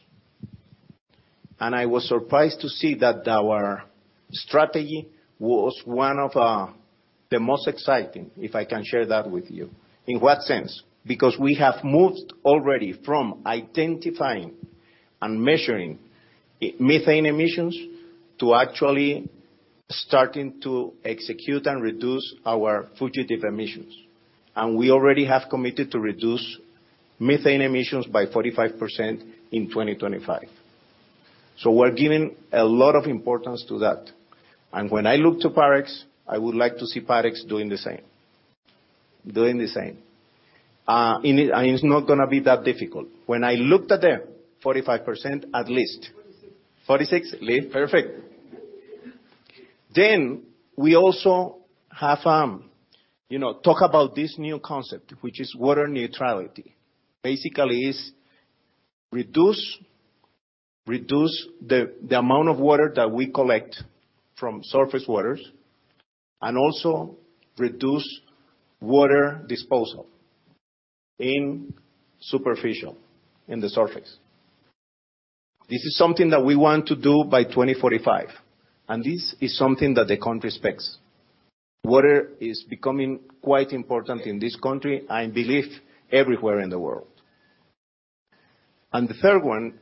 I was surprised to see that our strategy was one of the most exciting, if I can share that with you. In what sense? We have moved already from identifying and measuring methane emissions to actually starting to execute and reduce our fugitive emissions. We already have committed to reduce methane emissions by 45% in 2025. We're giving a lot of importance to that. When I look to Parex, I would like to see Parex doing the same. Doing the same. It's not gonna be that difficult. When I looked at the 45%, at least. 46? Perfect. We also have, you know, talk about this new concept, which is water neutrality. Basically is reduce the amount of water that we collect from surface waters and also reduce water disposal in the surface. This is something that we want to do by 2045. This is something that the country expects. Water is becoming quite important in this country, I believe everywhere in the world. The third one,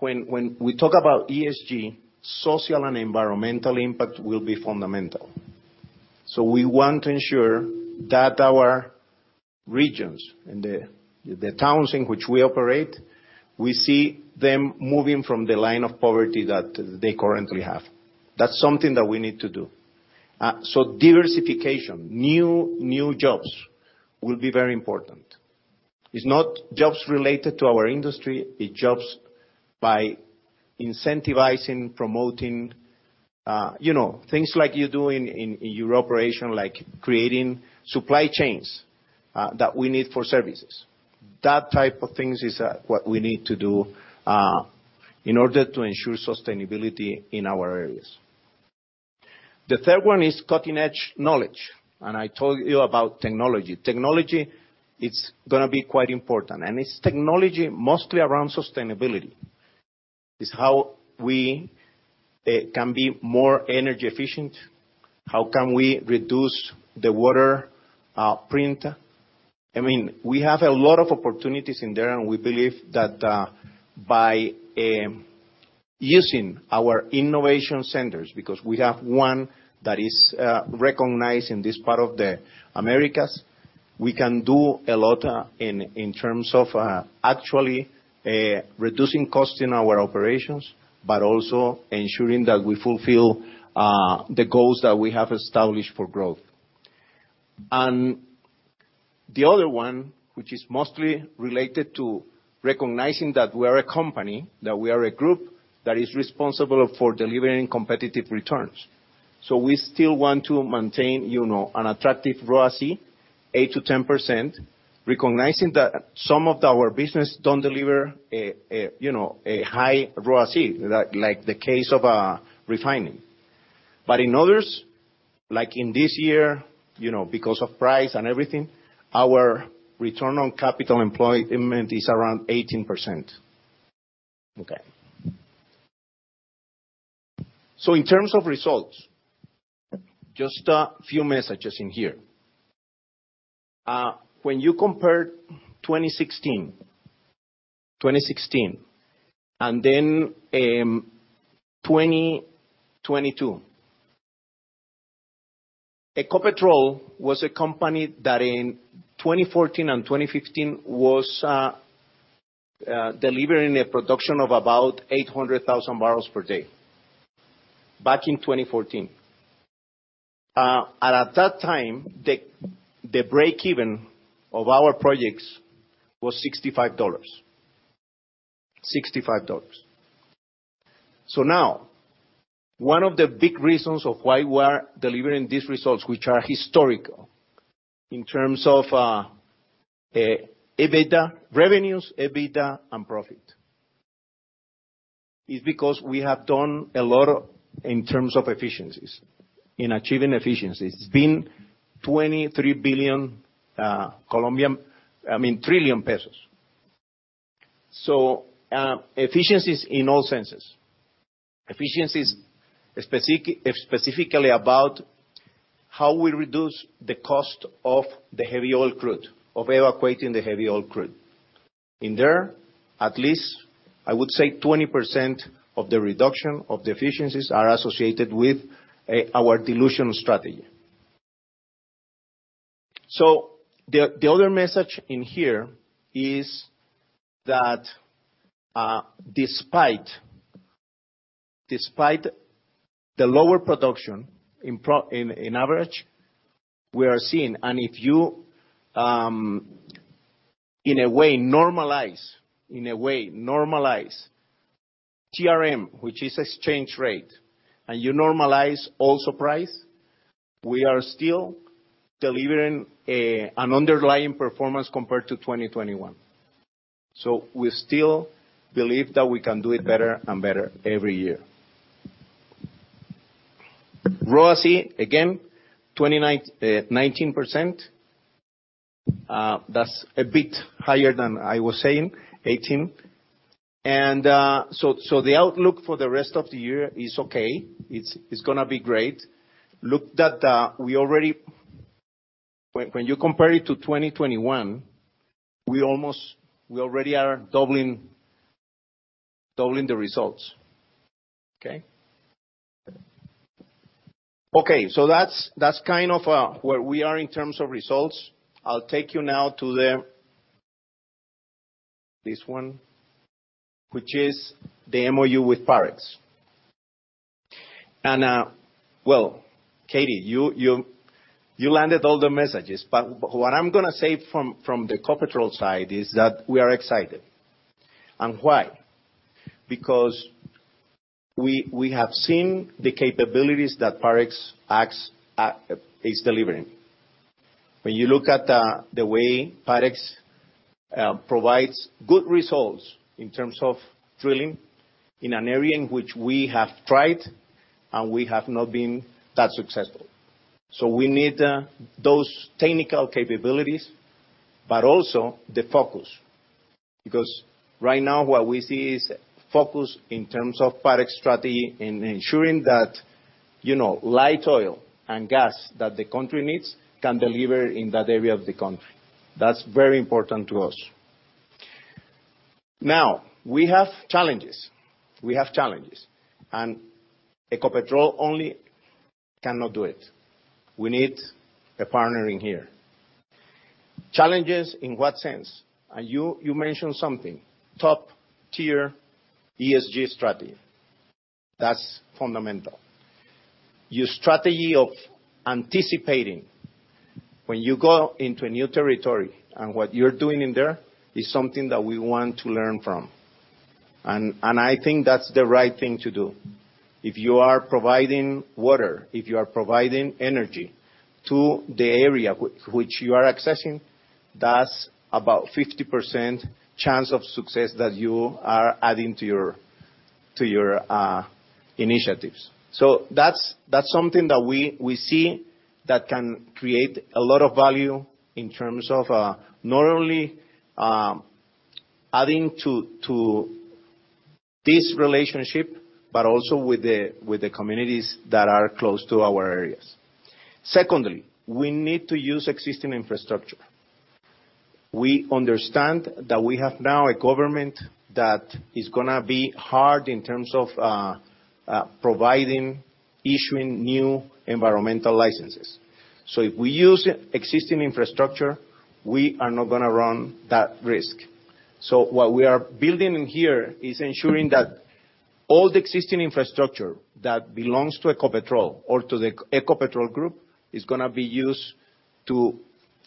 when we talk about ESG, social and environmental impact will be fundamental. We want to ensure that our regions and the towns in which we operate, we see them moving from the line of poverty that they currently have. That's something that we need to do. Diversification, new jobs will be very important. It's not jobs related to our industry, it's jobs by incentivizing, promoting, you know, things like you do in your operation, like creating supply chains that we need for services. That type of things is what we need to do in order to ensure sustainability in our areas. The third one is cutting-edge knowledge. I told you about technology. Technology, it's gonna be quite important. It's technology mostly around sustainability. It's how we can be more energy efficient. How can we reduce the water print? I mean, we have a lot of opportunities in there, and we believe that by using our innovation centers, because we have one that is recognized in this part of the Americas, we can do a lot in terms of actually reducing costs in our operations, but also ensuring that we fulfill the goals that we have established for growth. The other one, which is mostly related to recognizing that we are a company, that we are a group that is responsible for delivering competitive returns. We still want to maintain, you know, an attractive ROACE, 8%-10%, recognizing that some of our business don't deliver, you know, a high ROACE, like the case of refining. In others, like in this year, you know, because of price and everything, our return on capital employment is around 18%. Okay. In terms of results, just a few messages in here. When you compare 2016, and then 2022, Ecopetrol was a company that in 2014 and 2015 was delivering a production of about 800,000 barrels per day. Back in 2014. At that time, the break-even of our projects was $65. So now, one of the big reasons of why we're delivering these results, which are historical in terms of EBITDA, revenues, EBITDA, and profit, is because we have done a lot in terms of efficiencies, in achieving efficiencies. It's been I mean, COP 23 trillion. Efficiencies in all senses. Efficiencies specifically about how we reduce the cost of the heavy oil crude, of evacuating the heavy oil crude. In there, at least, I would say 20% of the reduction of the efficiencies are associated with our dilution strategy. The other message in here is that despite the lower production in average, we are seeing. If you in a way normalize TRM, which is exchange rate, and you normalize also price, we are still delivering an underlying performance compared to 2021. We still believe that we can do it better and better every year. ROACE, again, 29, 19%. That's a bit higher than I was saying, 18. The outlook for the rest of the year is okay. It's gonna be great. Look that, we already are doubling the results. Okay? So that's kind of where we are in terms of results. I'll take you now to this one, which is the MOU with Parex. Well, Katie, you landed all the messages, but what I'm gonna say from the Ecopetrol side is that we are excited. Why? Because we have seen the capabilities that Parex acts at is delivering. When you look at the way Parex provides good results in terms of drilling in an area in which we have tried and we have not been that successful. We need those technical capabilities, but also the focus. Right now what we see is focus in terms of Parex strategy in ensuring that, you know, light oil and gas that the country needs can deliver in that area of the country. That's very important to us. We have challenges. We have challenges. Ecopetrol only cannot do it. We need a partner in here. Challenges in what sense? You mentioned something. Top-tier ESG strategy. That's fundamental. Your strategy of anticipating when you go into a new territory and what you're doing in there is something that we want to learn from. I think that's the right thing to do. If you are providing water, if you are providing energy to the area which you are accessing, that's about 50% chance of success that you are adding to your, to your initiatives. That's something that we see that can create a lot of value in terms of not only adding to this relationship, but also with the communities that are close to our areas. Secondly, we need to use existing infrastructure. We understand that we have now a government that is gonna be hard in terms of issuing new environmental licenses. If we use existing infrastructure, we are not gonna run that risk. What we are building in here is ensuring that all the existing infrastructure that belongs to Ecopetrol or to the Ecopetrol Group is gonna be used to,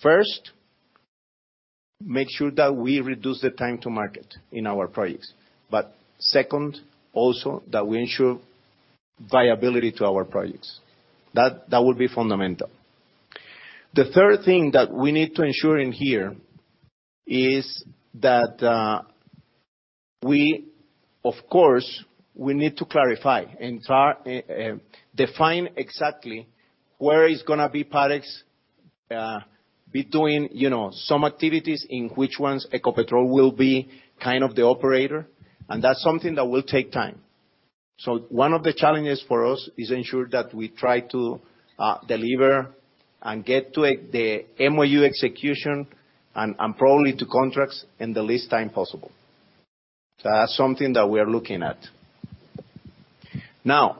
first, make sure that we reduce the time to market in our projects. Second, also, that we ensure viability to our projects. That would be fundamental. The third thing that we need to ensure in here is that we, of course, we need to clarify and try define exactly where is gonna be Parex, between, you know, some activities in which ones Ecopetrol will be kind of the operator, and that's something that will take time. One of the challenges for us is ensure that we try to deliver and get to the MOU execution and probably to contracts in the least time possible. That's something that we are looking at. I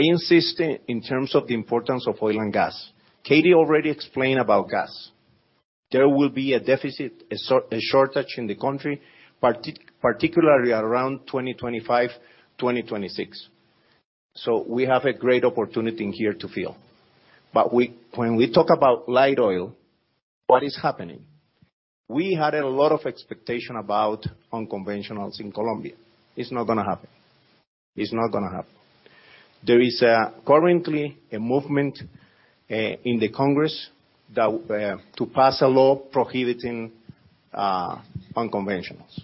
insist in terms of the importance of oil and gas. Katie already explained about gas. There will be a deficit, a shortage in the country, particularly around 2025, 2026. We have a great opportunity in here to fill. When we talk about light oil, what is happening? We had a lot of expectation about unconventionals in Colombia. It's not gonna happen. It's not gonna happen. There is currently a movement in the Congress that to pass a law prohibiting unconventionals.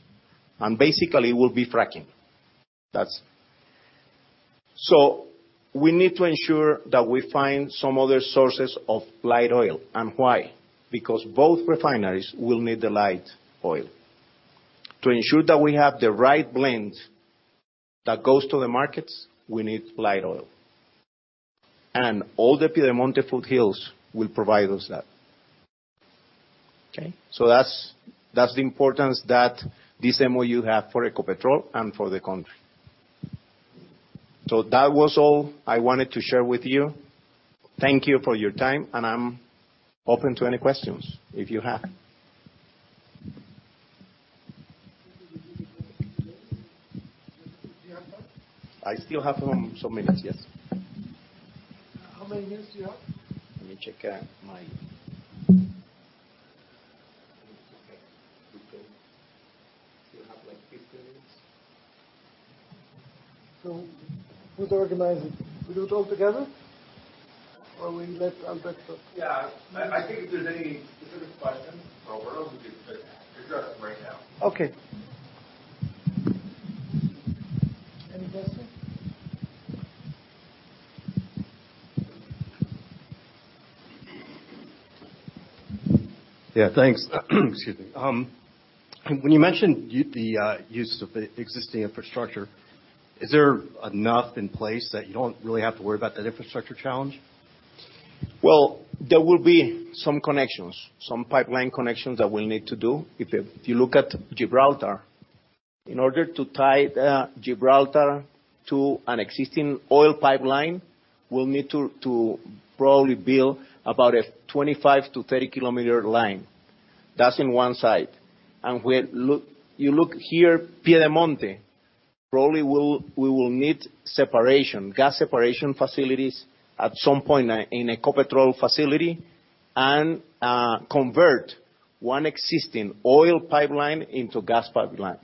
Basically, it will be fracking. That's. Why? Because both refineries will need the light oil. To ensure that we have the right blend that goes to the markets, we need light oil. All the Piedemonte Foothills will provide us that. Okay. That's, that's the importance that this MOU have for Ecopetrol and for the country. That was all I wanted to share with you. Thank you for your time, and I'm open to any questions if you have. Do you have time? I still have some minutes, yes. How many minutes do you have? Let me check. Okay. We have like 15 minutes. Who's organizing? We do it all together or we let Alberto? Yeah. I think if there's any specific questions for Alberto, we could address right now. Okay. Any questions? Thanks. Excuse me. When you mentioned the uses of the existing infrastructure, is there enough in place that you don't really have to worry about that infrastructure challenge? There will be some connections, some pipeline connections that we'll need to do. If you look at Gibraltar, in order to tie the Gibraltar to an existing oil pipeline, we'll need to probably build about a 25 km-30 km line. That's in one side. When you look here, Piedemonte, probably we will need separation, gas separation facilities at some point in an Ecopetrol facility and convert on existing oil pipeline into gas pipeline.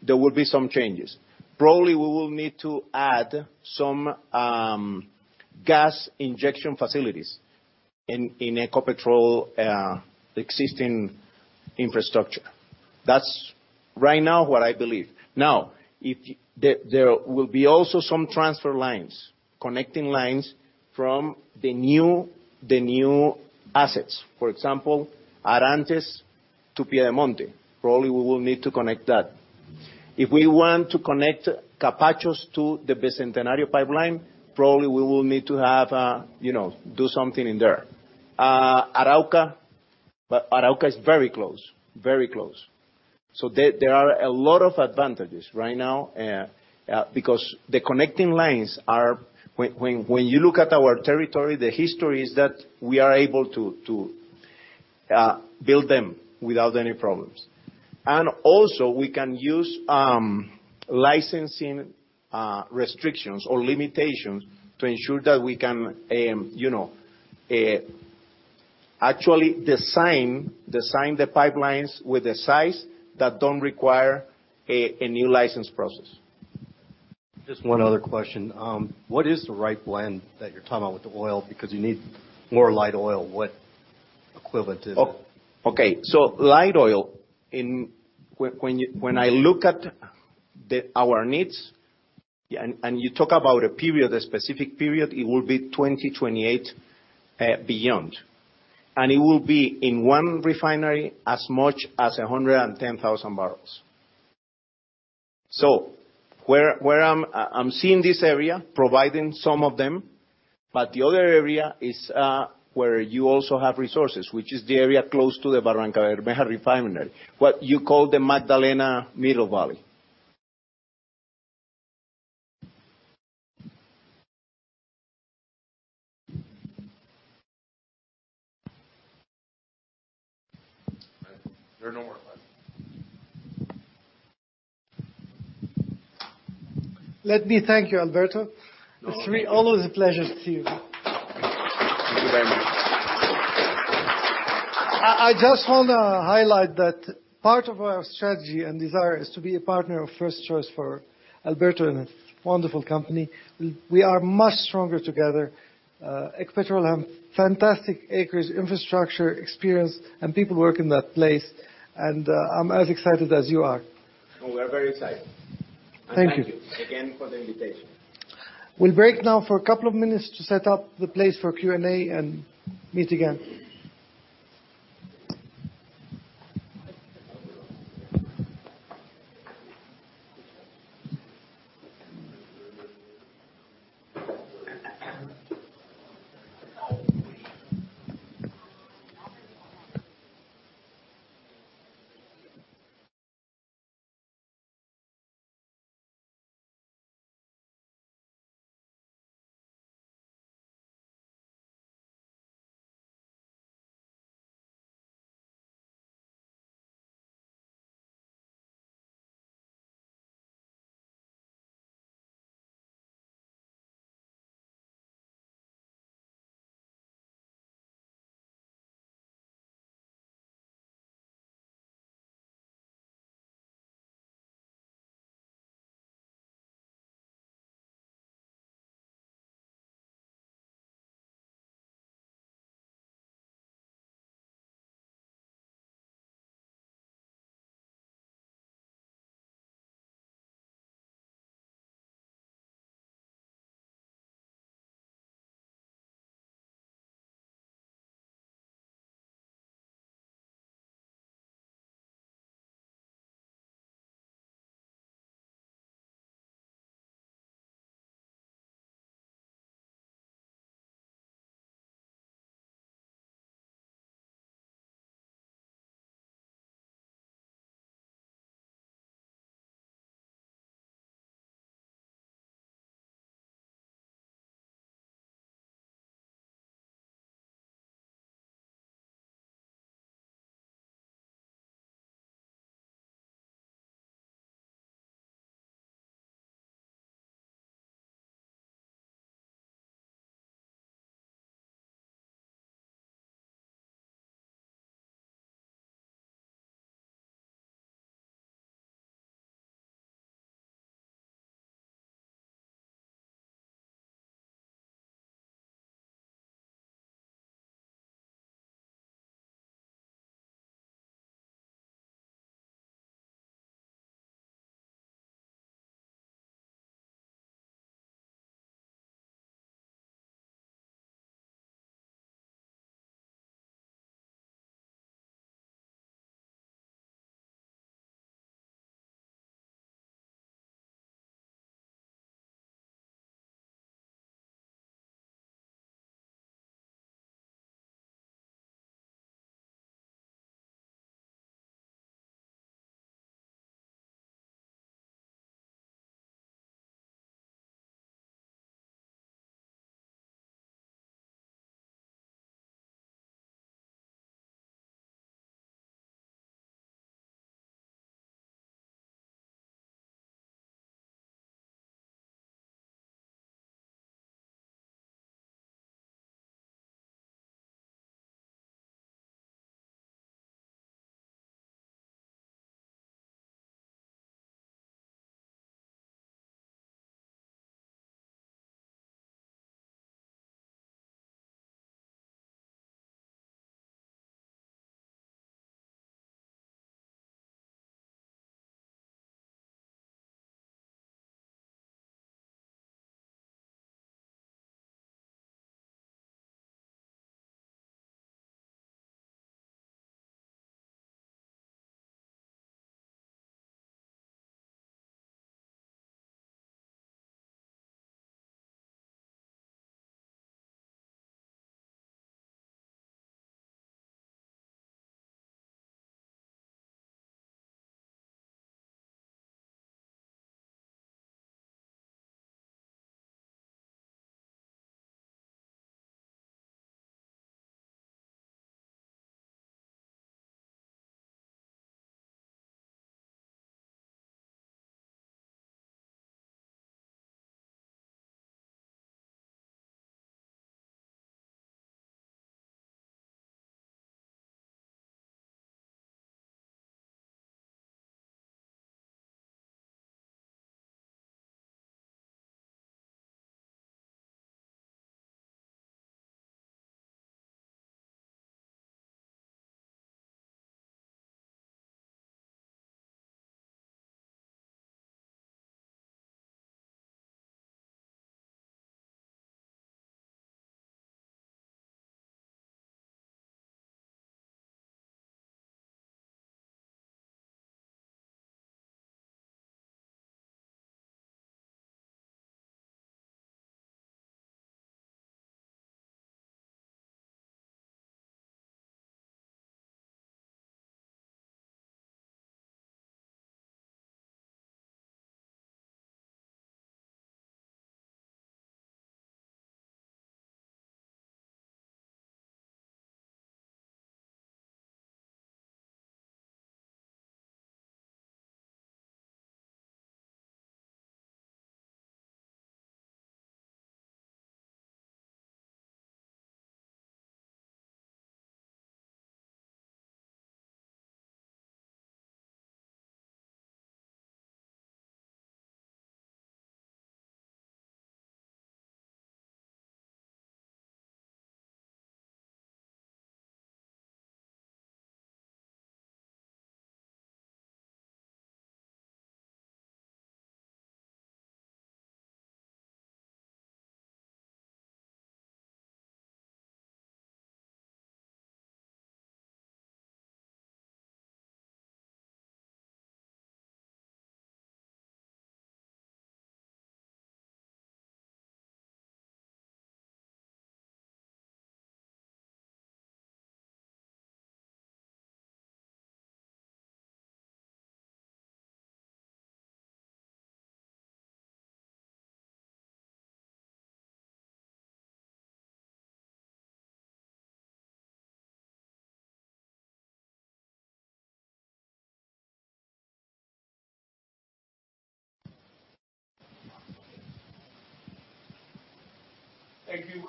There will be some changes. Probably, we will need to add some gas injection facilities in Ecopetrol existing infrastructure. That's right now what I believe. There will be also some transfer lines, connecting lines from the new assets. For example, Arantes to Piedemonte. Probably we will need to connect that. If we want to connect Capachos to the Bicentenario pipeline, probably we will need to have, you know, do something in there. Arauca. Arauca is very close. There are a lot of advantages right now because the connecting lines are, when you look at our territory, the history is that we are able to build them without any problems. Also, we can use licensing restrictions or limitations to ensure that we can, you know, actually design the pipelines with a size that don't require a new license process. Just one other question. What is the right blend that you're talking about with the oil? Because you need more light oil. What equivalent is it? Okay. Light oil in. When I look at our needs and you talk about a period, a specific period, it will be 2028 beyond. It will be in one refinery as much as 110,000 barrels. Where I'm seeing this area providing some of them, but the other area is where you also have resources, which is the area close to the Barrancabermeja Refinery. What you call the Magdalena Middle Valley. There are no more questions. Let me thank you, Alberto. Oh, thank you. It's really always a pleasure to see you. Thank you very much. I just wanna highlight that part of our strategy and desire is to be a partner of first choice for Alberto and his wonderful company. We are much stronger together. Ecopetrol have fantastic acres, infrastructure, experience, and people work in that place. I'm as excited as you are. Oh, we're very excited. Thank you. Thank you again for the invitation. We'll break now for a couple of minutes to set up the place for Q&A and meet again.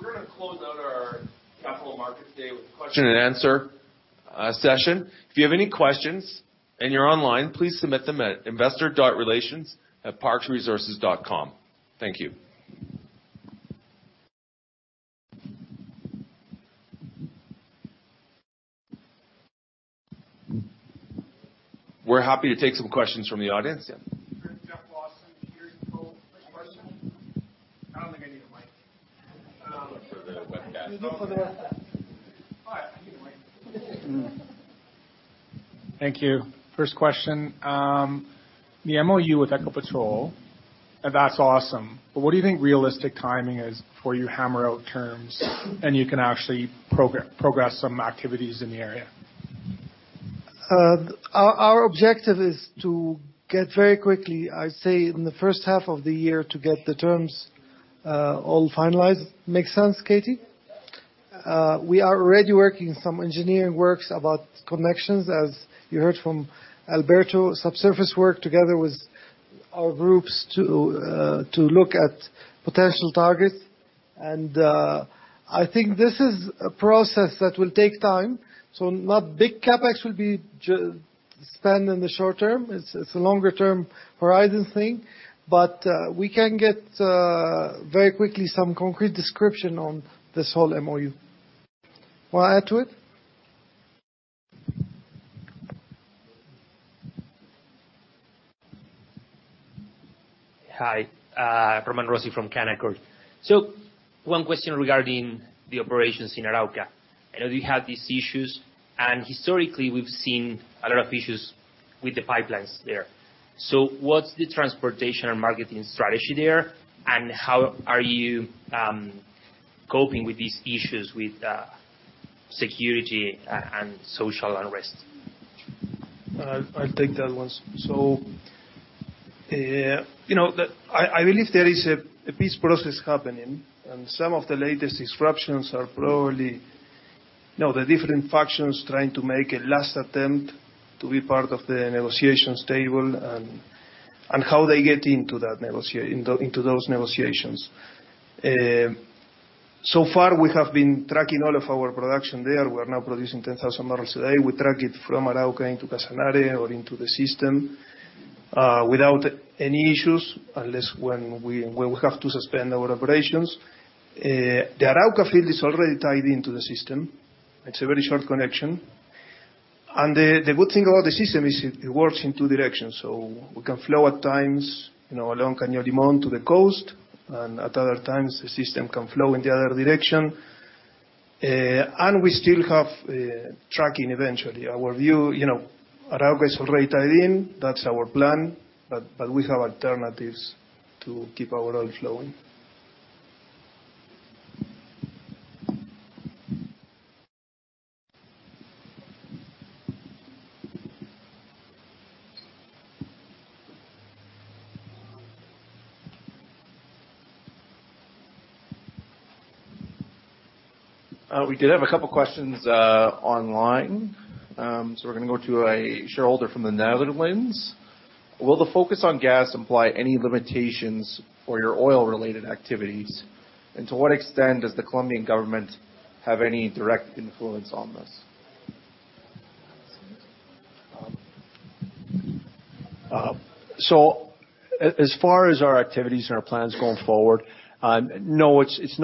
Thank you. We're gonna close out our capital market today with question and answer session. If you have any questions and you're online, please submit them at investor.relations@parexresources.com. Thank you. We're happy to take some questions from the audience. Jeff Lawson,. First question. I don't think I need a mic. Make sure they're webcast. All right. I need a mic. Thank you. First question. The MOU with Ecopetrol, that's awesome, but what do you think realistic timing is before you hammer out terms and you can actually progress some activities in the area? Our objective is to get very quickly, I'd say, in the first half of the year to get the terms, all finalized. Make sense, Katie? We are already working some engineering works about connections, as you heard from Alberto, subsurface work together with our groups to look at potential targets. I think this is a process that will take time. Not big CapEx will be spent in the short term. It's a longer term horizon thing, but we can get very quickly some concrete description on this whole MOU. Wanna add to it? Hi. Román Rossi from Canaccord. One question regarding the operations in Arauca. I know you have these issues, and historically we've seen a lot of issues with the pipelines there. What's the transportation and marketing strategy there, and how are you coping with these issues with security and social unrest? I'll take that one. You know, I believe there is a peace process happening, some of the latest disruptions are probably, you know, the different factions trying to make a last attempt to be part of the negotiations table and how they get into those negotiations. So far we have been tracking all of our production there. We are now producing 10,000 barrels a day. We track it from Arauca into Casanare or into the system without any issues, unless when we have to suspend our operations. The Arauca field is already tied into the system. It's a very short connection. The good thing about the system is it works in two directions. We can flow at times, you know, along Caño Limón to the coast, and at other times, the system can flow in the other direction. We still have tracking eventually. Our view, you know, Arauca is already tied in. That's our plan. We have alternatives to keep our oil flowing. We did have a couple questions online. We're gonna go to a shareholder from the Netherlands. Will the focus on gas imply any limitations for your oil-related activities? To what extent does the Colombian government have any direct influence on this? As far as our activities and our plans going forward, no, it's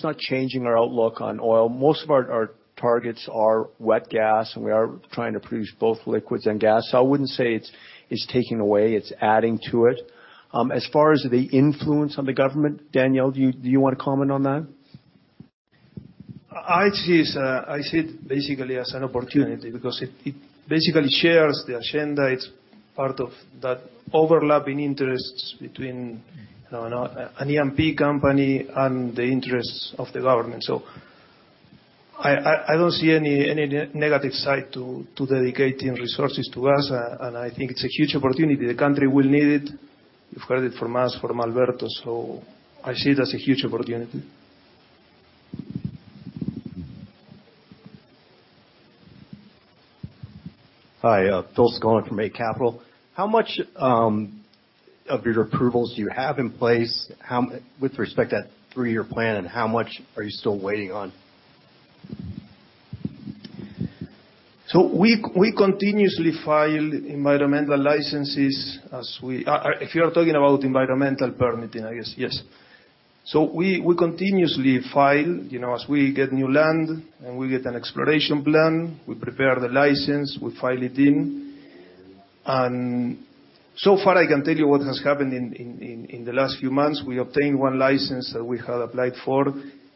not changing our outlook on oil. Most of our targets are wet gas, and we are trying to produce both liquids and gas. I wouldn't say it's taking away, it's adding to it. As far as the influence of the government, Daniel, do you wanna comment on that? I see it basically as an opportunity because it basically shares the agenda. It's part of that overlapping interests between, you know, an E&P company and the interests of the government. I don't see any negative side to dedicating resources to us. I think it's a huge opportunity. The country will need it. You've heard it from us, from Alberto. I see it as a huge opportunity. Hi, Phil Skolnick from Eight Capital. How much of your approvals do you have in place? With respect to that three-year plan, and how much are you still waiting on? We continuously file environmental licenses as we, if you are talking about environmental permitting, I guess, yes. We continuously file, you know, as we get new land, and we get an exploration plan. We prepare the license. We file it in. So far, I can tell you what has happened in the last few months. We obtained one license that we had applied for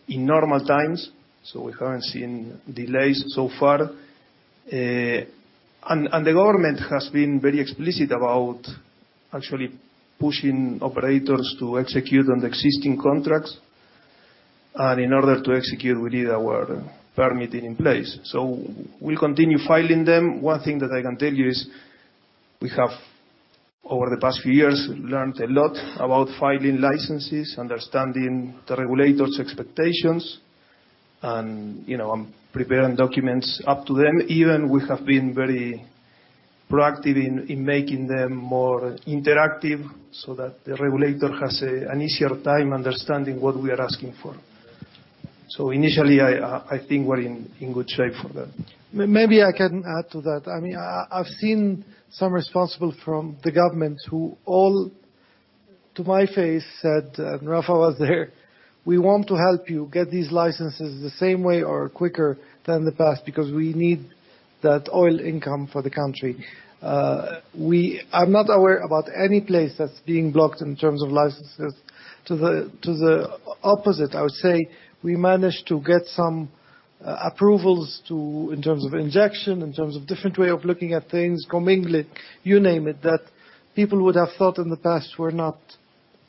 in normal times, so we haven't seen delays so far. The government has been very explicit about actually pushing operators to execute on existing contracts. In order to execute, we need our permitting in place. We continue filing them. One thing that I can tell you is we have Over the past few years, we've learned a lot about filing licenses, understanding the regulators' expectations, and, you know, preparing documents up to them. Even we have been very proactive in making them more interactive so that the regulator has an easier time understanding what we are asking for. Initially, I think we're in good shape for that. Maybe I can add to that. I mean, I've seen some responsible from the government who all, to my face said, there. "We want to help you get these licenses the same way or quicker than the past because we need that oil income for the country." I'm not aware about any place that's being blocked in terms of licenses. To the opposite, I would say, we managed to get some approvals in terms of injection, in terms of different way of looking at things, commingling, you name it, that people would have thought in the past were not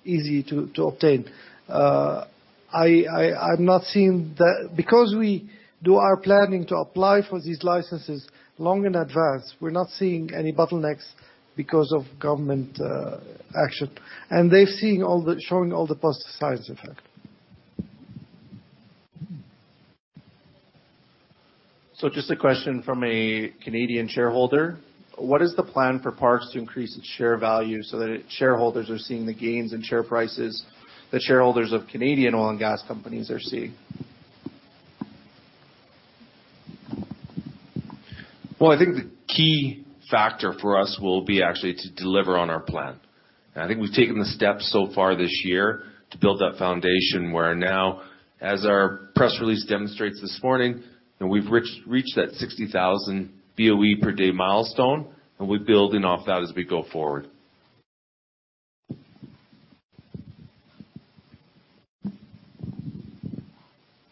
easy to obtain. I've not seen that. We do our planning to apply for these licenses long in advance, we're not seeing any bottlenecks because of government action. They've seen all the shown all the positive signs of that. Just a question from a Canadian shareholder. What is the plan for Parex to increase its share value so that its shareholders are seeing the gains in share prices that shareholders of Canadian oil and gas companies are seeing? Well, I think the key factor for us will be actually to deliver on our plan. I think we've taken the steps so far this year to build that foundation, where now, as our press release demonstrates this morning, we've reached that 60,000 BOE per day milestone, we're building off that as we go forward.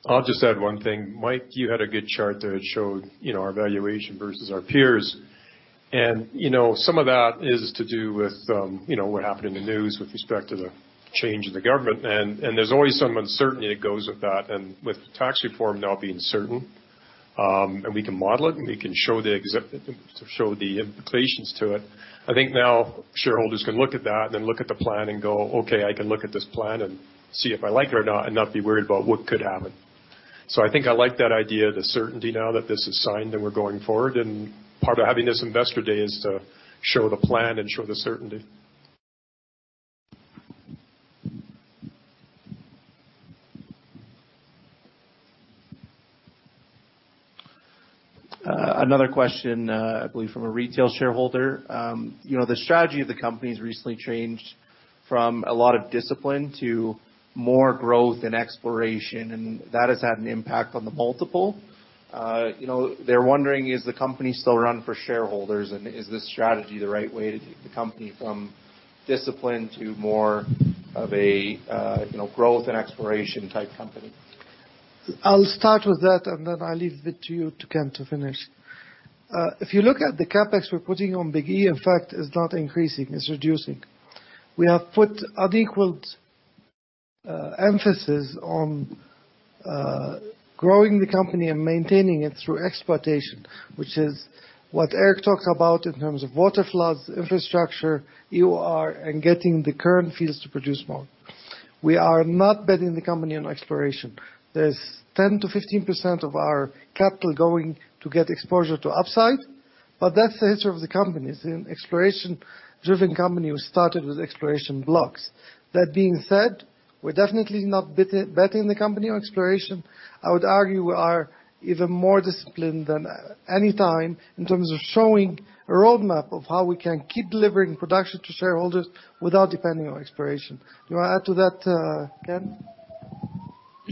I'll just add one thing. Mike, you had a good chart that showed, you know, our valuation versus our peers. You know, some of that is to do with, you know, what happened in the news with respect to the change in the government. There's always some uncertainty that goes with that. With tax reform now being certain, and we can model it, and we can show the implications to it. I think now shareholders can look at that and then look at the plan and go, "Okay, I can look at this plan and see if I like it or not, and not be worried about what could happen." I think I like that idea, the certainty now that this is signed and we're going forward. Part of having this investor day is to show the plan and show the certainty. Another question, I believe from a retail shareholder. You know, the strategy of the company's recently changed from a lot of discipline to more growth and exploration, and that has had an impact on the multiple. You know, they're wondering, is the company still run for shareholders? Is this strategy the right way to take the company from discipline to more of a, you know, growth and exploration type company? I'll start with that. Then I leave it to you to Ken to finish. If you look at the CapEx we're putting on Big E, in fact, it's not increasing, it's reducing. We have put adequate emphasis on growing the company and maintaining it through exploitation, which is what Eric talks about in terms of water floods, infrastructure, and getting the current fields to produce more. We are not betting the company on exploration. There's 10%-15% of our capital going to get exposure to upside. That's the history of the company. It's an exploration-driven company who started with exploration blocks. That being said, we're definitely not betting the company on exploration. I would argue we are even more disciplined than any time in terms of showing a roadmap of how we can keep delivering production to shareholders without depending on exploration. You wanna add to that, Ken?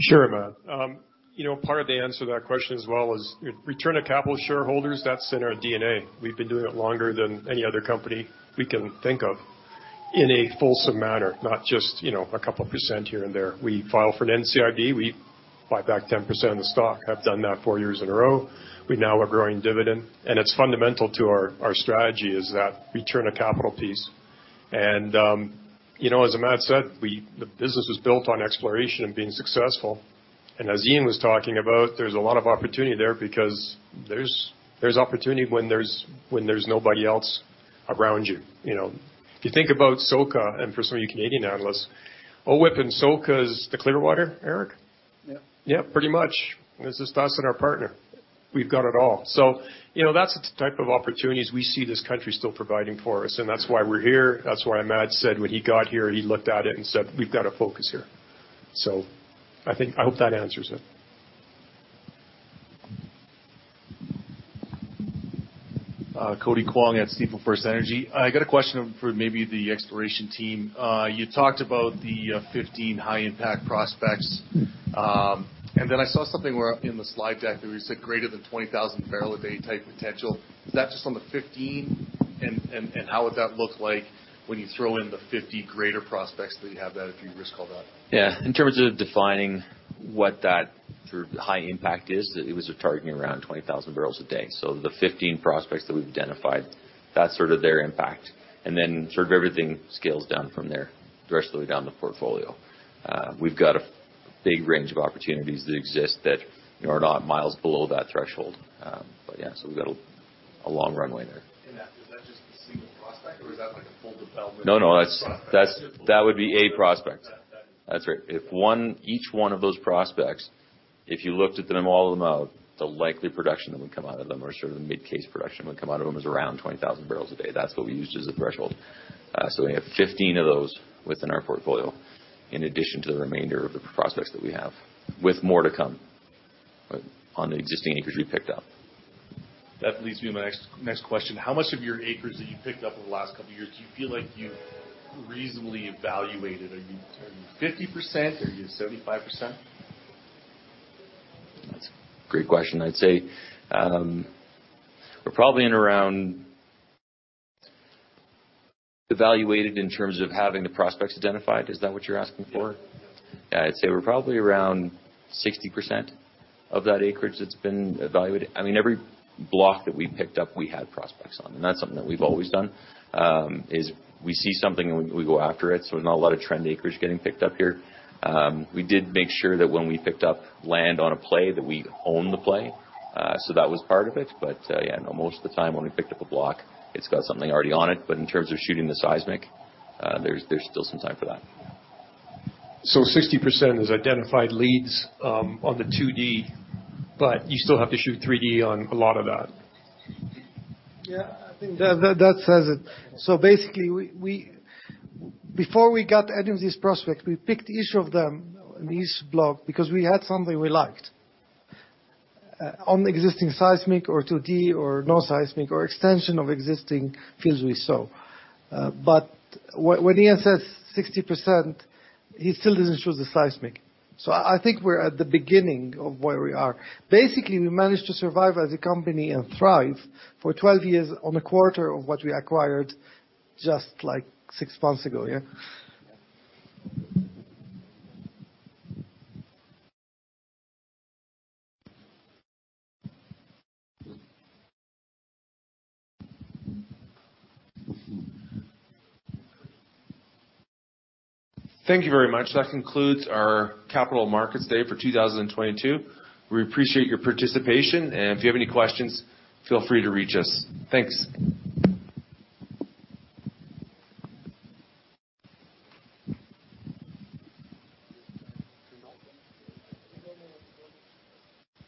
Sure, Imad. You know, part of the answer to that question as well is return of capital shareholders, that's in our DNA. We've been doing it longer than any other company we can think of in a fulsome manner, not just, you know, a couple % here and there. We file for an NCIB, we buy back 10% of the stock, have done that four years in a row. We now are growing dividend, it's fundamental to our strategy is that return of capital piece. You know, as Imad said, the business was built on exploration and being successful. As Ian was talking about, there's a lot of opportunity there because there's opportunity when there's nobody else around you know. If you think about SoCa, and for some of you Canadian analysts, O-WIP and SoCa is the Clearwater, Eric? Yeah. Yeah, pretty much. It's just us and our partner. We've got it all. You know, that's the type of opportunities we see this country still providing for us, and that's why we're here. That's why Imad said when he got here, he looked at it and said, "We've got to focus here." I hope that answers it. Cody Kwong at Stifel FirstEnergy. I got a question for maybe the exploration team. You talked about the 15 high impact prospects. Then I saw something where in the slide deck that we said greater than 20,000 barrel a day type potential. Is that just on the 15? How would that look like when you throw in the 50 greater prospects that you have that if you risk all that? Yeah. In terms of defining what that sort of high impact is, it was targeting around 20,000 barrels a day. The 15 prospects that we've identified, that's sort of their impact. Everything scales down from there, the rest of the way down the portfolio. We've got a big range of opportunities that exist that, you know, are not miles below that threshold. Yeah, we've got a long runway there. Is that just a single prospect or is that like a full development? No, no. That's that would be a prospect. That's right. Each one of those prospects, if you looked at them, all of them out, the likely production that would come out of them or sort of the mid case production would come out of them is around 20,000 barrels a day. That's what we used as a threshold. We have 15 of those within our portfolio in addition to the remainder of the prospects that we have with more to come on the existing acres we picked up. That leads me to my next question. How much of your acres that you picked up over the last couple of years do you feel like you've reasonably evaluated? Are you 50%? Are you 75%? That's a great question. I'd say, Evaluated in terms of having the prospects identified, is that what you're asking for? Yes. Yeah. I'd say we're probably around 60% of that acreage that's been evaluated. I mean, every block that we picked up, we had prospects on, and that's something that we've always done, is we see something and we go after it. Not a lot of trend acreage getting picked up here. We did make sure that when we picked up land on a play that we own the play. That was part of it. Yeah, no, most of the time when we picked up a block, it's got something already on it. In terms of shooting the seismic, there's still some time for that. 60% is identified leads, on the 2D, but you still have to shoot 3D on a lot of that. I think that says it. Basically, before we got any of these prospects, we picked each of them in each block because we had something we liked on the existing seismic or 2D or no seismic or extension of existing fields we saw. When Ian says 60%, he still doesn't show the seismic. I think we're at the beginning of where we are. Basically, we managed to survive as a company and thrive for 12 years on a quarter of what we acquired just like six months ago. Thank you very much. That concludes our capital markets day for 2022. We appreciate your participation, and if you have any questions, feel free to reach us. Thanks.